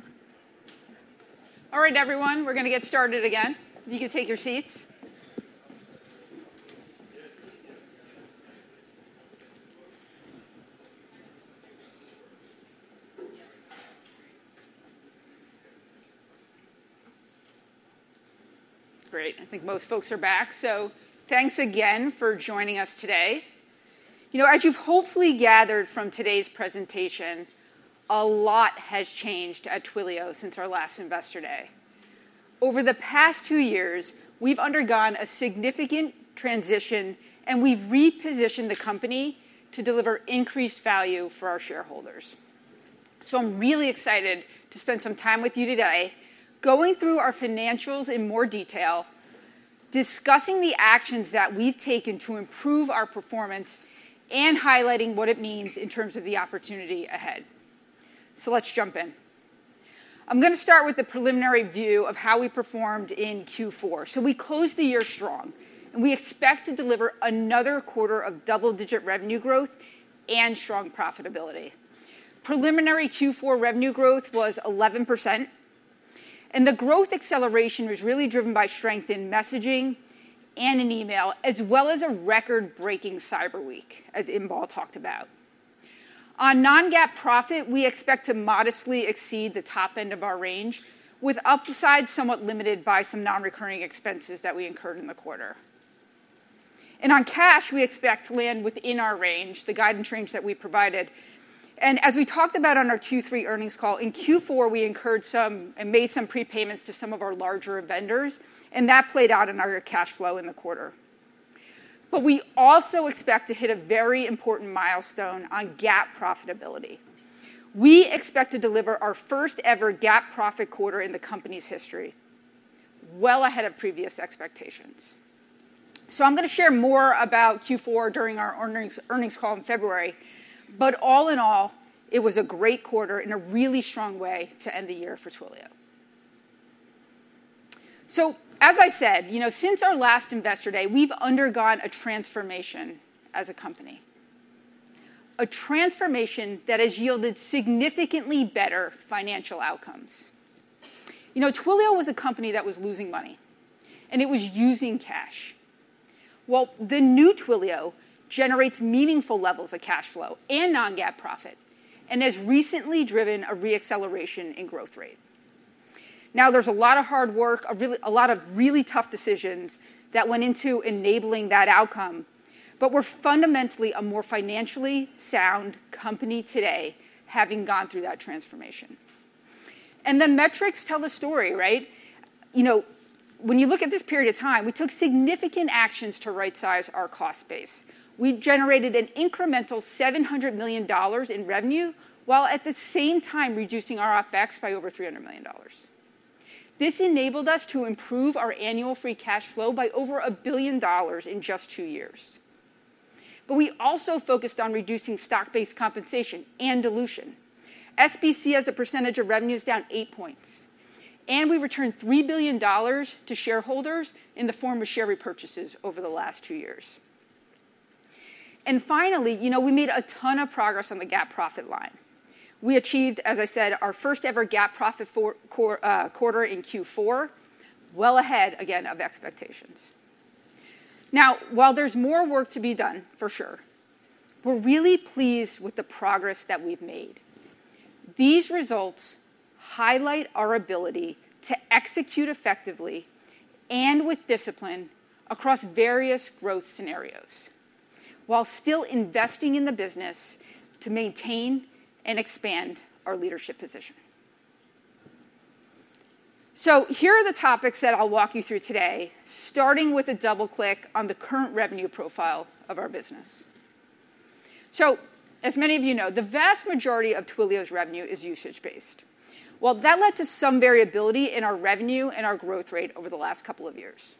right, everyone. We're going to get started again. You can take your seats. Great. I think most folks are back. So thanks again for joining us today. As you've hopefully gathered from today's presentation, a lot has changed at Twilio since our last investor day. Over the past two years, we've undergone a significant transition, and we've repositioned the company to deliver increased value for our shareholders. I'm really excited to spend some time with you today, going through our financials in more detail, discussing the actions that we've taken to improve our performance, and highlighting what it means in terms of the opportunity ahead. Let's jump in. I'm going to start with the preliminary view of how we performed in Q4. We closed the year strong, and we expect to deliver another quarter of double-digit revenue growth and strong profitability. Preliminary Q4 revenue growth was 11%. The growth acceleration was really driven by strength in messaging and in email, as well as a record-breaking Cyber Week, as Inbal talked about. On non-GAAP profit, we expect to modestly exceed the top end of our range, with upside somewhat limited by some non-recurring expenses that we incurred in the quarter. On cash, we expect to land within our range, the guidance range that we provided. As we talked about on our Q3 earnings call, in Q4, we incurred some and made some prepayments to some of our larger vendors. And that played out in our cash flow in the quarter. We also expect to hit a very important milestone on GAAP profitability. We expect to deliver our first-ever GAAP profit quarter in the company's history, well ahead of previous expectations. I'm going to share more about Q4 during our earnings call in February. All in all, it was a great quarter in a really strong way to end the year for Twilio. As I said, since our last investor day, we've undergone a transformation as a company. A transformation that has yielded significantly better financial outcomes. Twilio was a company that was losing money, and it was using cash. Well, the new Twilio generates meaningful levels of cash flow and non-GAAP profit, and has recently driven a re-acceleration in growth rate. Now, there's a lot of hard work, a lot of really tough decisions that went into enabling that outcome. But we're fundamentally a more financially sound company today, having gone through that transformation. And the metrics tell the story, right? When you look at this period of time, we took significant actions to right-size our cost base. We generated an incremental $700 million in revenue, while at the same time reducing our OpEx by over $300 million. This enabled us to improve our annual free cash flow by over $1 billion in just two years. But we also focused on reducing stock-based compensation and dilution. SBC as a percentage of revenues is down eight percentage points. We returned $3 billion to shareholders in the form of share repurchases over the last two years. Finally, we made a ton of progress on the GAAP profit line. We achieved, as I said, our first-ever GAAP profit quarter in Q4, well ahead, again, of expectations. Now, while there's more work to be done, for sure, we're really pleased with the progress that we've made. These results highlight our ability to execute effectively and with discipline across various growth scenarios, while still investing in the business to maintain and expand our leadership position. Here are the topics that I'll walk you through today, starting with a double-click on the current revenue profile of our business. As many of you know, the vast majority of Twilio's revenue is usage-based. That led to some variability in our revenue and our growth rate over the last couple of years.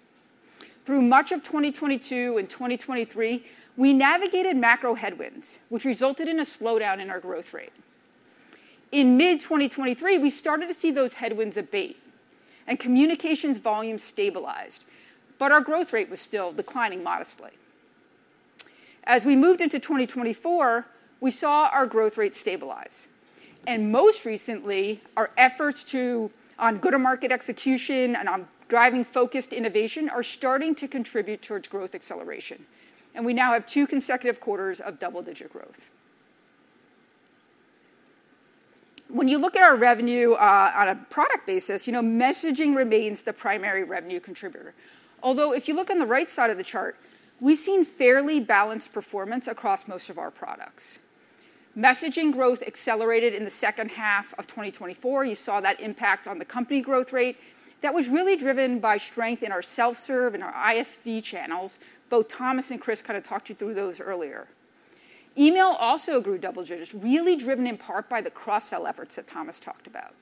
Through much of 2022 and 2023, we navigated macro headwinds, which resulted in a slowdown in our growth rate. In mid-2023, we started to see those headwinds abate, and Communications volume stabilized, but our growth rate was still declining modestly. As we moved into 2024, we saw our growth rate stabilize, and most recently, our efforts on go-to-market execution and on driving focused innovation are starting to contribute towards growth acceleration, and we now have two consecutive quarters of double-digit growth. When you look at our revenue on a product basis, messaging remains the primary revenue contributor. Although, if you look on the right side of the chart, we've seen fairly balanced performance across most of our products. Messaging growth accelerated in the second half of 2024. You saw that impact on the company growth rate. That was really driven by strength in our self-serve and our ISV channels. Both Thomas and Chris kind of talked you through those earlier. Email also grew double-digits, really driven in part by the cross-sell efforts that Thomas talked about.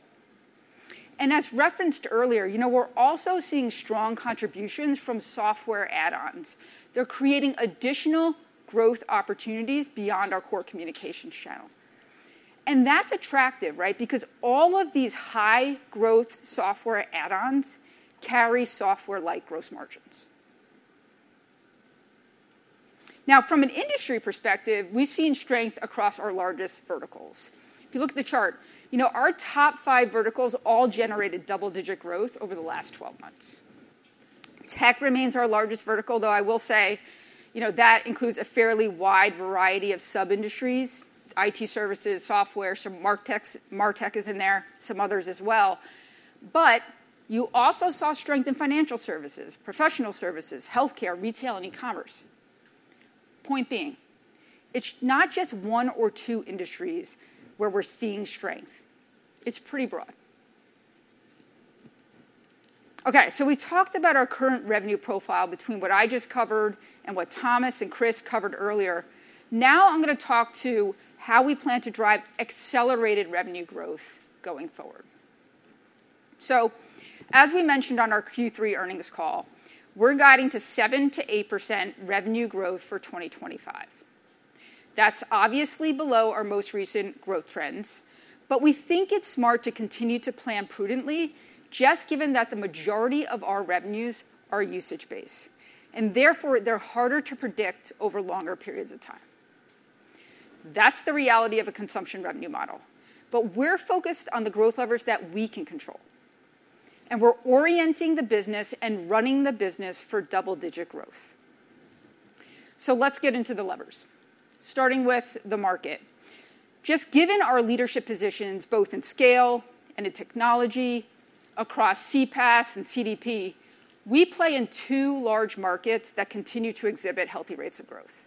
And as referenced earlier, we're also seeing strong contributions from software add-ons. They're creating additional growth opportunities beyond our core Communications channels. And that's attractive, right? Because all of these high-growth software add-ons carry software-like gross margins. Now, from an industry perspective, we've seen strength across our largest verticals. If you look at the chart, our top five verticals all generated double-digit growth over the last 12 months. Tech remains our largest vertical, though I will say that includes a fairly wide variety of sub-industries: IT services, software, some MarTech is in there, some others as well. You also saw strength in financial services, professional services, healthcare, retail, and e-commerce. Point being, it's not just one or two industries where we're seeing strength. It's pretty broad. Okay, so we talked about our current revenue profile between what I just covered and what Thomas and Chris covered earlier. Now I'm going to talk to how we plan to drive accelerated revenue growth going forward. As we mentioned on our Q3 earnings call, we're guiding to 7%-8% revenue growth for 2025. That's obviously below our most recent growth trends. We think it's smart to continue to plan prudently, just given that the majority of our revenues are usage-based. Therefore, they're harder to predict over longer periods of time. That's the reality of a consumption revenue model. We're focused on the growth levers that we can control. We're orienting the business and running the business for double-digit growth. Let's get into the levers, starting with the market. Just given our leadership positions, both in scale and in technology across CPaaS and CDP, we play in two large markets that continue to exhibit healthy rates of growth.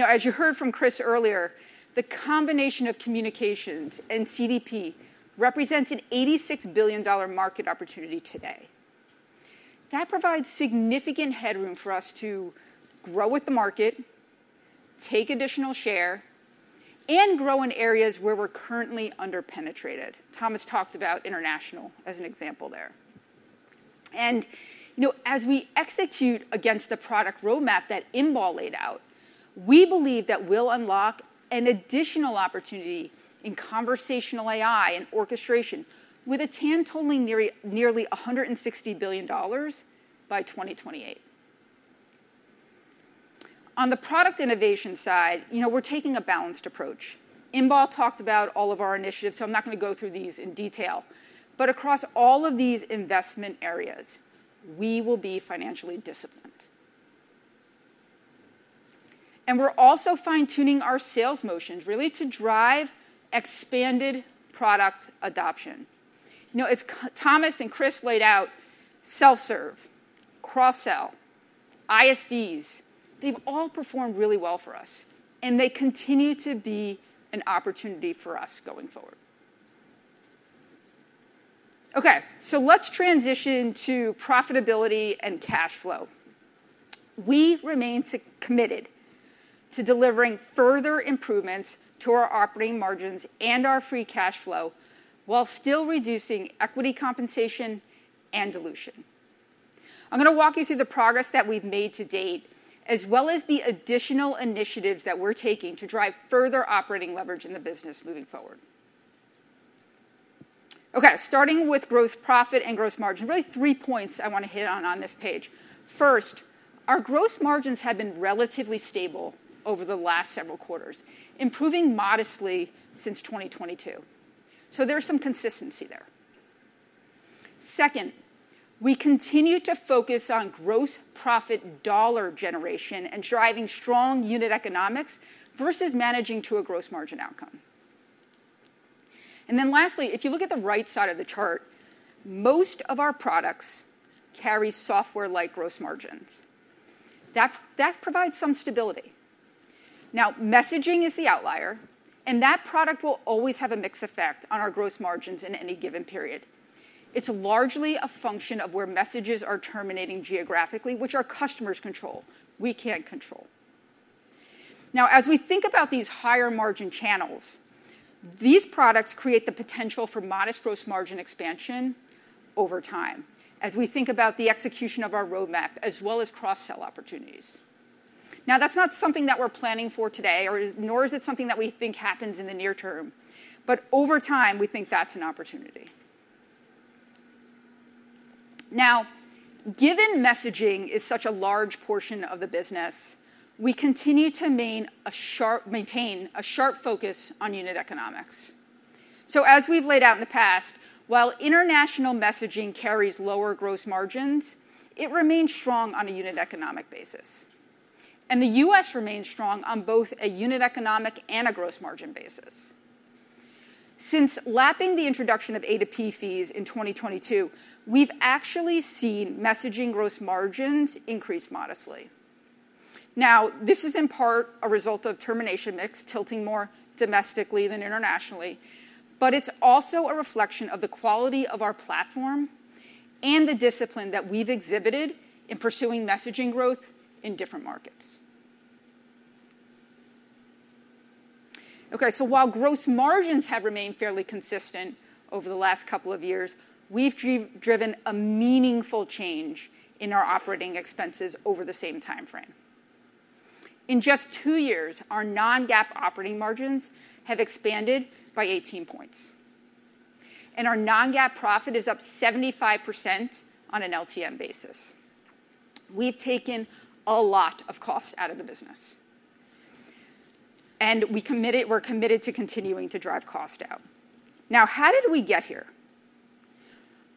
As you heard from Chris earlier, the combination of Communications and CDP represents an $86 billion market opportunity today. That provides significant headroom for us to grow with the market, take additional share, and grow in areas where we're currently under-penetrated. Thomas talked about international as an example there. As we execute against the product roadmap that Inbal laid out, we believe that we'll unlock an additional opportunity in conversational AI and orchestration, with a TAM totaling nearly $160 billion by 2028. On the product innovation side, we're taking a balanced approach. Inbal talked about all of our initiatives, so I'm not going to go through these in detail. But across all of these investment areas, we will be financially disciplined. And we're also fine-tuning our sales motions, really, to drive expanded product adoption. As Thomas and Chris laid out, self-serve, cross-sell, ISVs, they've all performed really well for us. And they continue to be an opportunity for us going forward. Okay, so let's transition to profitability and cash flow. We remain committed to delivering further improvements to our operating margins and our free cash flow while still reducing equity compensation and dilution. I'm going to walk you through the progress that we've made to date, as well as the additional initiatives that we're taking to drive further operating leverage in the business moving forward. Okay, starting with gross profit and gross margin, really three points I want to hit on this page. First, our gross margins have been relatively stable over the last several quarters, improving modestly since 2022. So there's some consistency there. Second, we continue to focus on gross profit dollar generation and driving strong unit economics versus managing to a gross margin outcome. And then lastly, if you look at the right side of the chart, most of our products carry software-like gross margins. That provides some stability. Now, messaging is the outlier, and that product will always have a mixed effect on our gross margins in any given period. It's largely a function of where messages are terminating geographically, which our customers control. We can't control. Now, as we think about these higher margin channels, these products create the potential for modest gross margin expansion over time, as we think about the execution of our roadmap, as well as cross-sell opportunities. Now, that's not something that we're planning for today, nor is it something that we think happens in the near term. But over time, we think that's an opportunity. Now, given messaging is such a large portion of the business, we continue to maintain a sharp focus on unit economics. So, as we've laid out in the past, while international messaging carries lower gross margins, it remains strong on a unit economic basis. And the US remains strong on both a unit economic and a gross margin basis. Since lapping the introduction of A2P fees in 2022, we've actually seen messaging gross margins increase modestly. Now, this is in part a result of termination mix tilting more domestically than internationally. But it's also a reflection of the quality of our platform and the discipline that we've exhibited in pursuing messaging growth in different markets. Okay, so while gross margins have remained fairly consistent over the last couple of years, we've driven a meaningful change in our operating expenses over the same time frame. In just two years, our non-GAAP operating margins have expanded by 18 points. And our non-GAAP profit is up 75% on an LTM basis. We've taken a lot of cost out of the business. And we're committed to continuing to drive cost out. Now, how did we get here?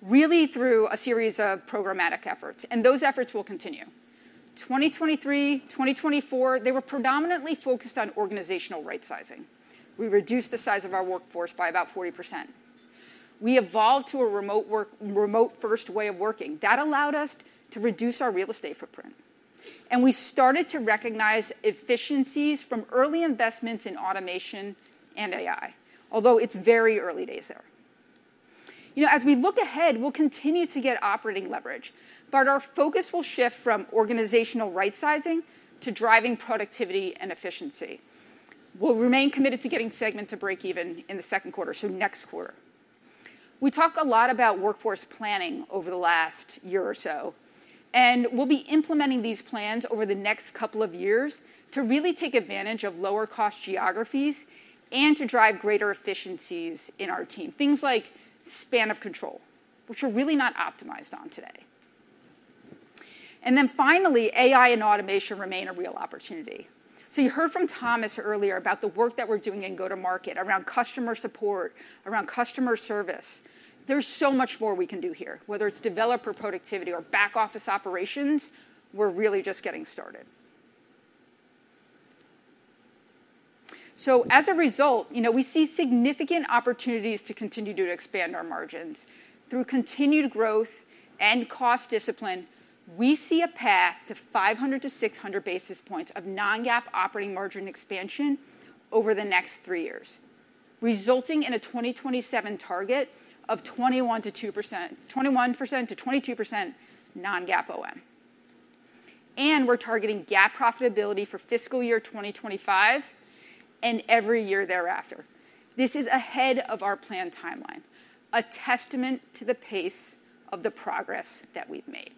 Really through a series of programmatic efforts. And those efforts will continue. 2023, 2024, they were predominantly focused on organizational right-sizing. We reduced the size of our workforce by about 40%. We evolved to a remote-first way of working. That allowed us to reduce our real estate footprint, and we started to recognize efficiencies from early investments in automation and AI, although it's very early days there. As we look ahead, we'll continue to get operating leverage, but our focus will shift from organizational right-sizing to driving productivity and efficiency. We'll remain committed to getting Segment to break even in the second quarter, so next quarter. We talked a lot about workforce planning over the last year or so, and we'll be implementing these plans over the next couple of years to really take advantage of lower-cost geographies and to drive greater efficiencies in our team, things like span of control, which are really not optimized on today. And then finally, AI and automation remain a real opportunity. So you heard from Thomas earlier about the work that we're doing in go to market around customer support, around customer service. There's so much more we can do here, whether it's developer productivity or back office operations. We're really just getting started. So, as a result, we see significant opportunities to continue to expand our margins. Through continued growth and cost discipline, we see a path to 500-600 basis points of non-GAAP operating margin expansion over the next three years, resulting in a 2027 target of 21%-22% non-GAAP OM. And we're targeting GAAP profitability for fiscal year 2025 and every year thereafter. This is ahead of our planned timeline, a testament to the pace of the progress that we've made.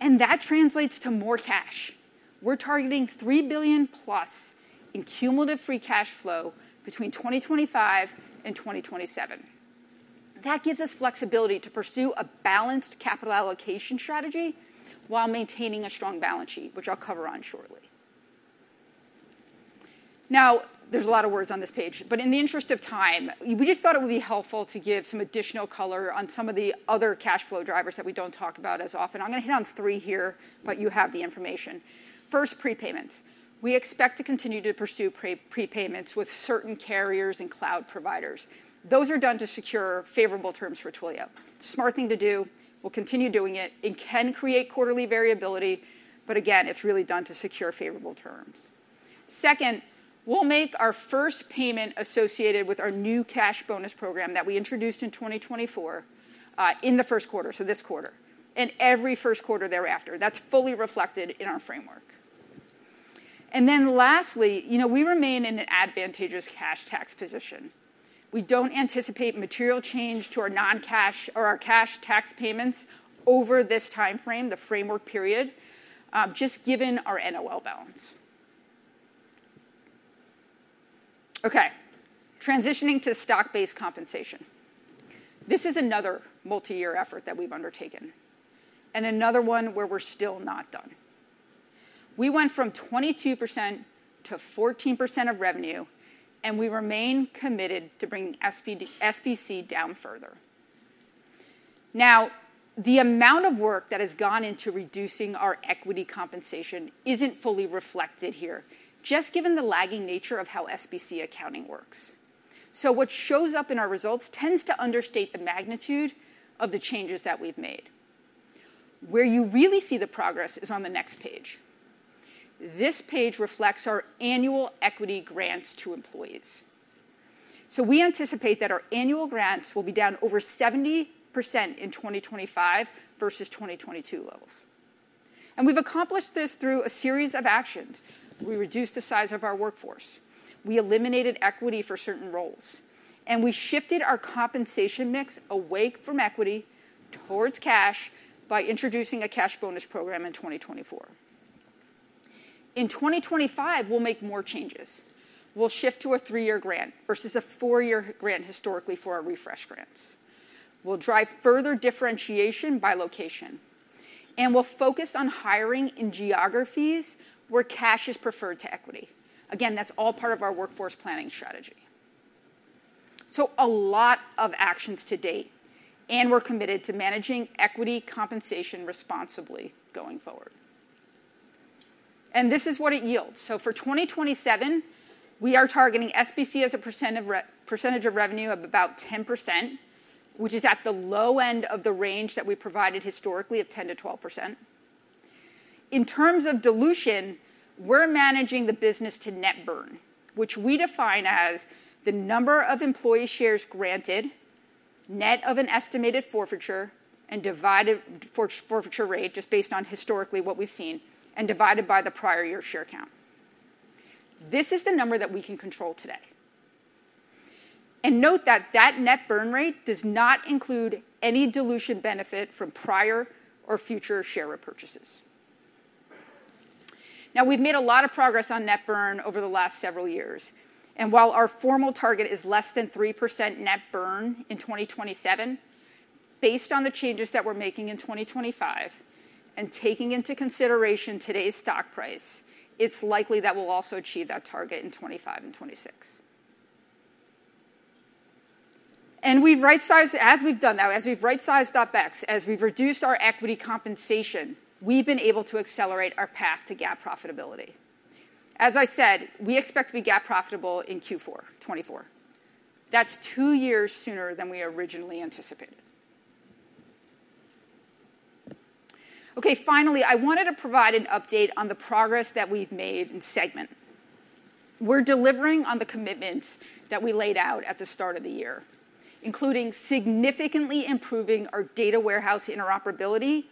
And that translates to more cash. We're targeting $3 billion+ in cumulative free cash flow between 2025 and 2027. That gives us flexibility to pursue a balanced capital allocation strategy while maintaining a strong balance sheet, which I'll cover on shortly. Now, there's a lot of words on this page. But in the interest of time, we just thought it would be helpful to give some additional color on some of the other cash flow drivers that we don't talk about as often. I'm going to hit on three here, but you have the information. First, prepayments. We expect to continue to pursue prepayments with certain carriers and cloud providers. Those are done to secure favorable terms for Twilio. Smart thing to do. We'll continue doing it. It can create quarterly variability. But again, it's really done to secure favorable terms. Second, we'll make our first payment associated with our new cash bonus program that we introduced in 2024 in the first quarter, so this quarter, and every first quarter thereafter. That's fully reflected in our framework. And then lastly, we remain in an advantageous cash tax position. We don't anticipate material change to our non-cash or our cash tax payments over this time frame, the framework period, just given our NOL balance. Okay, transitioning to stock-based compensation. This is another multi-year effort that we've undertaken and another one where we're still not done. We went from 22%-14% of revenue, and we remain committed to bringing SBC down further. Now, the amount of work that has gone into reducing our equity compensation isn't fully reflected here, just given the lagging nature of how SBC accounting works. What shows up in our results tends to understate the magnitude of the changes that we've made. Where you really see the progress is on the next page. This page reflects our annual equity grants to employees. We anticipate that our annual grants will be down over 70% in 2025 versus 2022 levels. We've accomplished this through a series of actions. We reduced the size of our workforce. We eliminated equity for certain roles. We shifted our compensation mix away from equity towards cash by introducing a cash bonus program in 2024. In 2025, we'll make more changes. We'll shift to a three-year grant versus a four-year grant historically for our refresh grants. We'll drive further differentiation by location. We'll focus on hiring in geographies where cash is preferred to equity. Again, that's all part of our workforce planning strategy. A lot of actions to date. We're committed to managing equity compensation responsibly going forward. This is what it yields. For 2027, we are targeting SBC as a percentage of revenue of about 10%, which is at the low end of the range that we provided historically of 10%-12%. In terms of dilution, we're managing the business to net burn, which we define as the number of employee shares granted, net of an estimated forfeiture rate just based on historically what we've seen, and divided by the prior year share count. This is the number that we can control today. Note that that net burn rate does not include any dilution benefit from prior or future share repurchases. Now, we've made a lot of progress on net burn over the last several years. While our formal target is less than 3% net burn in 2027, based on the changes that we're making in 2025 and taking into consideration today's stock price, it's likely that we'll also achieve that target in 2025 and 2026. And as we've done that, as we've right-sized OpEx, as we've reduced our equity compensation, we've been able to accelerate our path to GAAP profitability. As I said, we expect to be GAAP profitable in Q4 2024. That's two years sooner than we originally anticipated. Okay, finally, I wanted to provide an update on the progress that we've made in Segment. We're delivering on the commitments that we laid out at the start of the year, including significantly improving our data warehouse interoperability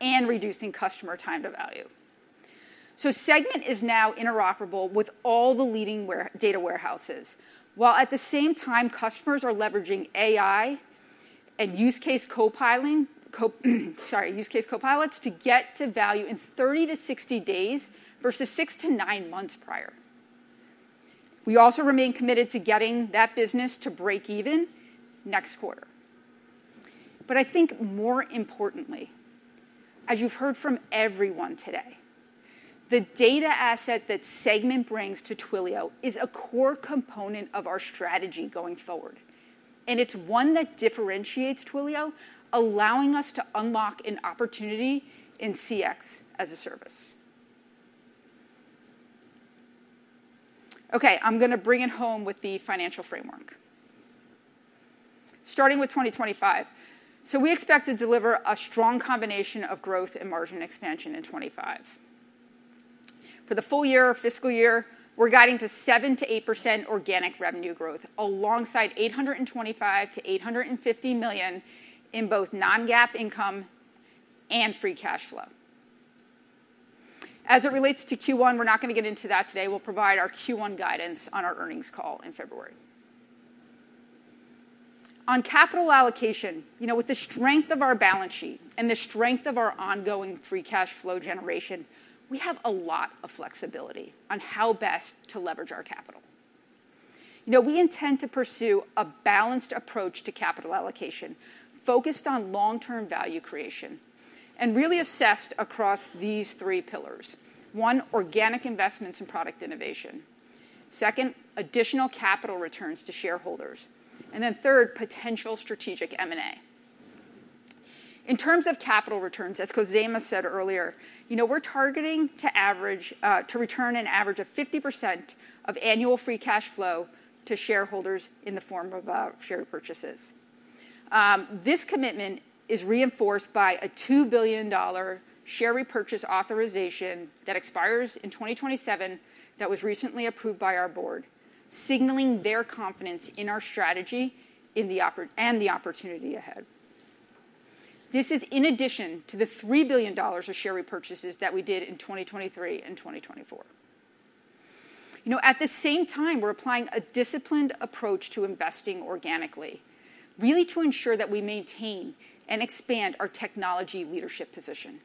and reducing customer time to value. So Segment is now interoperable with all the leading data warehouses, while at the same time, customers are leveraging AI and use case copilots to get to value in 30 to 60 days versus six to nine months prior. We also remain committed to getting that business to break even next quarter. But I think more importantly, as you've heard from everyone today, the data asset that Segment brings to Twilio is a core component of our strategy going forward. And it's one that differentiates Twilio, allowing us to unlock an opportunity in CX as a Service. Okay, I'm going to bring it home with the financial framework. Starting with 2025, so we expect to deliver a strong combination of growth and margin expansion in '25. For the full year, fiscal year, we're guiding to 7%-8% organic revenue growth alongside $825 million-$850 million in both non-GAAP income and free cash flow. As it relates to Q1, we're not going to get into that today. We'll provide our Q1 guidance on our earnings call in February. On capital allocation, with the strength of our balance sheet and the strength of our ongoing free cash flow generation, we have a lot of flexibility on how best to leverage our capital. We intend to pursue a balanced approach to capital allocation focused on long-term value creation and really assessed across these three pillars. One, organic investments and product innovation. Second, additional capital returns to shareholders. And then third, potential strategic M&A. In terms of capital returns, as Khozema said earlier, we're targeting to return an average of 50% of annual free cash flow to shareholders in the form of share repurchases. This commitment is reinforced by a $2 billion share repurchase authorization that expires in 2027 that was recently approved by our board, signaling their confidence in our strategy and the opportunity ahead. This is in addition to the $3 billion of share repurchases that we did in 2023 and 2024. At the same time, we're applying a disciplined approach to investing organically, really to ensure that we maintain and expand our technology leadership position.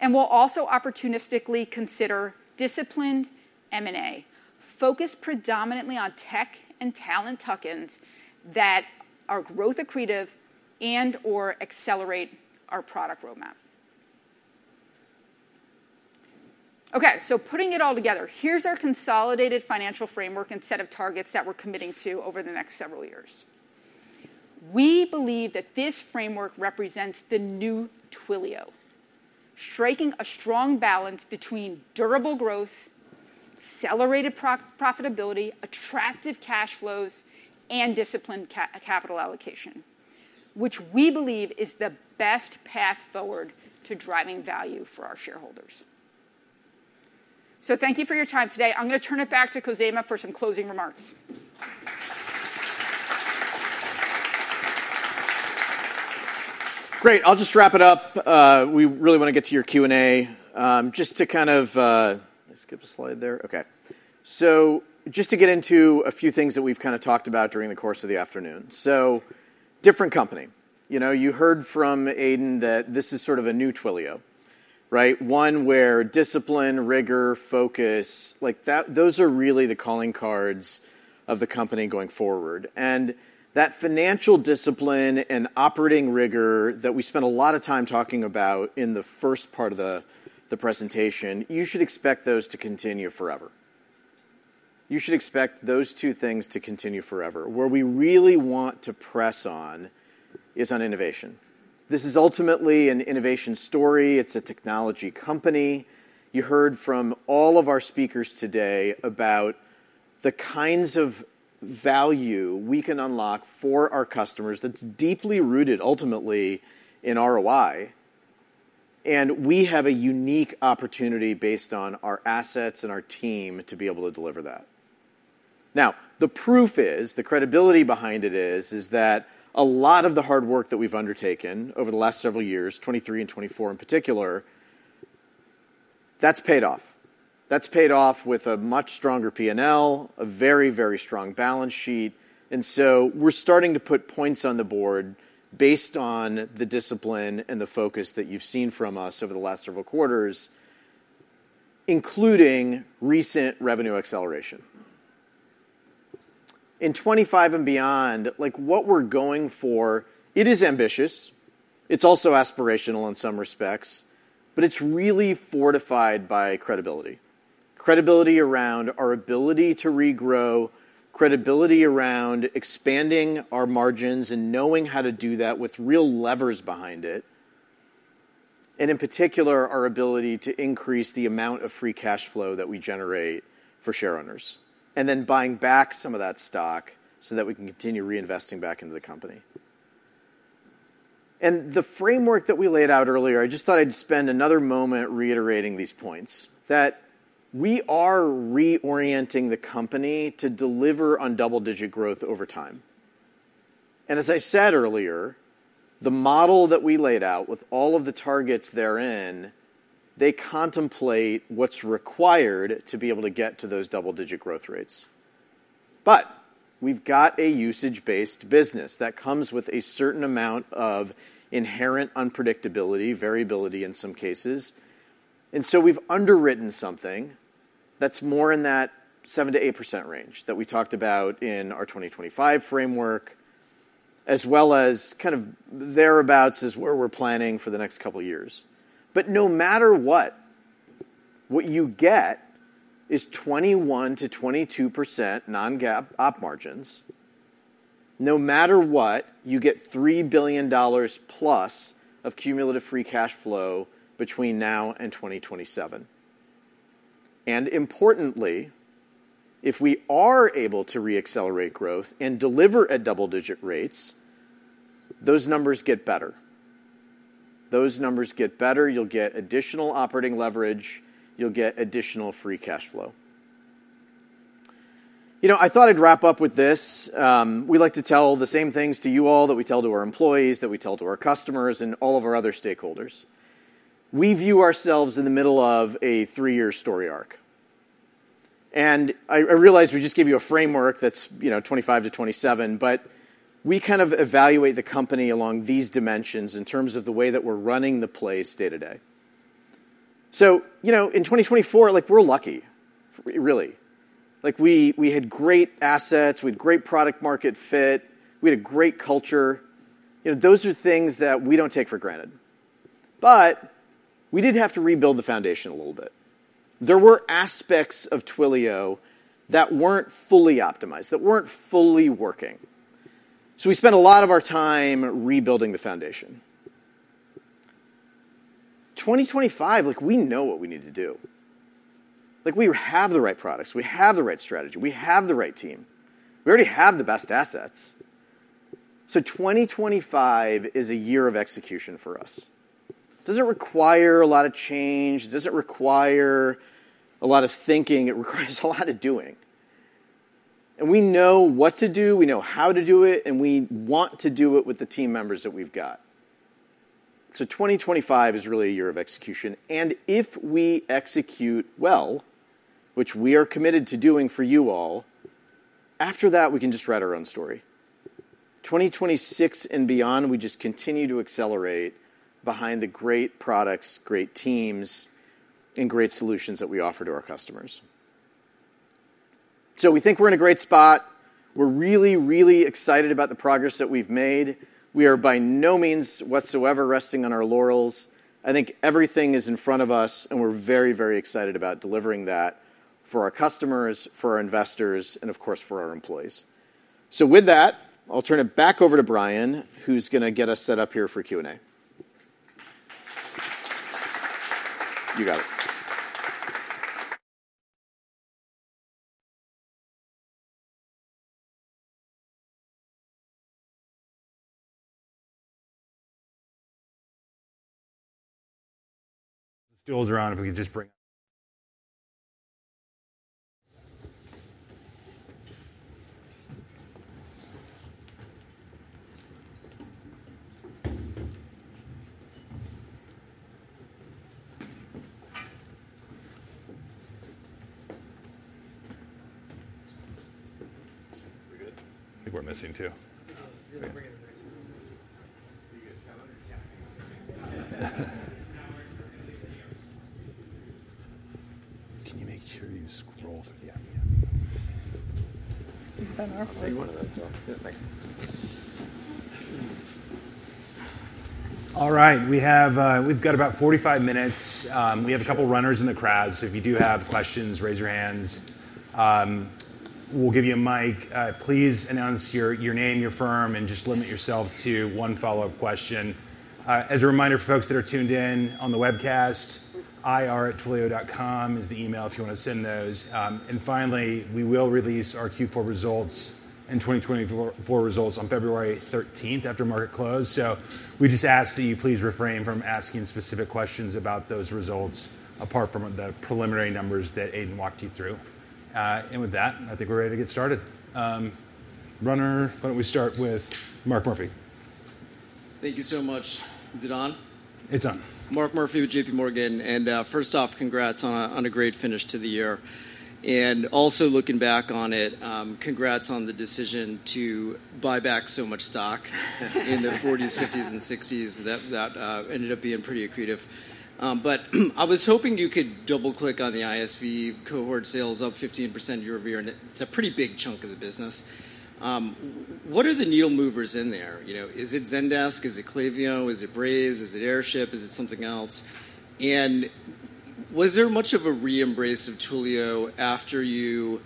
And we'll also opportunistically consider disciplined M&A focused predominantly on tech and talent tuck-ins that are growth accretive and/or accelerate our product roadmap. Okay, so putting it all together, here's our consolidated financial framework and set of targets that we're committing to over the next several years. We believe that this framework represents the new Twilio, striking a strong balance between durable growth, accelerated profitability, attractive cash flows, and disciplined capital allocation, which we believe is the best path forward to driving value for our shareholders. So thank you for your time today. I'm going to turn it back to Khozema for some closing remarks. Great. I'll just wrap it up. We really want to get to your Q&A just to kind of let's skip a slide there. Okay. So just to get into a few things that we've kind of talked about during the course of the afternoon. So different company. You heard from Aidan that this is sort of a new Twilio, right? One where discipline, rigor, focus, those are really the calling cards of the company going forward. And that financial discipline and operating rigor that we spent a lot of time talking about in the first part of the presentation, you should expect those to continue forever. You should expect those two things to continue forever. Where we really want to press on is on innovation. This is ultimately an innovation story. It's a technology company. You heard from all of our speakers today about the kinds of value we can unlock for our customers that's deeply rooted ultimately in ROI. And we have a unique opportunity based on our assets and our team to be able to deliver that. Now, the proof is, the credibility behind it is, is that a lot of the hard work that we've undertaken over the last several years, 2023 and 2024 in particular, that's paid off. That's paid off with a much stronger P&L, a very, very strong balance sheet. And so we're starting to put points on the board based on the discipline and the focus that you've seen from us over the last several quarters, including recent revenue acceleration. In 2025 and beyond, what we're going for, it is ambitious. It's also aspirational in some respects. But it's really fortified by credibility. Credibility around our ability to regrow, credibility around expanding our margins and knowing how to do that with real levers behind it. And in particular, our ability to increase the amount of free cash flow that we generate for share owners and then buying back some of that stock so that we can continue reinvesting back into the company. And the framework that we laid out earlier, I just thought I'd spend another moment reiterating these points, that we are reorienting the company to deliver on double-digit growth over time. And as I said earlier, the model that we laid out with all of the targets therein, they contemplate what's required to be able to get to those double-digit growth rates. But we've got a usage-based business that comes with a certain amount of inherent unpredictability, variability in some cases. And so we've underwritten something that's more in that 7%-8% range that we talked about in our 2025 framework, as well as kind of thereabouts is where we're planning for the next couple of years. But no matter what, what you get is 21%-22% non-GAAP op margins. No matter what, you get $3 billion+ of cumulative free cash flow between now and 2027. And importantly, if we are able to reaccelerate growth and deliver at double-digit rates, those numbers get better. Those numbers get better. You'll get additional operating leverage. You'll get additional free cash flow. I thought I'd wrap up with this. We like to tell the same things to you all that we tell to our employees, that we tell to our customers, and all of our other stakeholders. We view ourselves in the middle of a three-year story arc. And I realized we just gave you a framework that's 2025-2027, but we kind of evaluate the company along these dimensions in terms of the way that we're running the place day to day. So in 2024, we're lucky, really. We had great assets. We had great product-market fit. We had a great culture. Those are things that we don't take for granted. But we did have to rebuild the foundation a little bit. There were aspects of Twilio that weren't fully optimized, that weren't fully working. So we spent a lot of our time rebuilding the foundation. 2025, we know what we need to do. We have the right products. We have the right strategy. We have the right team. We already have the best assets. So 2025 is a year of execution for us. It doesn't require a lot of change. It doesn't require a lot of thinking. It requires a lot of doing, and we know what to do. We know how to do it, and we want to do it with the team members that we've got, so 2025 is really a year of execution, and if we execute well, which we are committed to doing for you all, after that, we can just write our own story. 2026 and beyond, we just continue to accelerate behind the great products, great teams, and great solutions that we offer to our customers, so we think we're in a great spot. We're really, really excited about the progress that we've made. We are by no means whatsoever resting on our laurels. I think everything is in front of us, and we're very, very excited about delivering that for our customers, for our investors, and of course, for our employees. So with that, I'll turn it back over to Brian, who's going to get us set up here for Q&A. You got it. Stools around if we could just bring up. We good? I think we're missing two. You're going to bring it in next time. Do you guys count on it? Yeah. Can you make sure you scroll through? Yeah. He's been awkward. Take one of those ones. Thanks. All right. We've got about 45 minutes. We have a couple of runners in the crowd. So if you do have questions, raise your hands. We'll give you a mic. Please announce your name, your firm, and just limit yourself to one follow-up question. As a reminder for folks that are tuned in on the webcast, ir@twilio.com is the email if you want to send those. And finally, we will release our Q4 results and 2024 results on February 13th after market close. So we just ask that you please refrain from asking specific questions about those results apart from the preliminary numbers that Aidan walked you through. And with that, I think we're ready to get started. Runner, why don't we start with Mark Murphy? Thank you so much. Is it on? It's on. Mark Murphy with JPMorgan, and first off, congrats on a great finish to the year. Also looking back on it, congrats on the decision to buy back so much stock in the $40s, $50s, and $60s that ended up being pretty accretive, but I was hoping you could double-click on the ISV cohort sales up 15% year over year. And it's a pretty big chunk of the business. What are the needle movers in there? Is it Zendesk? Is it Klaviyo? Is it Braze? Is it Airship? Is it something else? And was there much of a re-embrace of Twilio after you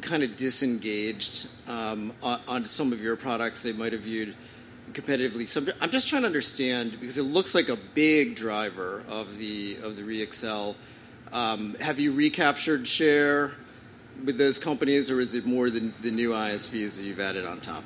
kind of disengaged on some of your products they might have viewed competitively? I'm just trying to understand because it looks like a big driver of the reacceleration. Have you recaptured share with those companies, or is it more than the new ISVs that you've added on top?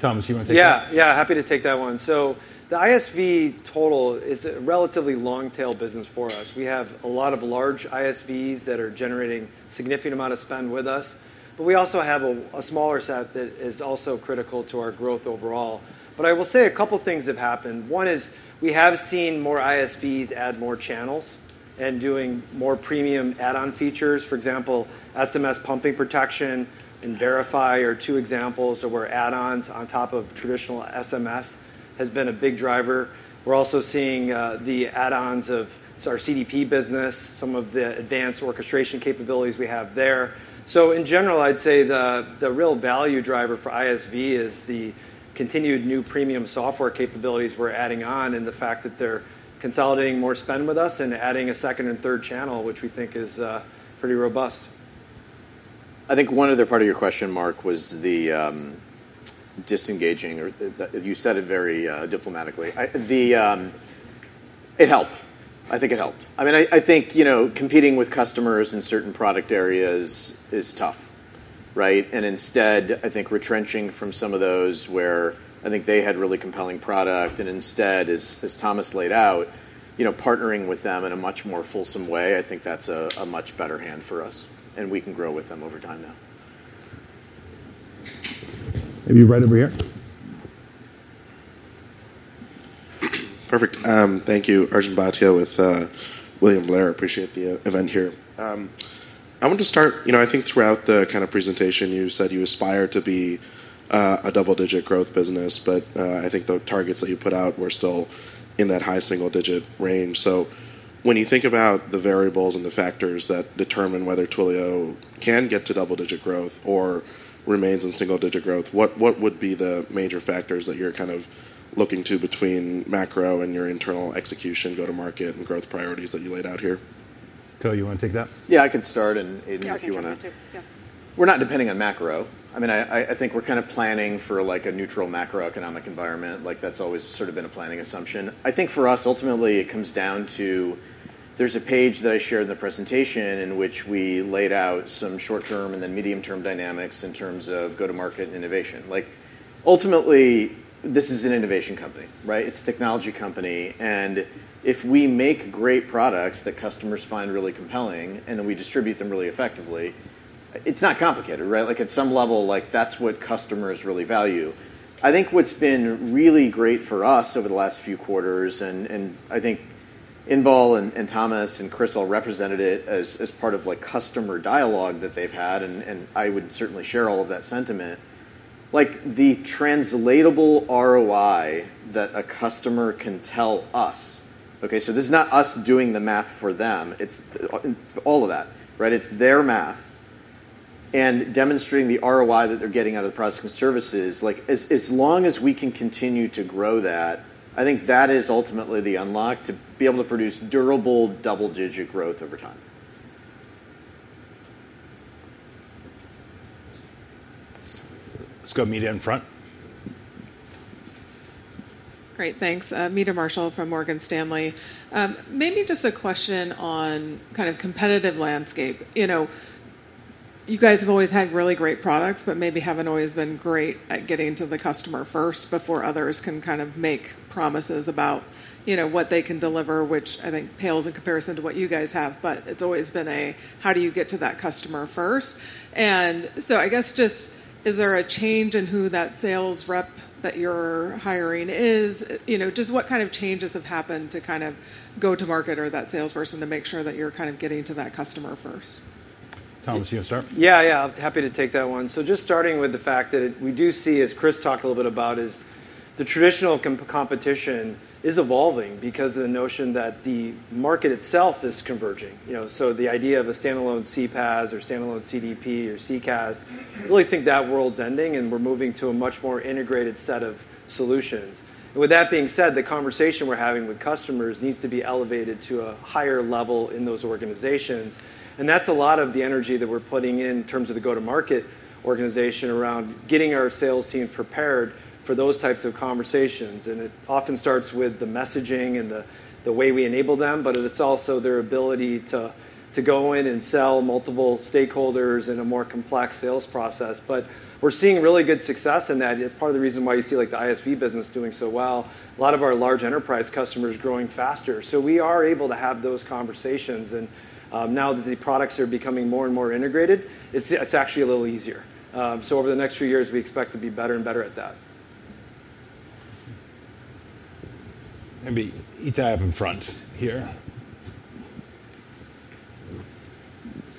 Thomas, you want to take that? Yeah, yeah. Happy to take that one. So the ISV total is a relatively long-tail business for us. We have a lot of large ISVs that are generating a significant amount of spend with us. But we also have a smaller set that is also critical to our growth overall. But I will say a couple of things have happened. One is we have seen more ISVs add more channels and doing more premium add-on features. For example, SMS Pumping Protection and Verify are two examples of where add-ons on top of traditional SMS have been a big driver. We're also seeing the add-ons of our CDP business, some of the advanced orchestration capabilities we have there. In general, I'd say the real value driver for ISV is the continued new premium software capabilities we're adding on and the fact that they're consolidating more spend with us and adding a second and third channel, which we think is pretty robust. I think one other part of your question, Mark, was the disengaging. You said it very diplomatically. It helped. I think it helped. I mean, I think competing with customers in certain product areas is tough, right? And instead, I think retrenching from some of those where I think they had really compelling product and instead, as Thomas laid out, partnering with them in a much more fulsome way, I think that's a much better hand for us. And we can grow with them over time now. Maybe right over here. Perfect. Thank you, Arjun Bhatia with William Blair. Appreciate the event here. I want to start. I think throughout the kind of presentation, you said you aspire to be a double-digit growth business. But I think the targets that you put out were still in that high single-digit range. So when you think about the variables and the factors that determine whether Twilio can get to double-digit growth or remains in single-digit growth, what would be the major factors that you're kind of looking to between macro and your internal execution, go-to-market, and growth priorities that you laid out here? Ko, you want to take that? Yeah, I can start, and Aidan, if you want to. Yeah, I can take it too. We're not depending on macro. I mean, I think we're kind of planning for a neutral macroeconomic environment. That's always sort of been a planning assumption. I think for us, ultimately, it comes down to there's a page that I shared in the presentation in which we laid out some short-term and then medium-term dynamics in terms of go-to-market and innovation. Ultimately, this is an innovation company, right? It's a technology company. And if we make great products that customers find really compelling and we distribute them really effectively, it's not complicated, right? At some level, that's what customers really value. I think what's been really great for us over the last few quarters, and I think Inbal and Thomas and Chris all represented it as part of customer dialogue that they've had, and I would certainly share all of that sentiment, the translatable ROI that a customer can tell us. So this is not us doing the math for them. It's all of that, right? It's their math. And demonstrating the ROI that they're getting out of the products and services, as long as we can continue to grow that, I think that is ultimately the unlock to be able to produce durable double-digit growth over time. Let's go to Meta in front. Great. Thanks. Meta Marshall from Morgan Stanley. Maybe just a question on kind of competitive landscape. You guys have always had really great products, but maybe haven't always been great at getting to the customer first before others can kind of make promises about what they can deliver, which I think pales in comparison to what you guys have. But it's always been a, how do you get to that customer first? And so I guess just, is there a change in who that sales rep that you're hiring is? Just what kind of changes have happened to kind of go-to-market or that salesperson to make sure that you're kind of getting to that customer first? Thomas, you want to start? Yeah, yeah. Happy to take that one. So just starting with the fact that we do see, as Chris talked a little bit about, is the traditional competition is evolving because of the notion that the market itself is converging. So the idea of a standalone CPaaS or standalone CDP or CCaaS, I really think that world's ending, and we're moving to a much more integrated set of solutions. And with that being said, the conversation we're having with customers needs to be elevated to a higher level in those organizations. And that's a lot of the energy that we're putting in terms of the go-to-market organization around getting our sales team prepared for those types of conversations. And it often starts with the messaging and the way we enable them, but it's also their ability to go in and sell multiple stakeholders in a more complex sales process. But we're seeing really good success in that. It's part of the reason why you see the ISV business doing so well. A lot of our large enterprise customers are growing faster. So we are able to have those conversations. And now that the products are becoming more and more integrated, it's actually a little easier. So over the next few years, we expect to be better and better at that. Maybe Ittai up in front here.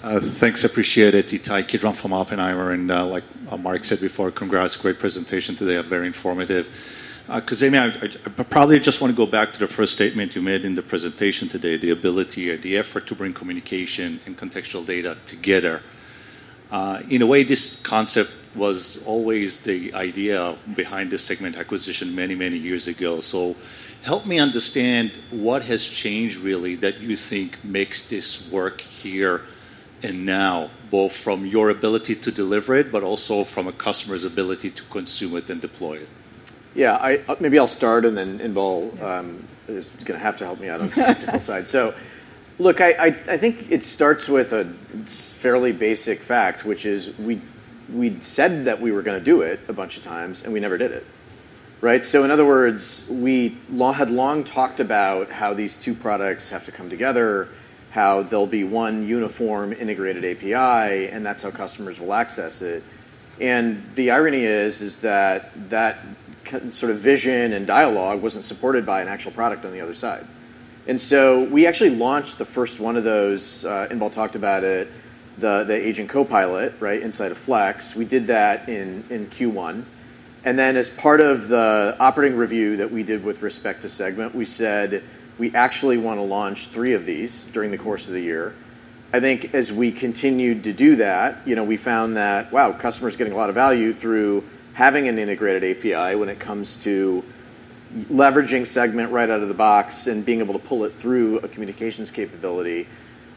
Thanks. Appreciate it, Ittai. Ittai Kidron from Oppenheimer. Like Mark said before, congrats. Great presentation today. Very informative. Khozema, I probably just want to go back to the first statement you made in the presentation today, the ability or the effort to bring communication and contextual data together. In a way, this concept was always the idea behind the Segment acquisition many, many years ago. So help me understand what has changed, really, that you think makes this work here and now, both from your ability to deliver it, but also from a customer's ability to consume it and deploy it. Yeah, maybe I'll start, and then Inbal is going to have to help me out on the technical side. So look, I think it starts with a fairly basic fact, which is we said that we were going to do it a bunch of times, and we never did it, right? So in other words, we had long talked about how these two products have to come together, how there'll be one uniform integrated API, and that's how customers will access it. And the irony is that that sort of vision and dialogue wasn't supported by an actual product on the other side. And so we actually launched the first one of those. Inbal talked about it, the Agent Copilot, right, inside of Flex. We did that in Q1. And then as part of the operating review that we did with respect to Segment, we said we actually want to launch three of these during the course of the year. I think as we continued to do that, we found that, wow, customers are getting a lot of value through having an integrated API when it comes to leveraging Segment right out of the box and being able to pull it through a Communications capability.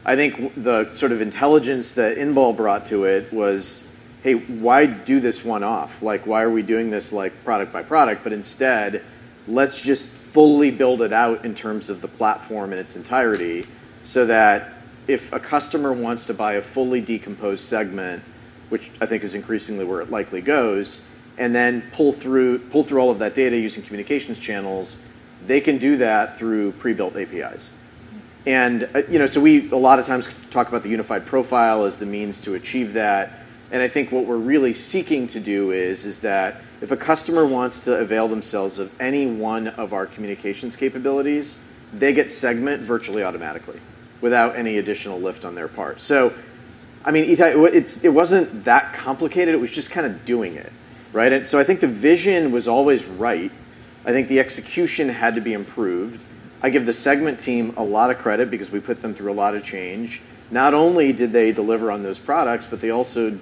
I think the sort of intelligence that Inbal brought to it was, hey, why do this one-off? Why are we doing this product by product? But instead, let's just fully build it out in terms of the platform in its entirety so that if a customer wants to buy a fully decomposed Segment, which I think is increasingly where it likely goes, and then pull through all of that data using Communications channels, they can do that through pre-built APIs. And so we a lot of times talk about the Unified Profile as the means to achieve that. And I think what we're really seeking to do is that if a customer wants to avail themselves of any one of our Communications capabilities, they get Segment virtually automatically without any additional lift on their part. So I mean, Ittai, it wasn't that complicated. It was just kind of doing it, right? And so I think the vision was always right. I think the execution had to be improved. I give the Segment team a lot of credit because we put them through a lot of change. Not only did they deliver on those products, but they also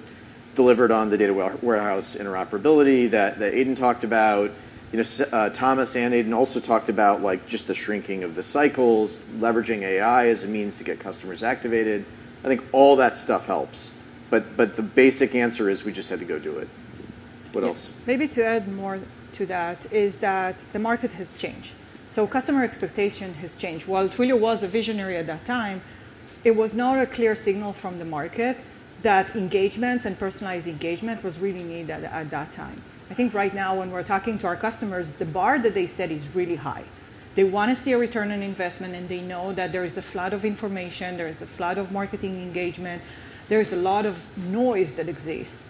delivered on the data warehouse interoperability that Aidan talked about. Thomas and Aidan also talked about just the shrinking of the cycles, leveraging AI as a means to get customers activated. I think all that stuff helps. But the basic answer is we just had to go do it. What else? Maybe to add more to that is that the market has changed. So customer expectation has changed. While Twilio was the visionary at that time, it was not a clear signal from the market that engagements and personalized engagement was really needed at that time. I think right now when we're talking to our customers, the bar that they set is really high. They want to see a return on investment, and they know that there is a flood of information. There is a flood of marketing engagement. There is a lot of noise that exists.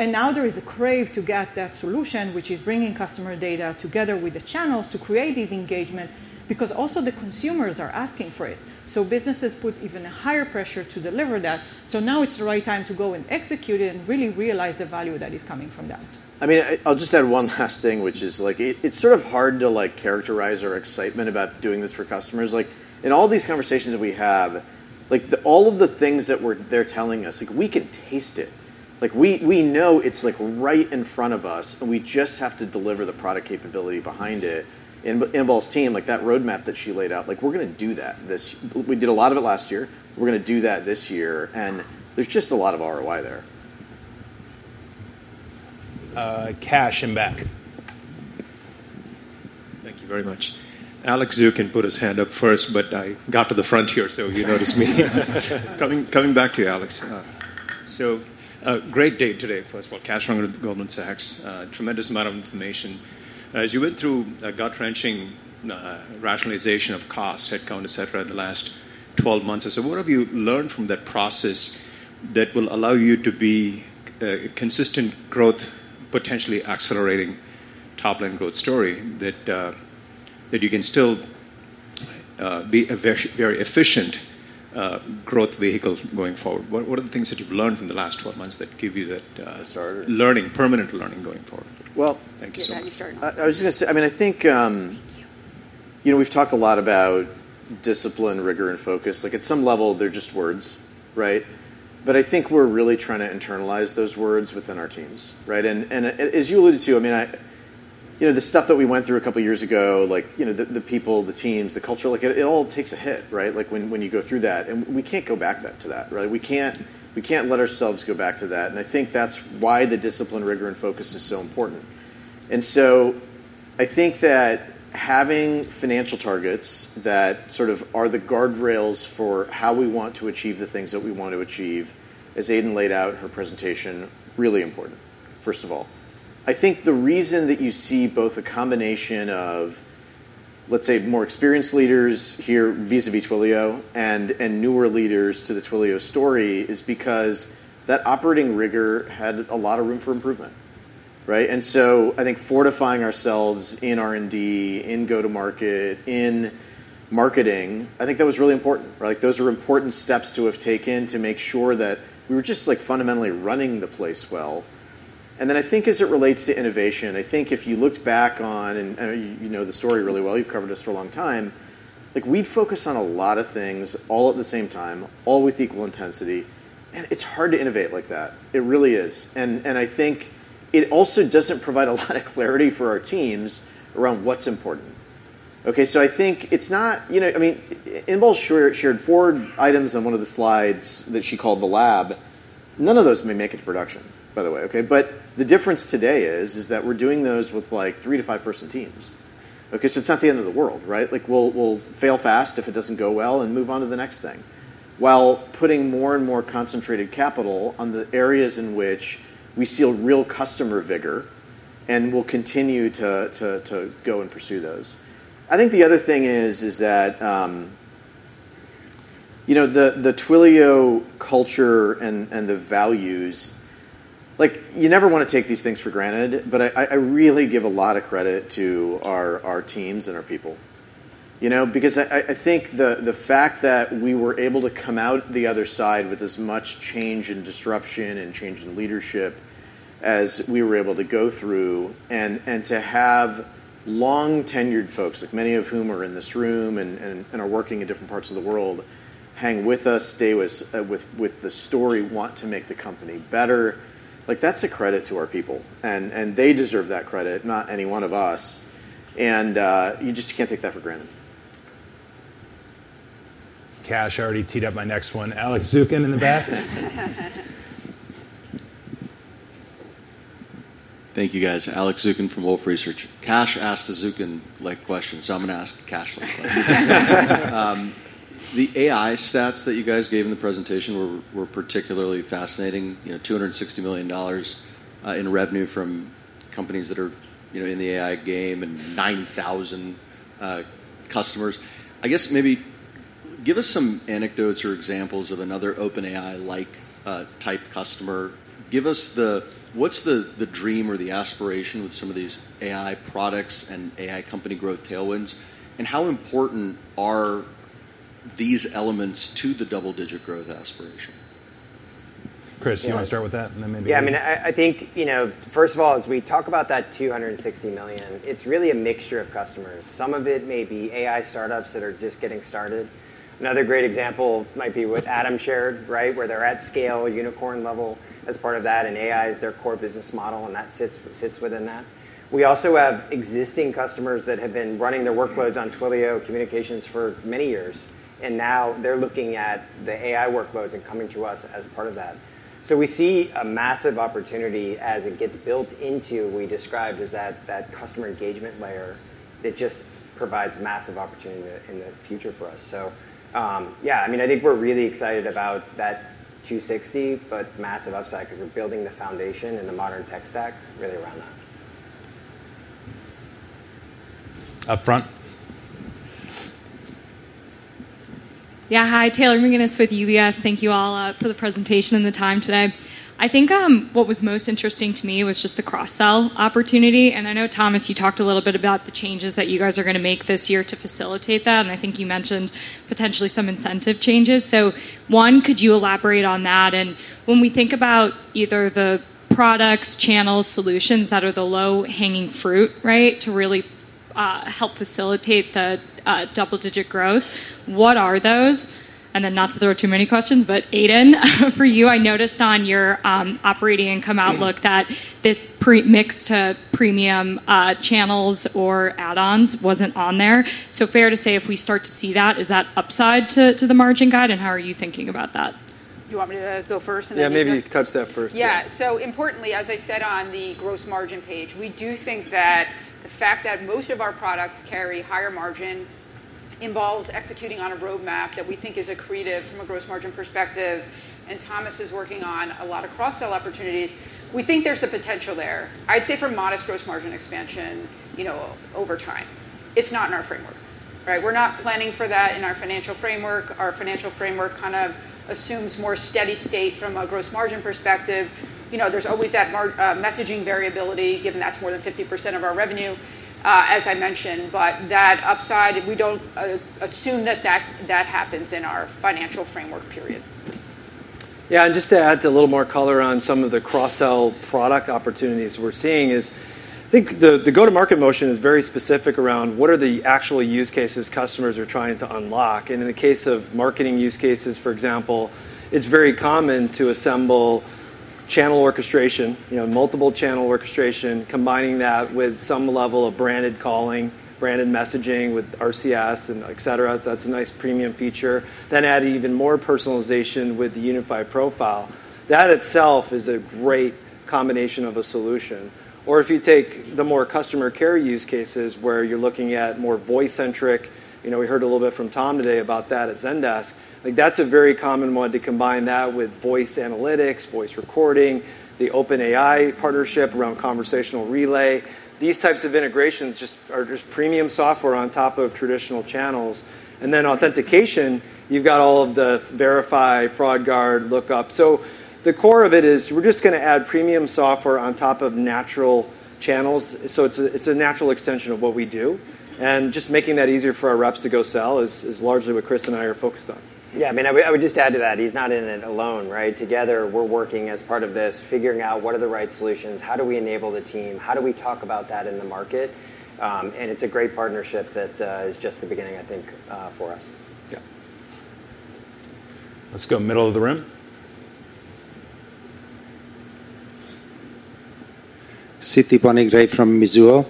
And now there is a craving to get that solution, which is bringing customer data together with the channels to create these engagements because also the consumers are asking for it. So businesses put even a higher pressure to deliver that. So now it's the right time to go and execute it and really realize the value that is coming from that. I mean, I'll just add one last thing, which is it's sort of hard to characterize our excitement about doing this for customers. In all these conversations that we have, all of the things that they're telling us, we can taste it. We know it's right in front of us, and we just have to deliver the product capability behind it. Inbal's team, that roadmap that she laid out, we're going to do that. We did a lot of it last year. We're going to do that this year. And there's just a lot of ROI there. Kash in back. Thank you very much. Alex Zukin put his hand up first, but I got to the front here, so you notice me. Coming back to you, Alex. So great day today, first of all. Kash from Goldman Sachs. Tremendous amount of information. As you went through gut-wrenching rationalization of cost, headcount, et cetera, in the last 12 months, what have you learned from that process that will allow you to be a consistent growth, potentially accelerating top-line growth story that you can still be a very efficient growth vehicle going forward? What are the things that you've learned from the last 12 months that give you that learning, permanent learning going forward? Well, thank you so much. I was going to say, I mean, I think we've talked a lot about discipline, rigor, and focus. At some level, they're just words, right? But I think we're really trying to internalize those words within our teams, right? And as you alluded to, I mean, the stuff that we went through a couple of years ago, the people, the teams, the culture, it all takes a hit, right, when you go through that. And we can't go back to that, right? We can't let ourselves go back to that. And I think that's why the discipline, rigor, and focus is so important. And so I think that having financial targets that sort of are the guardrails for how we want to achieve the things that we want to achieve, as Aidan laid out in her presentation, really important, first of all. I think the reason that you see both a combination of, let's say, more experienced leaders here vis-à-vis Twilio and newer leaders to the Twilio story is because that operating rigor had a lot of room for improvement, right? And so I think fortifying ourselves in R&D, in go-to-market, in marketing, I think that was really important. Those are important steps to have taken to make sure that we were just fundamentally running the place well. And then I think as it relates to innovation, I think if you looked back on the story really well, you've covered us for a long time, we'd focus on a lot of things all at the same time, all with equal intensity. And it's hard to innovate like that. It really is. And I think it also doesn't provide a lot of clarity for our teams around what's important. So, I think it's not. I mean, Inbal shared four items on one of the slides that she called the lab. None of those may make it to production, by the way. But the difference today is that we're doing those with three- to five-person teams. So it's not the end of the world, right? We'll fail fast if it doesn't go well and move on to the next thing while putting more and more concentrated capital on the areas in which we see a real customer vigor, and we'll continue to go and pursue those. I think the other thing is that the Twilio culture and the values, you never want to take these things for granted, but I really give a lot of credit to our teams and our people because I think the fact that we were able to come out the other side with as much change and disruption and change in leadership as we were able to go through and to have long-tenured folks, many of whom are in this room and are working in different parts of the world, hang with us, stay with the story, want to make the company better, that's a credit to our people. And they deserve that credit, not any one of us. And you just can't take that for granted. Cash already teed up my next one. Alex Zukin in the back. Thank you, guys. Alex Zukin from Wolfe Research. Cash asked a Zukin-like question, so I'm going to ask a Cash-like question. The AI stats that you guys gave in the presentation were particularly fascinating. $260 million in revenue from companies that are in the AI game and 9,000 customers. I guess maybe give us some anecdotes or examples of another OpenAI-like type customer. Give us the, what's the dream or the aspiration with some of these AI products and AI company growth tailwinds? And how important are these elements to the double-digit growth aspiration? Chris, you want to start with that, and then maybe. Yeah, I mean, I think, first of all, as we talk about that 260 million, it's really a mixture of customers. Some of it may be AI startups that are just getting started. Another great example might be what Adam shared, right, where they're at scale, unicorn level as part of that, and AI is their core business model, and that sits within that. We also have existing customers that have been running their workloads on Twilio Communications for many years. And now they're looking at the AI workloads and coming to us as part of that. So we see a massive opportunity as it gets built into, we described as that customer engagement layer that just provides massive opportunity in the future for us. So yeah, I mean, I think we're really excited about that 260, but massive upside because we're building the foundation and the modern tech stack really around that. Up front. Yeah, hi. Taylor McGinnis with UBS. Thank you all for the presentation and the time today. I think what was most interesting to me was just the cross-sell opportunity. And I know, Thomas, you talked a little bit about the changes that you guys are going to make this year to facilitate that. And I think you mentioned potentially some incentive changes. So one, could you elaborate on that? And when we think about either the products, channels, solutions that are the low-hanging fruit, right, to really help facilitate the double-digit growth, what are those? And then not to throw too many questions, but Aidan, for you, I noticed on your operating income outlook that this product mix to premium channels or add-ons wasn't on there. So fair to say if we start to see that, is that upside to the margin guide? And how are you thinking about that? Do you want me to go first? Yeah, maybe touch that first. Yeah. So importantly, as I said on the gross margin page, we do think that the fact that most of our products carry higher margin involves executing on a roadmap that we think is accretive from a gross margin perspective. And Thomas is working on a lot of cross-sell opportunities. We think there's the potential there. I'd say for modest gross margin expansion over time. It's not in our framework, right? We're not planning for that in our financial framework. Our financial framework kind of assumes more steady state from a gross margin perspective. There's always that messaging variability given that's more than 50% of our revenue, as I mentioned. But that upside, we don't assume that that happens in our financial framework, period. Yeah. And just to add a little more color on some of the cross-sell product opportunities we're seeing is I think the go-to-market motion is very specific around what are the actual use cases customers are trying to unlock. And in the case of marketing use cases, for example, it's very common to assemble channel orchestration, multiple channel orchestration, combining that with some level of branded calling, branded messaging with RCS, and et cetera. So that's a nice premium feature. Then add even more personalization with the Unified Profile. That itself is a great combination of a solution. Or if you take the more customer care use cases where you're looking at more voice-centric, we heard a little bit from Tom today about that at Zendesk. That's a very common one to combine that with voice analytics, voice recording, the OpenAI partnership around Conversational Relay. These types of integrations just are premium software on top of traditional channels. And then authentication, you've got all of the Verify, Fraud Guard, Lookup. So the core of it is we're just going to add premium software on top of natural channels. So it's a natural extension of what we do. And just making that easier for our reps to go sell is largely what Chris and I are focused on. Yeah. I mean, I would just add to that. He's not in it alone, right? Together, we're working as part of this, figuring out what are the right solutions, how do we enable the team, how do we talk about that in the market, and it's a great partnership that is just the beginning, I think, for us. Yeah. Let's go middle of the room. Siti Panigrahi from Mizuho.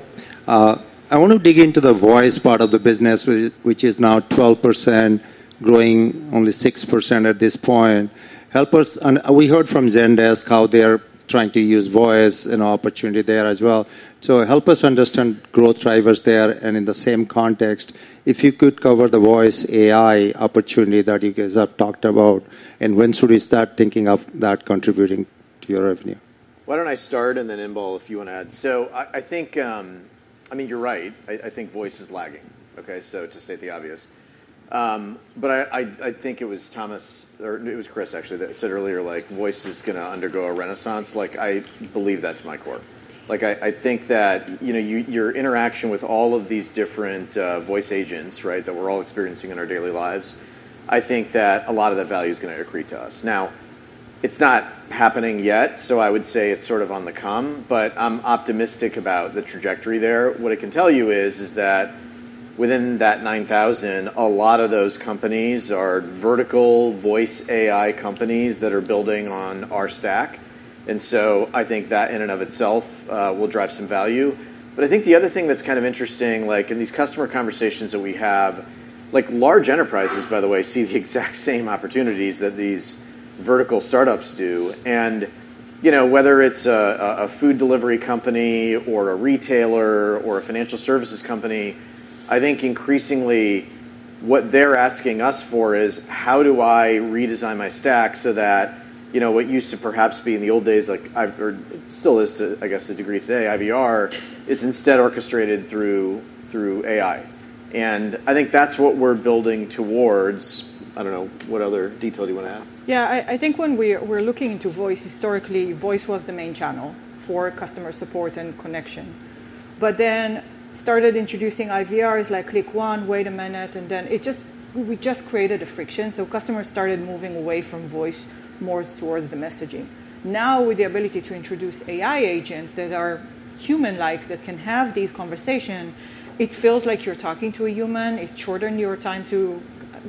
I want to dig into the voice part of the business, which is now 12%, growing only 6% at this point. We heard from Zendesk how they're trying to use voice and opportunity there as well, so help us understand growth drivers there. And in the same context, if you could cover the voice AI opportunity that you guys have talked about, and when should we start thinking of that contributing to your revenue? Why don't I start, and then Inbal, if you want to add. So I think, I mean, you're right. I think voice is lagging, okay, so to state the obvious. But I think it was Thomas, or it was Chris, actually, that said earlier, like, voice is going to undergo a renaissance. I believe that's my core. I think that your interaction with all of these different voice agents, right, that we're all experiencing in our daily lives, I think that a lot of that value is going to accrete to us. Now, it's not happening yet, so I would say it's sort of on the come. But I'm optimistic about the trajectory there. What it can tell you is that within that 9,000, a lot of those companies are vertical voice AI companies that are building on our stack. And so I think that in and of itself will drive some value. But I think the other thing that's kind of interesting, like in these customer conversations that we have, large enterprises, by the way, see the exact same opportunities that these vertical startups do. And whether it's a food delivery company or a retailer or a financial services company, I think increasingly what they're asking us for is, how do I redesign my stack so that what used to perhaps be in the old days, like it still is to, I guess, a degree today, IVR, is instead orchestrated through AI. And I think that's what we're building towards. I don't know. What other detail do you want to add? Yeah. I think when we were looking into voice historically, voice was the main channel for customer support and connection. But then started introducing IVRs like press one, wait a minute, and then we just created a friction. So customers started moving away from voice more towards the messaging. Now, with the ability to introduce AI agents that are human-like that can have these conversations, it feels like you're talking to a human. It shortened your time to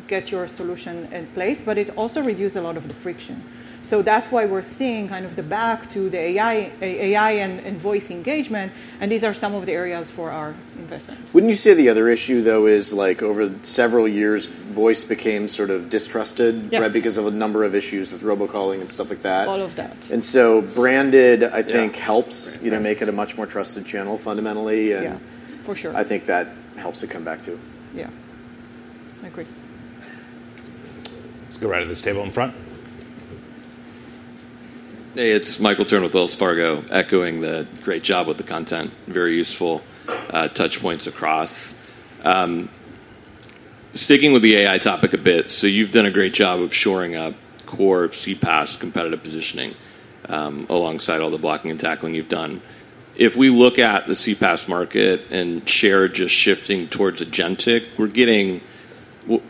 get your solution in place, but it also reduced a lot of the friction. So that's why we're seeing kind of the back to the AI and voice engagement. And these are some of the areas for our investment. Wouldn't you say the other issue, though, is over several years, voice became sort of distrusted, right, because of a number of issues with robocalling and stuff like that? All of that. Branded, I think, helps make it a much more trusted channel fundamentally. Yeah, for sure. I think that helps it come back too. Yeah. I agree. Let's go right to this table in front. Hey, it's Michael Turrin with Wells Fargo, echoing the great job with the content. Very useful touchpoints across. Sticking with the AI topic a bit, so you've done a great job of shoring up core CPaaS competitive positioning alongside all the blocking and tackling you've done. If we look at the CPaaS market share just shifting towards agentic, we're getting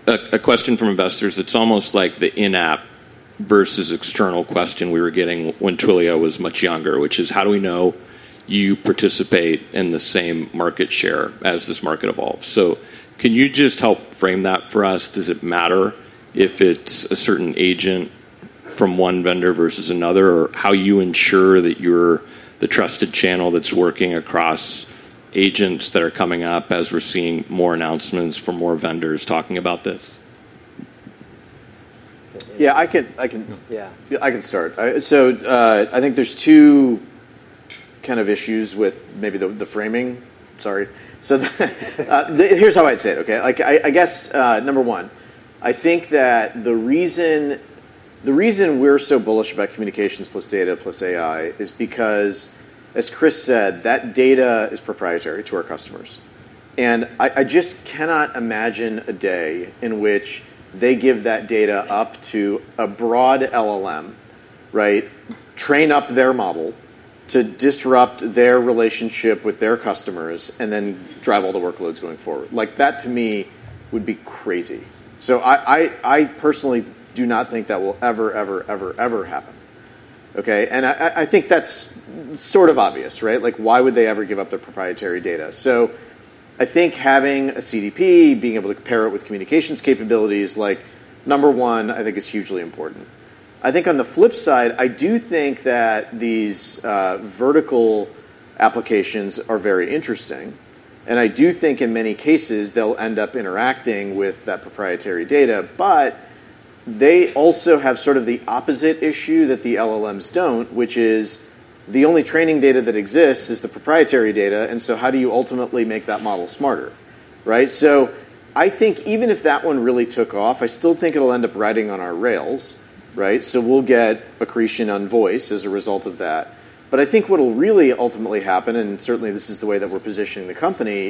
a question from investors. It's almost like the in-app versus external question we were getting when Twilio was much younger, which is, how do we know you participate in the same market share as this market evolves? So can you just help frame that for us? Does it matter if it's a certain agent from one vendor versus another, or how you ensure that you're the trusted channel that's working across agents that are coming up as we're seeing more announcements from more vendors talking about this? Yeah, I can start. So I think there's two kind of issues with maybe the framing. Sorry. So here's how I'd say it, okay? I guess number one, I think that the reason we're so bullish about Communications plus data plus AI is because, as Chris said, that data is proprietary to our customers. And I just cannot imagine a day in which they give that data up to a broad LLM, right, train up their model to disrupt their relationship with their customers and then drive all the workloads going forward. Like that, to me, would be crazy. So I personally do not think that will ever, ever, ever, ever happen, okay? And I think that's sort of obvious, right? Like why would they ever give up their proprietary data? So I think having a CDP, being able to pair it with Communications capabilities, like number one, I think is hugely important. I think on the flip side, I do think that these vertical applications are very interesting. And I do think in many cases, they'll end up interacting with that proprietary data. But they also have sort of the opposite issue that the LLMs don't, which is the only training data that exists is the proprietary data. And so how do you ultimately make that model smarter, right? So I think even if that one really took off, I still think it'll end up riding on our rails, right? So we'll get accretion on voice as a result of that. But I think what will really ultimately happen, and certainly this is the way that we're positioning the company,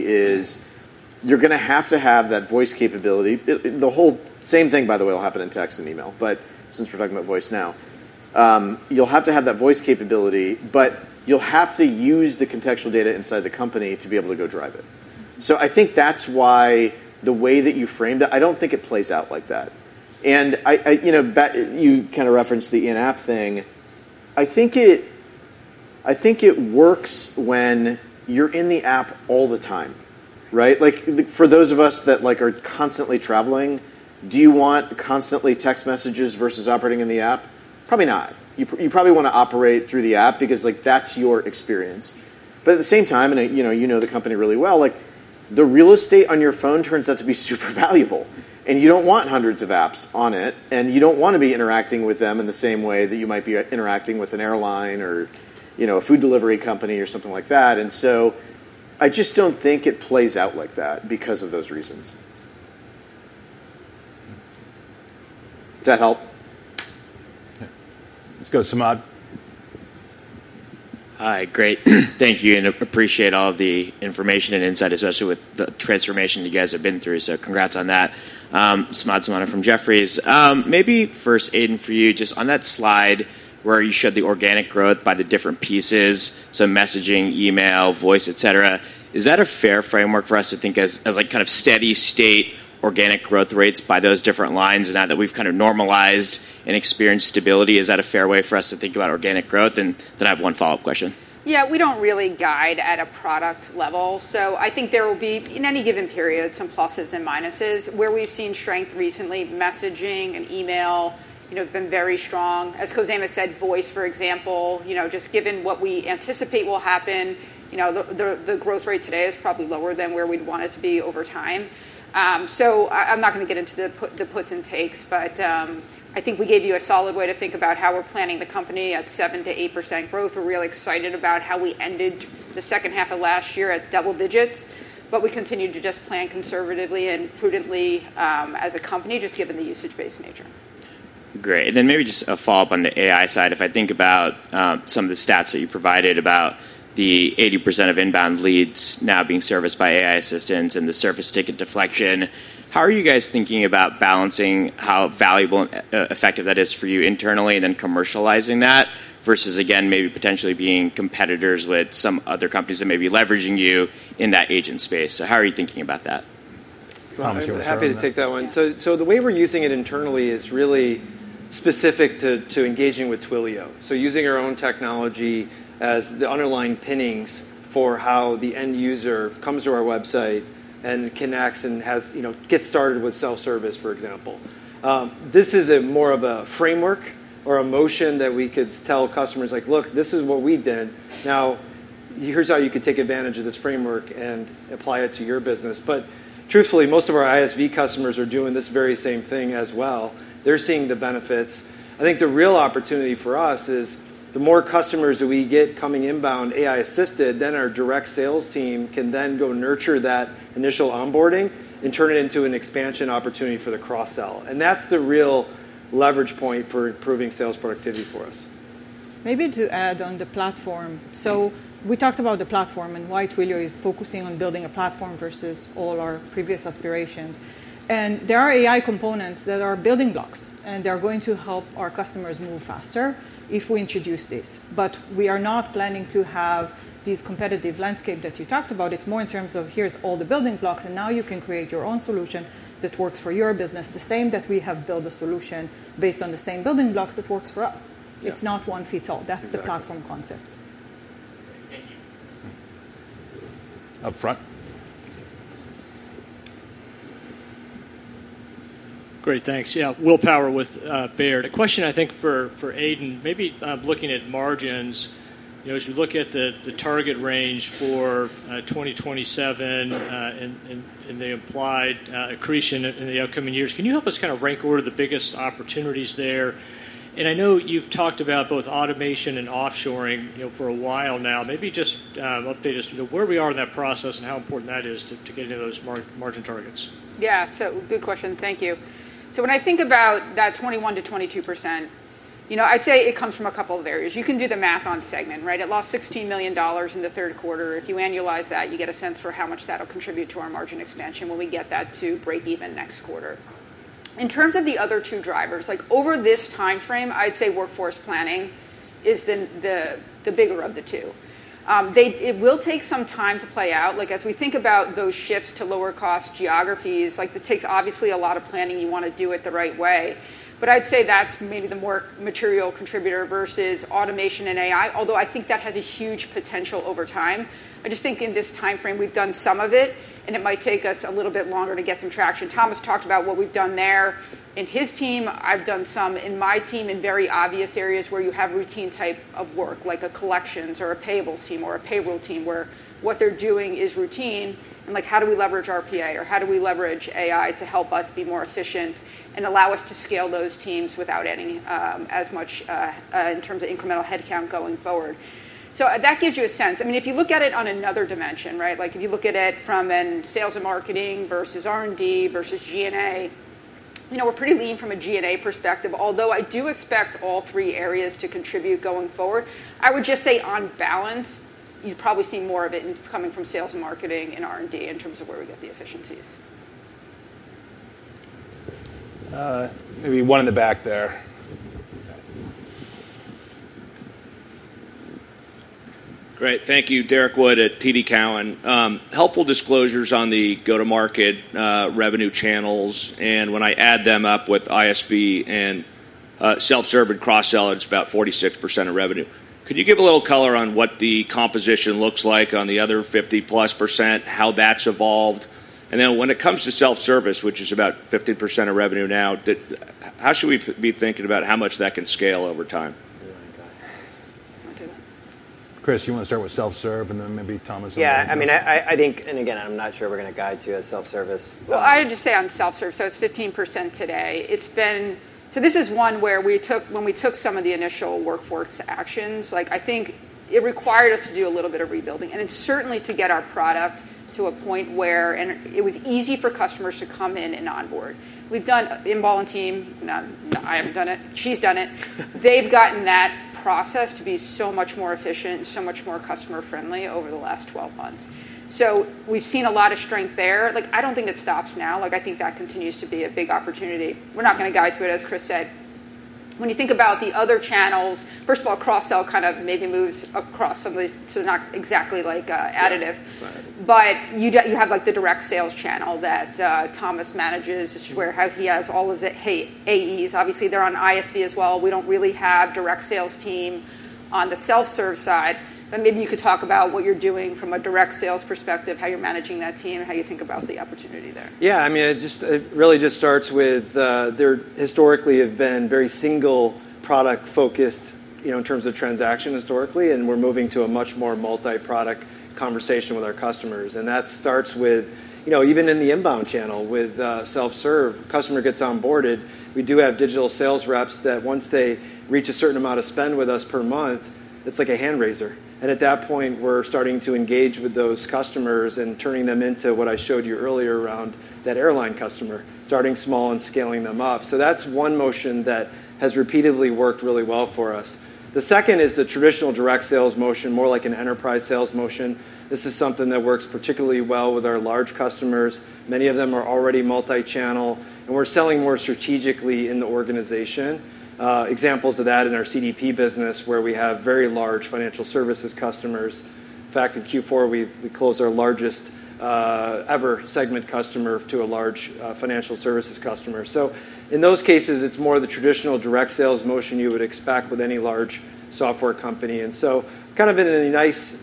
is you're going to have to have that voice capability. The whole same thing, by the way, will happen in text and email, but since we're talking about voice now, you'll have to have that voice capability, but you'll have to use the contextual data inside the company to be able to go drive it. So I think that's why the way that you framed it, I don't think it plays out like that. And you kind of referenced the in-app thing. I think it works when you're in the app all the time, right? Like for those of us that are constantly traveling, do you want constantly text messages versus operating in the app? Probably not. You probably want to operate through the app because that's your experience. But at the same time, and you know the company really well, the real estate on your phone turns out to be super valuable. And you don't want hundreds of apps on it. And you don't want to be interacting with them in the same way that you might be interacting with an airline or a food delivery company or something like that. And so I just don't think it plays out like that because of those reasons. Does that help? Let's go to Samad. Hi. Great. Thank you and appreciate all the information and insight, especially with the transformation you guys have been through. So congrats on that. Samad Samana from Jefferies. Maybe first, Aidan, for you, just on that slide where you showed the organic growth by the different pieces, so messaging, email, voice, et cetera, is that a fair framework for us to think as kind of steady state organic growth rates by those different lines? And now that we've kind of normalized and experienced stability, is that a fair way for us to think about organic growth? And then I have one follow-up question. Yeah. We don't really guide at a product level. So I think there will be, in any given period, some pluses and minuses. Where we've seen strength recently, messaging and email have been very strong. As Khozema said, voice, for example, just given what we anticipate will happen, the growth rate today is probably lower than where we'd want it to be over time. So I'm not going to get into the puts and takes, but I think we gave you a solid way to think about how we're planning the company at 7%-8% growth. We're really excited about how we ended the second half of last year at double digits. But we continue to just plan conservatively and prudently as a company, just given the usage-based nature. Great. And then maybe just a follow-up on the AI side. If I think about some of the stats that you provided about the 80% of inbound leads now being serviced by AI assistants and the service ticket deflection, how are you guys thinking about balancing how valuable and effective that is for you internally and then commercializing that versus, again, maybe potentially being competitors with some other companies that may be leveraging you in that agent space? So how are you thinking about that? I'm happy to take that one. So the way we're using it internally is really specific to engaging with Twilio. So using our own technology as the underlying underpinnings for how the end user comes to our website and connects and gets started with self-service, for example. This is more of a framework or a motion that we could tell customers like, "Look, this is what we did. Now, here's how you could take advantage of this framework and apply it to your business." But truthfully, most of our ISV customers are doing this very same thing as well. They're seeing the benefits. I think the real opportunity for us is the more customers that we get coming inbound AI assisted, then our direct sales team can then go nurture that initial onboarding and turn it into an expansion opportunity for the cross-sell. That's the real leverage point for improving sales productivity for us. Maybe to add on the platform. So we talked about the platform and why Twilio is focusing on building a platform versus all our previous aspirations. And there are AI components that are building blocks, and they're going to help our customers move faster if we introduce this. But we are not planning to have this competitive landscape that you talked about. It's more in terms of, here's all the building blocks, and now you can create your own solution that works for your business, the same that we have built a solution based on the same building blocks that works for us. It's not one fits all. That's the platform concept. Thank you. Up front. Great. Thanks. Yeah, Will Power with Baird. A question, I think, for Aidan. Maybe looking at margins, as you look at the target range for 2027 and the implied accretion in the upcoming years, can you help us kind of rank order the biggest opportunities there? And I know you've talked about both automation and offshoring for a while now. Maybe just update us where we are in that process and how important that is to get into those margin targets. Yeah. So good question. Thank you. So when I think about that 21%-22%, I'd say it comes from a couple of areas. You can do the math on Segment, right? It lost $16 million in the third quarter. If you annualize that, you get a sense for how much that'll contribute to our margin expansion when we get that to break even next quarter. In terms of the other two drivers, over this time frame, I'd say workforce planning is the bigger of the two. It will take some time to play out. As we think about those shifts to lower-cost geographies, it takes obviously a lot of planning. You want to do it the right way. But I'd say that's maybe the more material contributor versus automation and AI, although I think that has a huge potential over time. I just think in this time frame, we've done some of it, and it might take us a little bit longer to get some traction. Thomas talked about what we've done there. In his team, I've done some in my team in very obvious areas where you have routine type of work, like a collections or a payables team or a payroll team where what they're doing is routine. And how do we leverage RPA or how do we leverage AI to help us be more efficient and allow us to scale those teams without adding as much in terms of incremental headcount going forward? So that gives you a sense. I mean, if you look at it on another dimension, right? If you look at it from sales and marketing versus R&D versus G&A, we're pretty lean from a G&A perspective, although I do expect all three areas to contribute going forward. I would just say on balance, you'd probably see more of it coming from sales and marketing and R&D in terms of where we get the efficiencies. Maybe one in the back there. Great. Thank you. Derrick Wood at TD Cowen. Helpful disclosures on the go-to-market revenue channels. When I add them up with ISV and self-serve cross-sellers, it's about 46% of revenue. Could you give a little color on what the composition looks like on the other 50+%, how that's evolved? Then when it comes to self-service, which is about 50% of revenue now, how should we be thinking about how much that can scale over time? Chris, you want to start with self-serve and then maybe Thomas? Yeah. I mean, I think, and again, I'm not sure we're going to guide to a self-service. I would just say on self-serve, so it's 15% today. This is one where when we took some of the initial workforce actions, I think it required us to do a little bit of rebuilding. It's certainly to get our product to a point where it was easy for customers to come in and onboard. We've done inbound team. I haven't done it. She's done it. They've gotten that process to be so much more efficient and so much more customer-friendly over the last 12 months. We've seen a lot of strength there. I don't think it stops now. I think that continues to be a big opportunity. We're not going to guide to it, as Chris said. When you think about the other channels, first of all, cross-sell kind of maybe moves across somebody to not exactly like additive. But you have the direct sales channel that Thomas manages, where he has all of the AEs. Obviously, they're on ISV as well. We don't really have a direct sales team on the self-serve side. But maybe you could talk about what you're doing from a direct sales perspective, how you're managing that team, how you think about the opportunity there. Yeah. I mean, it really just starts with there historically have been very single product-focused in terms of transaction historically, and we're moving to a much more multi-product conversation with our customers, and that starts with even in the inbound channel with self-serve, customer gets onboarded. We do have digital sales reps that once they reach a certain amount of spend with us per month, it's like a hand raiser, and at that point, we're starting to engage with those customers and turning them into what I showed you earlier around that airline customer, starting small and scaling them up, so that's one motion that has repeatedly worked really well for us. The second is the traditional direct sales motion, more like an enterprise sales motion. This is something that works particularly well with our large customers. Many of them are already multi-channel. And we're selling more strategically in the organization. Examples of that in our CDP business, where we have very large financial services customers. In fact, in Q4, we closed our largest ever Segment customer to a large financial services customer. So in those cases, it's more of the traditional direct sales motion you would expect with any large software company. And so kind of in a nice,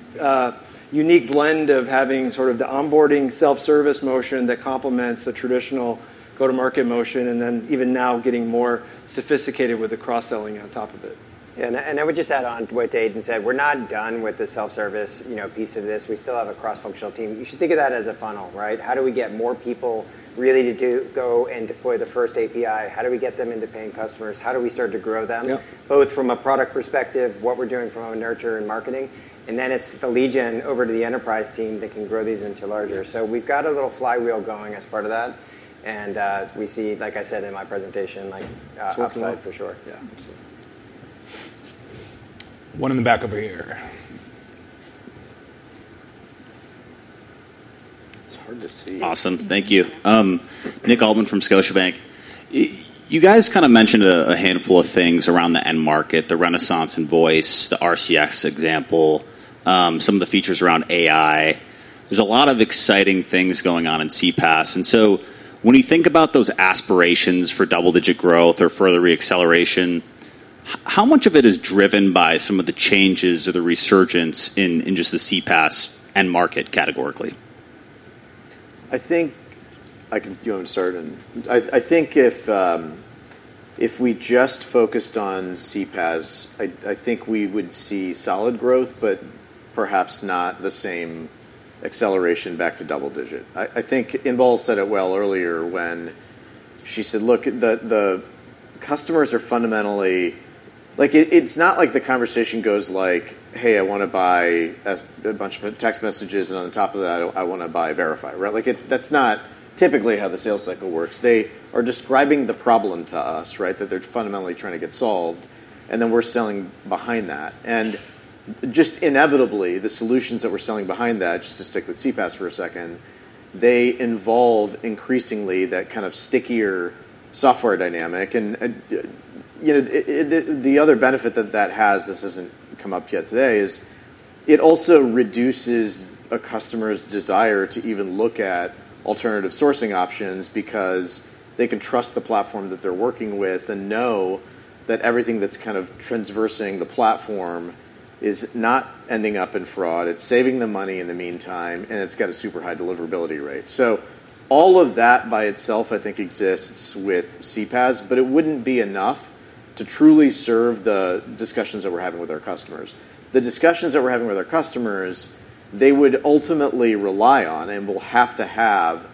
unique blend of having sort of the onboarding self-service motion that complements the traditional go-to-market motion, and then even now getting more sophisticated with the cross-selling on top of it. Yeah. And I would just add on to what Aidan said. We're not done with the self-service piece of this. We still have a cross-functional team. You should think of that as a funnel, right? How do we get more people really to go and deploy the first API? How do we get them into paying customers? How do we start to grow them, both from a product perspective, what we're doing from a nurture and marketing? And then it's the lead gen over to the enterprise team that can grow these into larger. So we've got a little flywheel going as part of that. And we see, like I said in my presentation, upside for sure. One in the back over here. It's hard to see. Awesome. Thank you. Nick Altmann from Scotiabank. You guys kind of mentioned a handful of things around the end market, the renaissance in voice, the RCS example, some of the features around AI. There's a lot of exciting things going on in CPaaS. And so when you think about those aspirations for double-digit growth or further acceleration, how much of it is driven by some of the changes or the resurgence in just the CPaaS end market categorically? I think I can do an insert. And I think if we just focused on CPaaS, I think we would see solid growth, but perhaps not the same acceleration back to double-digit. I think Inbal said it well earlier when she said, "Look, the customers are fundamentally" it's not like the conversation goes like, "Hey, I want to buy a bunch of text messages. And on top of that, I want to buy Verify." That's not typically how the sales cycle works. They are describing the problem to us, right, that they're fundamentally trying to get solved. And then we're selling behind that. And just inevitably, the solutions that we're selling behind that, just to stick with CPaaS for a second, they involve increasingly that kind of stickier software dynamic. And the other benefit that that has (this hasn't come up yet today) is it also reduces a customer's desire to even look at alternative sourcing options because they can trust the platform that they're working with and know that everything that's kind of traversing the platform is not ending up in fraud. It's saving them money in the meantime. And it's got a super high deliverability rate. So all of that by itself, I think, exists with CPaaS, but it wouldn't be enough to truly serve the discussions that we're having with our customers. The discussions that we're having with our customers. They would ultimately rely on and will have to have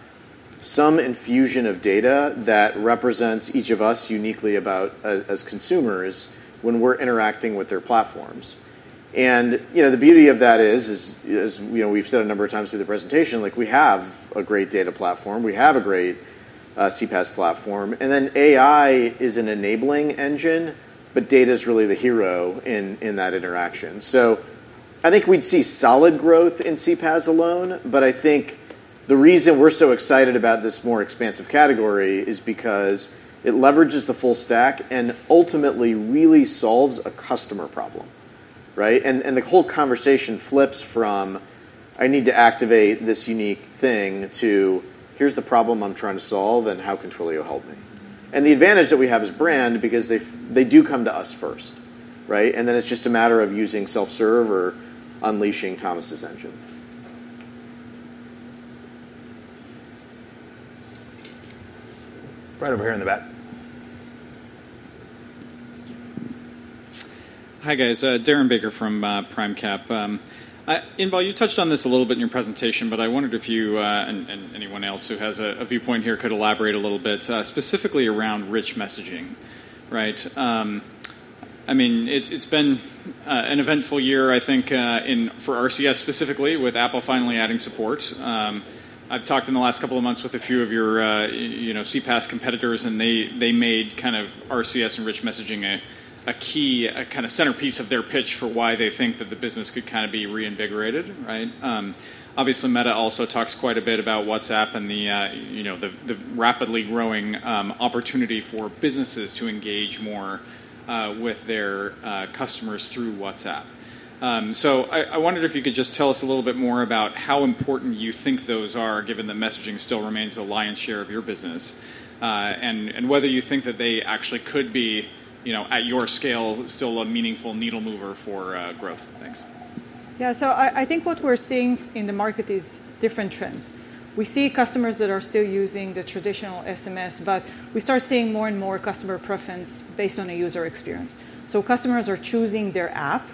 some infusion of data that represents each of us uniquely as consumers when we're interacting with their platforms. And the beauty of that is, as we've said a number of times through the presentation, we have a great data platform. We have a great CPaaS platform. And then AI is an enabling engine, but data is really the hero in that interaction. So I think we'd see solid growth in CPaaS alone. But I think the reason we're so excited about this more expansive category is because it leverages the full stack and ultimately really solves a customer problem, right? And the whole conversation flips from, "I need to activate this unique thing," to, "Here's the problem I'm trying to solve, and how can Twilio help me?" And the advantage that we have is brand because they do come to us first, right? And then it's just a matter of using self-serve or unleashing Thomas's engine. Right over here in the back. Hi, guys. Darin Baker from Primecap. Inbal, you touched on this a little bit in your presentation, but I wondered if you and anyone else who has a viewpoint here could elaborate a little bit specifically around rich messaging, right? I mean, it's been an eventful year, I think, for RCS specifically with Apple finally adding support. I've talked in the last couple of months with a few of your CPaaS competitors, and they made kind of RCS and rich messaging a key kind of centerpiece of their pitch for why they think that the business could kind of be reinvigorated, right? Obviously, Meta also talks quite a bit about WhatsApp and the rapidly growing opportunity for businesses to engage more with their customers through WhatsApp. I wondered if you could just tell us a little bit more about how important you think those are, given that messaging still remains the lion's share of your business, and whether you think that they actually could be, at your scale, still a meaningful needle mover for growth. Thanks. Yeah. So I think what we're seeing in the market is different trends. We see customers that are still using the traditional SMS, but we start seeing more and more customer preference based on a user experience. So customers are choosing their app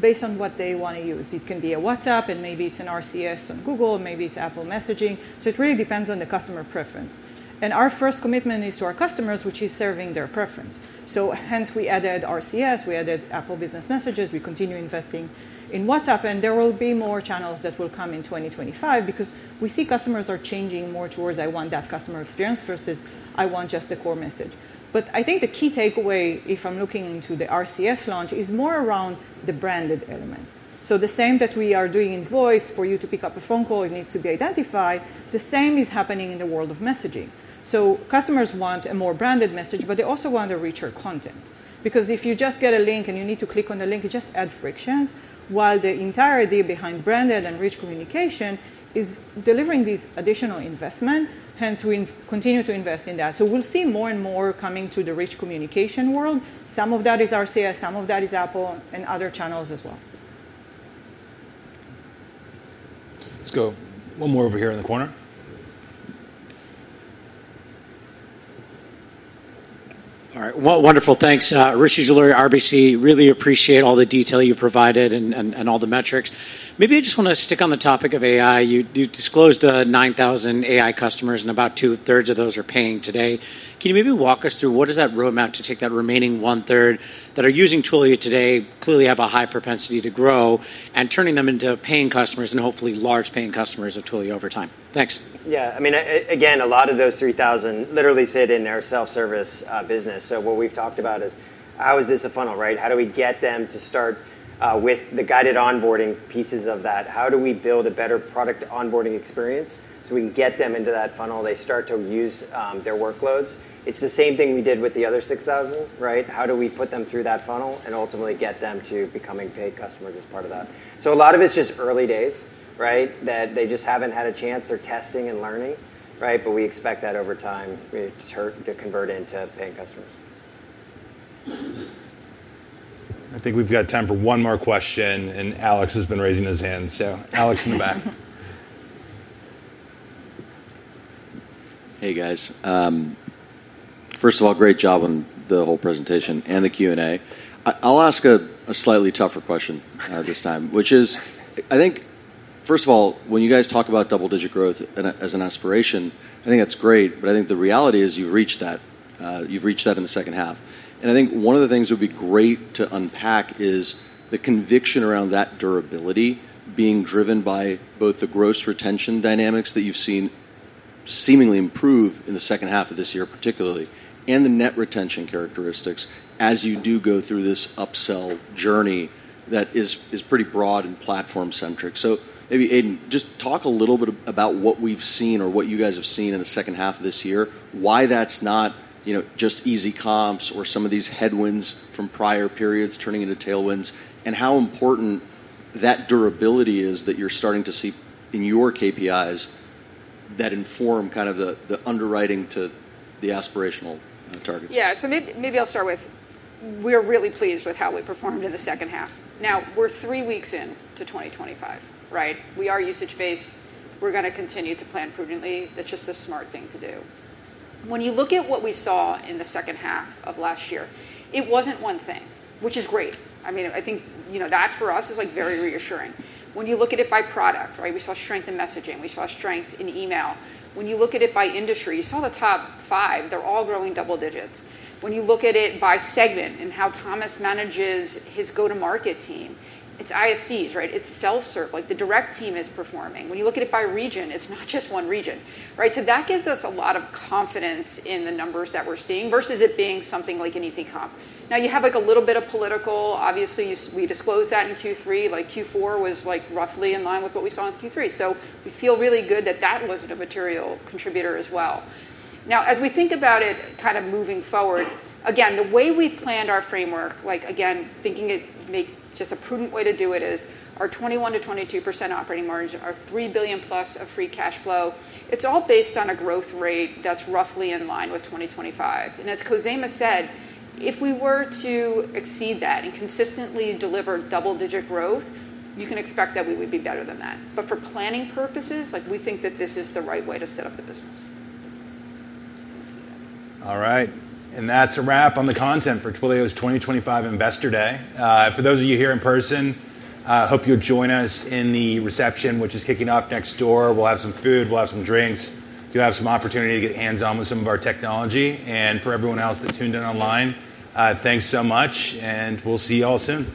based on what they want to use. It can be a WhatsApp, and maybe it's an RCS on Google, and maybe it's Apple Messages. So it really depends on the customer preference. And our first commitment is to our customers, which is serving their preference. So hence, we added RCS. We added Apple Business Messages. We continue investing in WhatsApp. And there will be more channels that will come in 2025 because we see customers are changing more towards "I want that customer experience" versus "I want just the core message." But I think the key takeaway, if I'm looking into the RCS launch, is more around the branded element. So the same that we are doing in Voice for you to pick up a phone call, it needs to be identified, the same is happening in the world of messaging. So customers want a more branded message, but they also want a richer content. Because if you just get a link and you need to click on the link, it just adds frictions, while the entirety behind branded and rich communication is delivering this additional investment. Hence, we continue to invest in that. So we'll see more and more coming to the rich communication world. Some of that is RCS. Some of that is Apple and other channels as well. Let's go one more over here in the corner. All right. Well, wonderful. Thanks. Rishi Jaluria, RBC, really appreciate all the detail you provided and all the metrics. Maybe I just want to stick on the topic of AI. You disclosed 9,000 AI customers, and about two-thirds of those are paying today. Can you maybe walk us through what is that roadmap to take that remaining one-third that are using Twilio today, clearly have a high propensity to grow, and turning them into paying customers and hopefully large paying customers of Twilio over time? Thanks. Yeah. I mean, again, a lot of those 3,000 literally sit in our self-service business. So what we've talked about is how is this a funnel, right? How do we get them to start with the guided onboarding pieces of that? How do we build a better product onboarding experience so we can get them into that funnel? They start to use their workloads. It's the same thing we did with the other 6,000, right? How do we put them through that funnel and ultimately get them to becoming paid customers as part of that? So a lot of it's just early days, right, that they just haven't had a chance. They're testing and learning, right? But we expect that over time to convert into paying customers. I think we've got time for one more question and Alex has been raising his hand, so Alex in the back. Hey, guys. First of all, great job on the whole presentation and the Q&A. I'll ask a slightly tougher question this time, which is, I think, first of all, when you guys talk about double-digit growth as an aspiration, I think that's great. But I think the reality is you've reached that. You've reached that in the second half. And I think one of the things that would be great to unpack is the conviction around that durability being driven by both the gross retention dynamics that you've seen seemingly improve in the second half of this year, particularly, and the net retention characteristics as you do go through this upsell journey that is pretty broad and platform-centric. So maybe, Aidan, just talk a little bit about what we've seen or what you guys have seen in the second half of this year, why that's not just easy comps or some of these headwinds from prior periods turning into tailwinds, and how important that durability is that you're starting to see in your KPIs that inform kind of the underwriting to the aspirational targets. Yeah. So maybe I'll start with we're really pleased with how we performed in the second half. Now, we're three weeks into 2025, right? We are usage-based. We're going to continue to plan prudently. That's just the smart thing to do. When you look at what we saw in the second half of last year, it wasn't one thing, which is great. I mean, I think that for us is very reassuring. When you look at it by product, right, we saw strength in messaging. We saw strength in email. When you look at it by industry, you saw the top five. They're all growing double digits. When you look at it by segment and how Thomas manages his go-to-market team, it's ISVs, right? It's self-serve. The direct team is performing. When you look at it by region, it's not just one region, right? That gives us a lot of confidence in the numbers that we're seeing versus it being something like an easy comp. Now, you have a little bit of political. Obviously, we disclosed that in Q3. Q4 was roughly in line with what we saw in Q3. We feel really good that that was a material contributor as well. Now, as we think about it kind of moving forward, again, the way we planned our framework, again, thinking it just a prudent way to do it is our 21%-22% operating margin, our $3 billion+ of free cash flow. It's all based on a growth rate that's roughly in line with 2025. As Khozema said, if we were to exceed that and consistently deliver double-digit growth, you can expect that we would be better than that. But for planning purposes, we think that this is the right way to set up the business. All right. And that's a wrap on the content for Twilio's 2025 Investor Day. For those of you here in person, I hope you'll join us in the reception, which is kicking off next door. We'll have some food. We'll have some drinks. You'll have some opportunity to get hands-on with some of our technology. And for everyone else that tuned in online, thanks so much. And we'll see you all soon.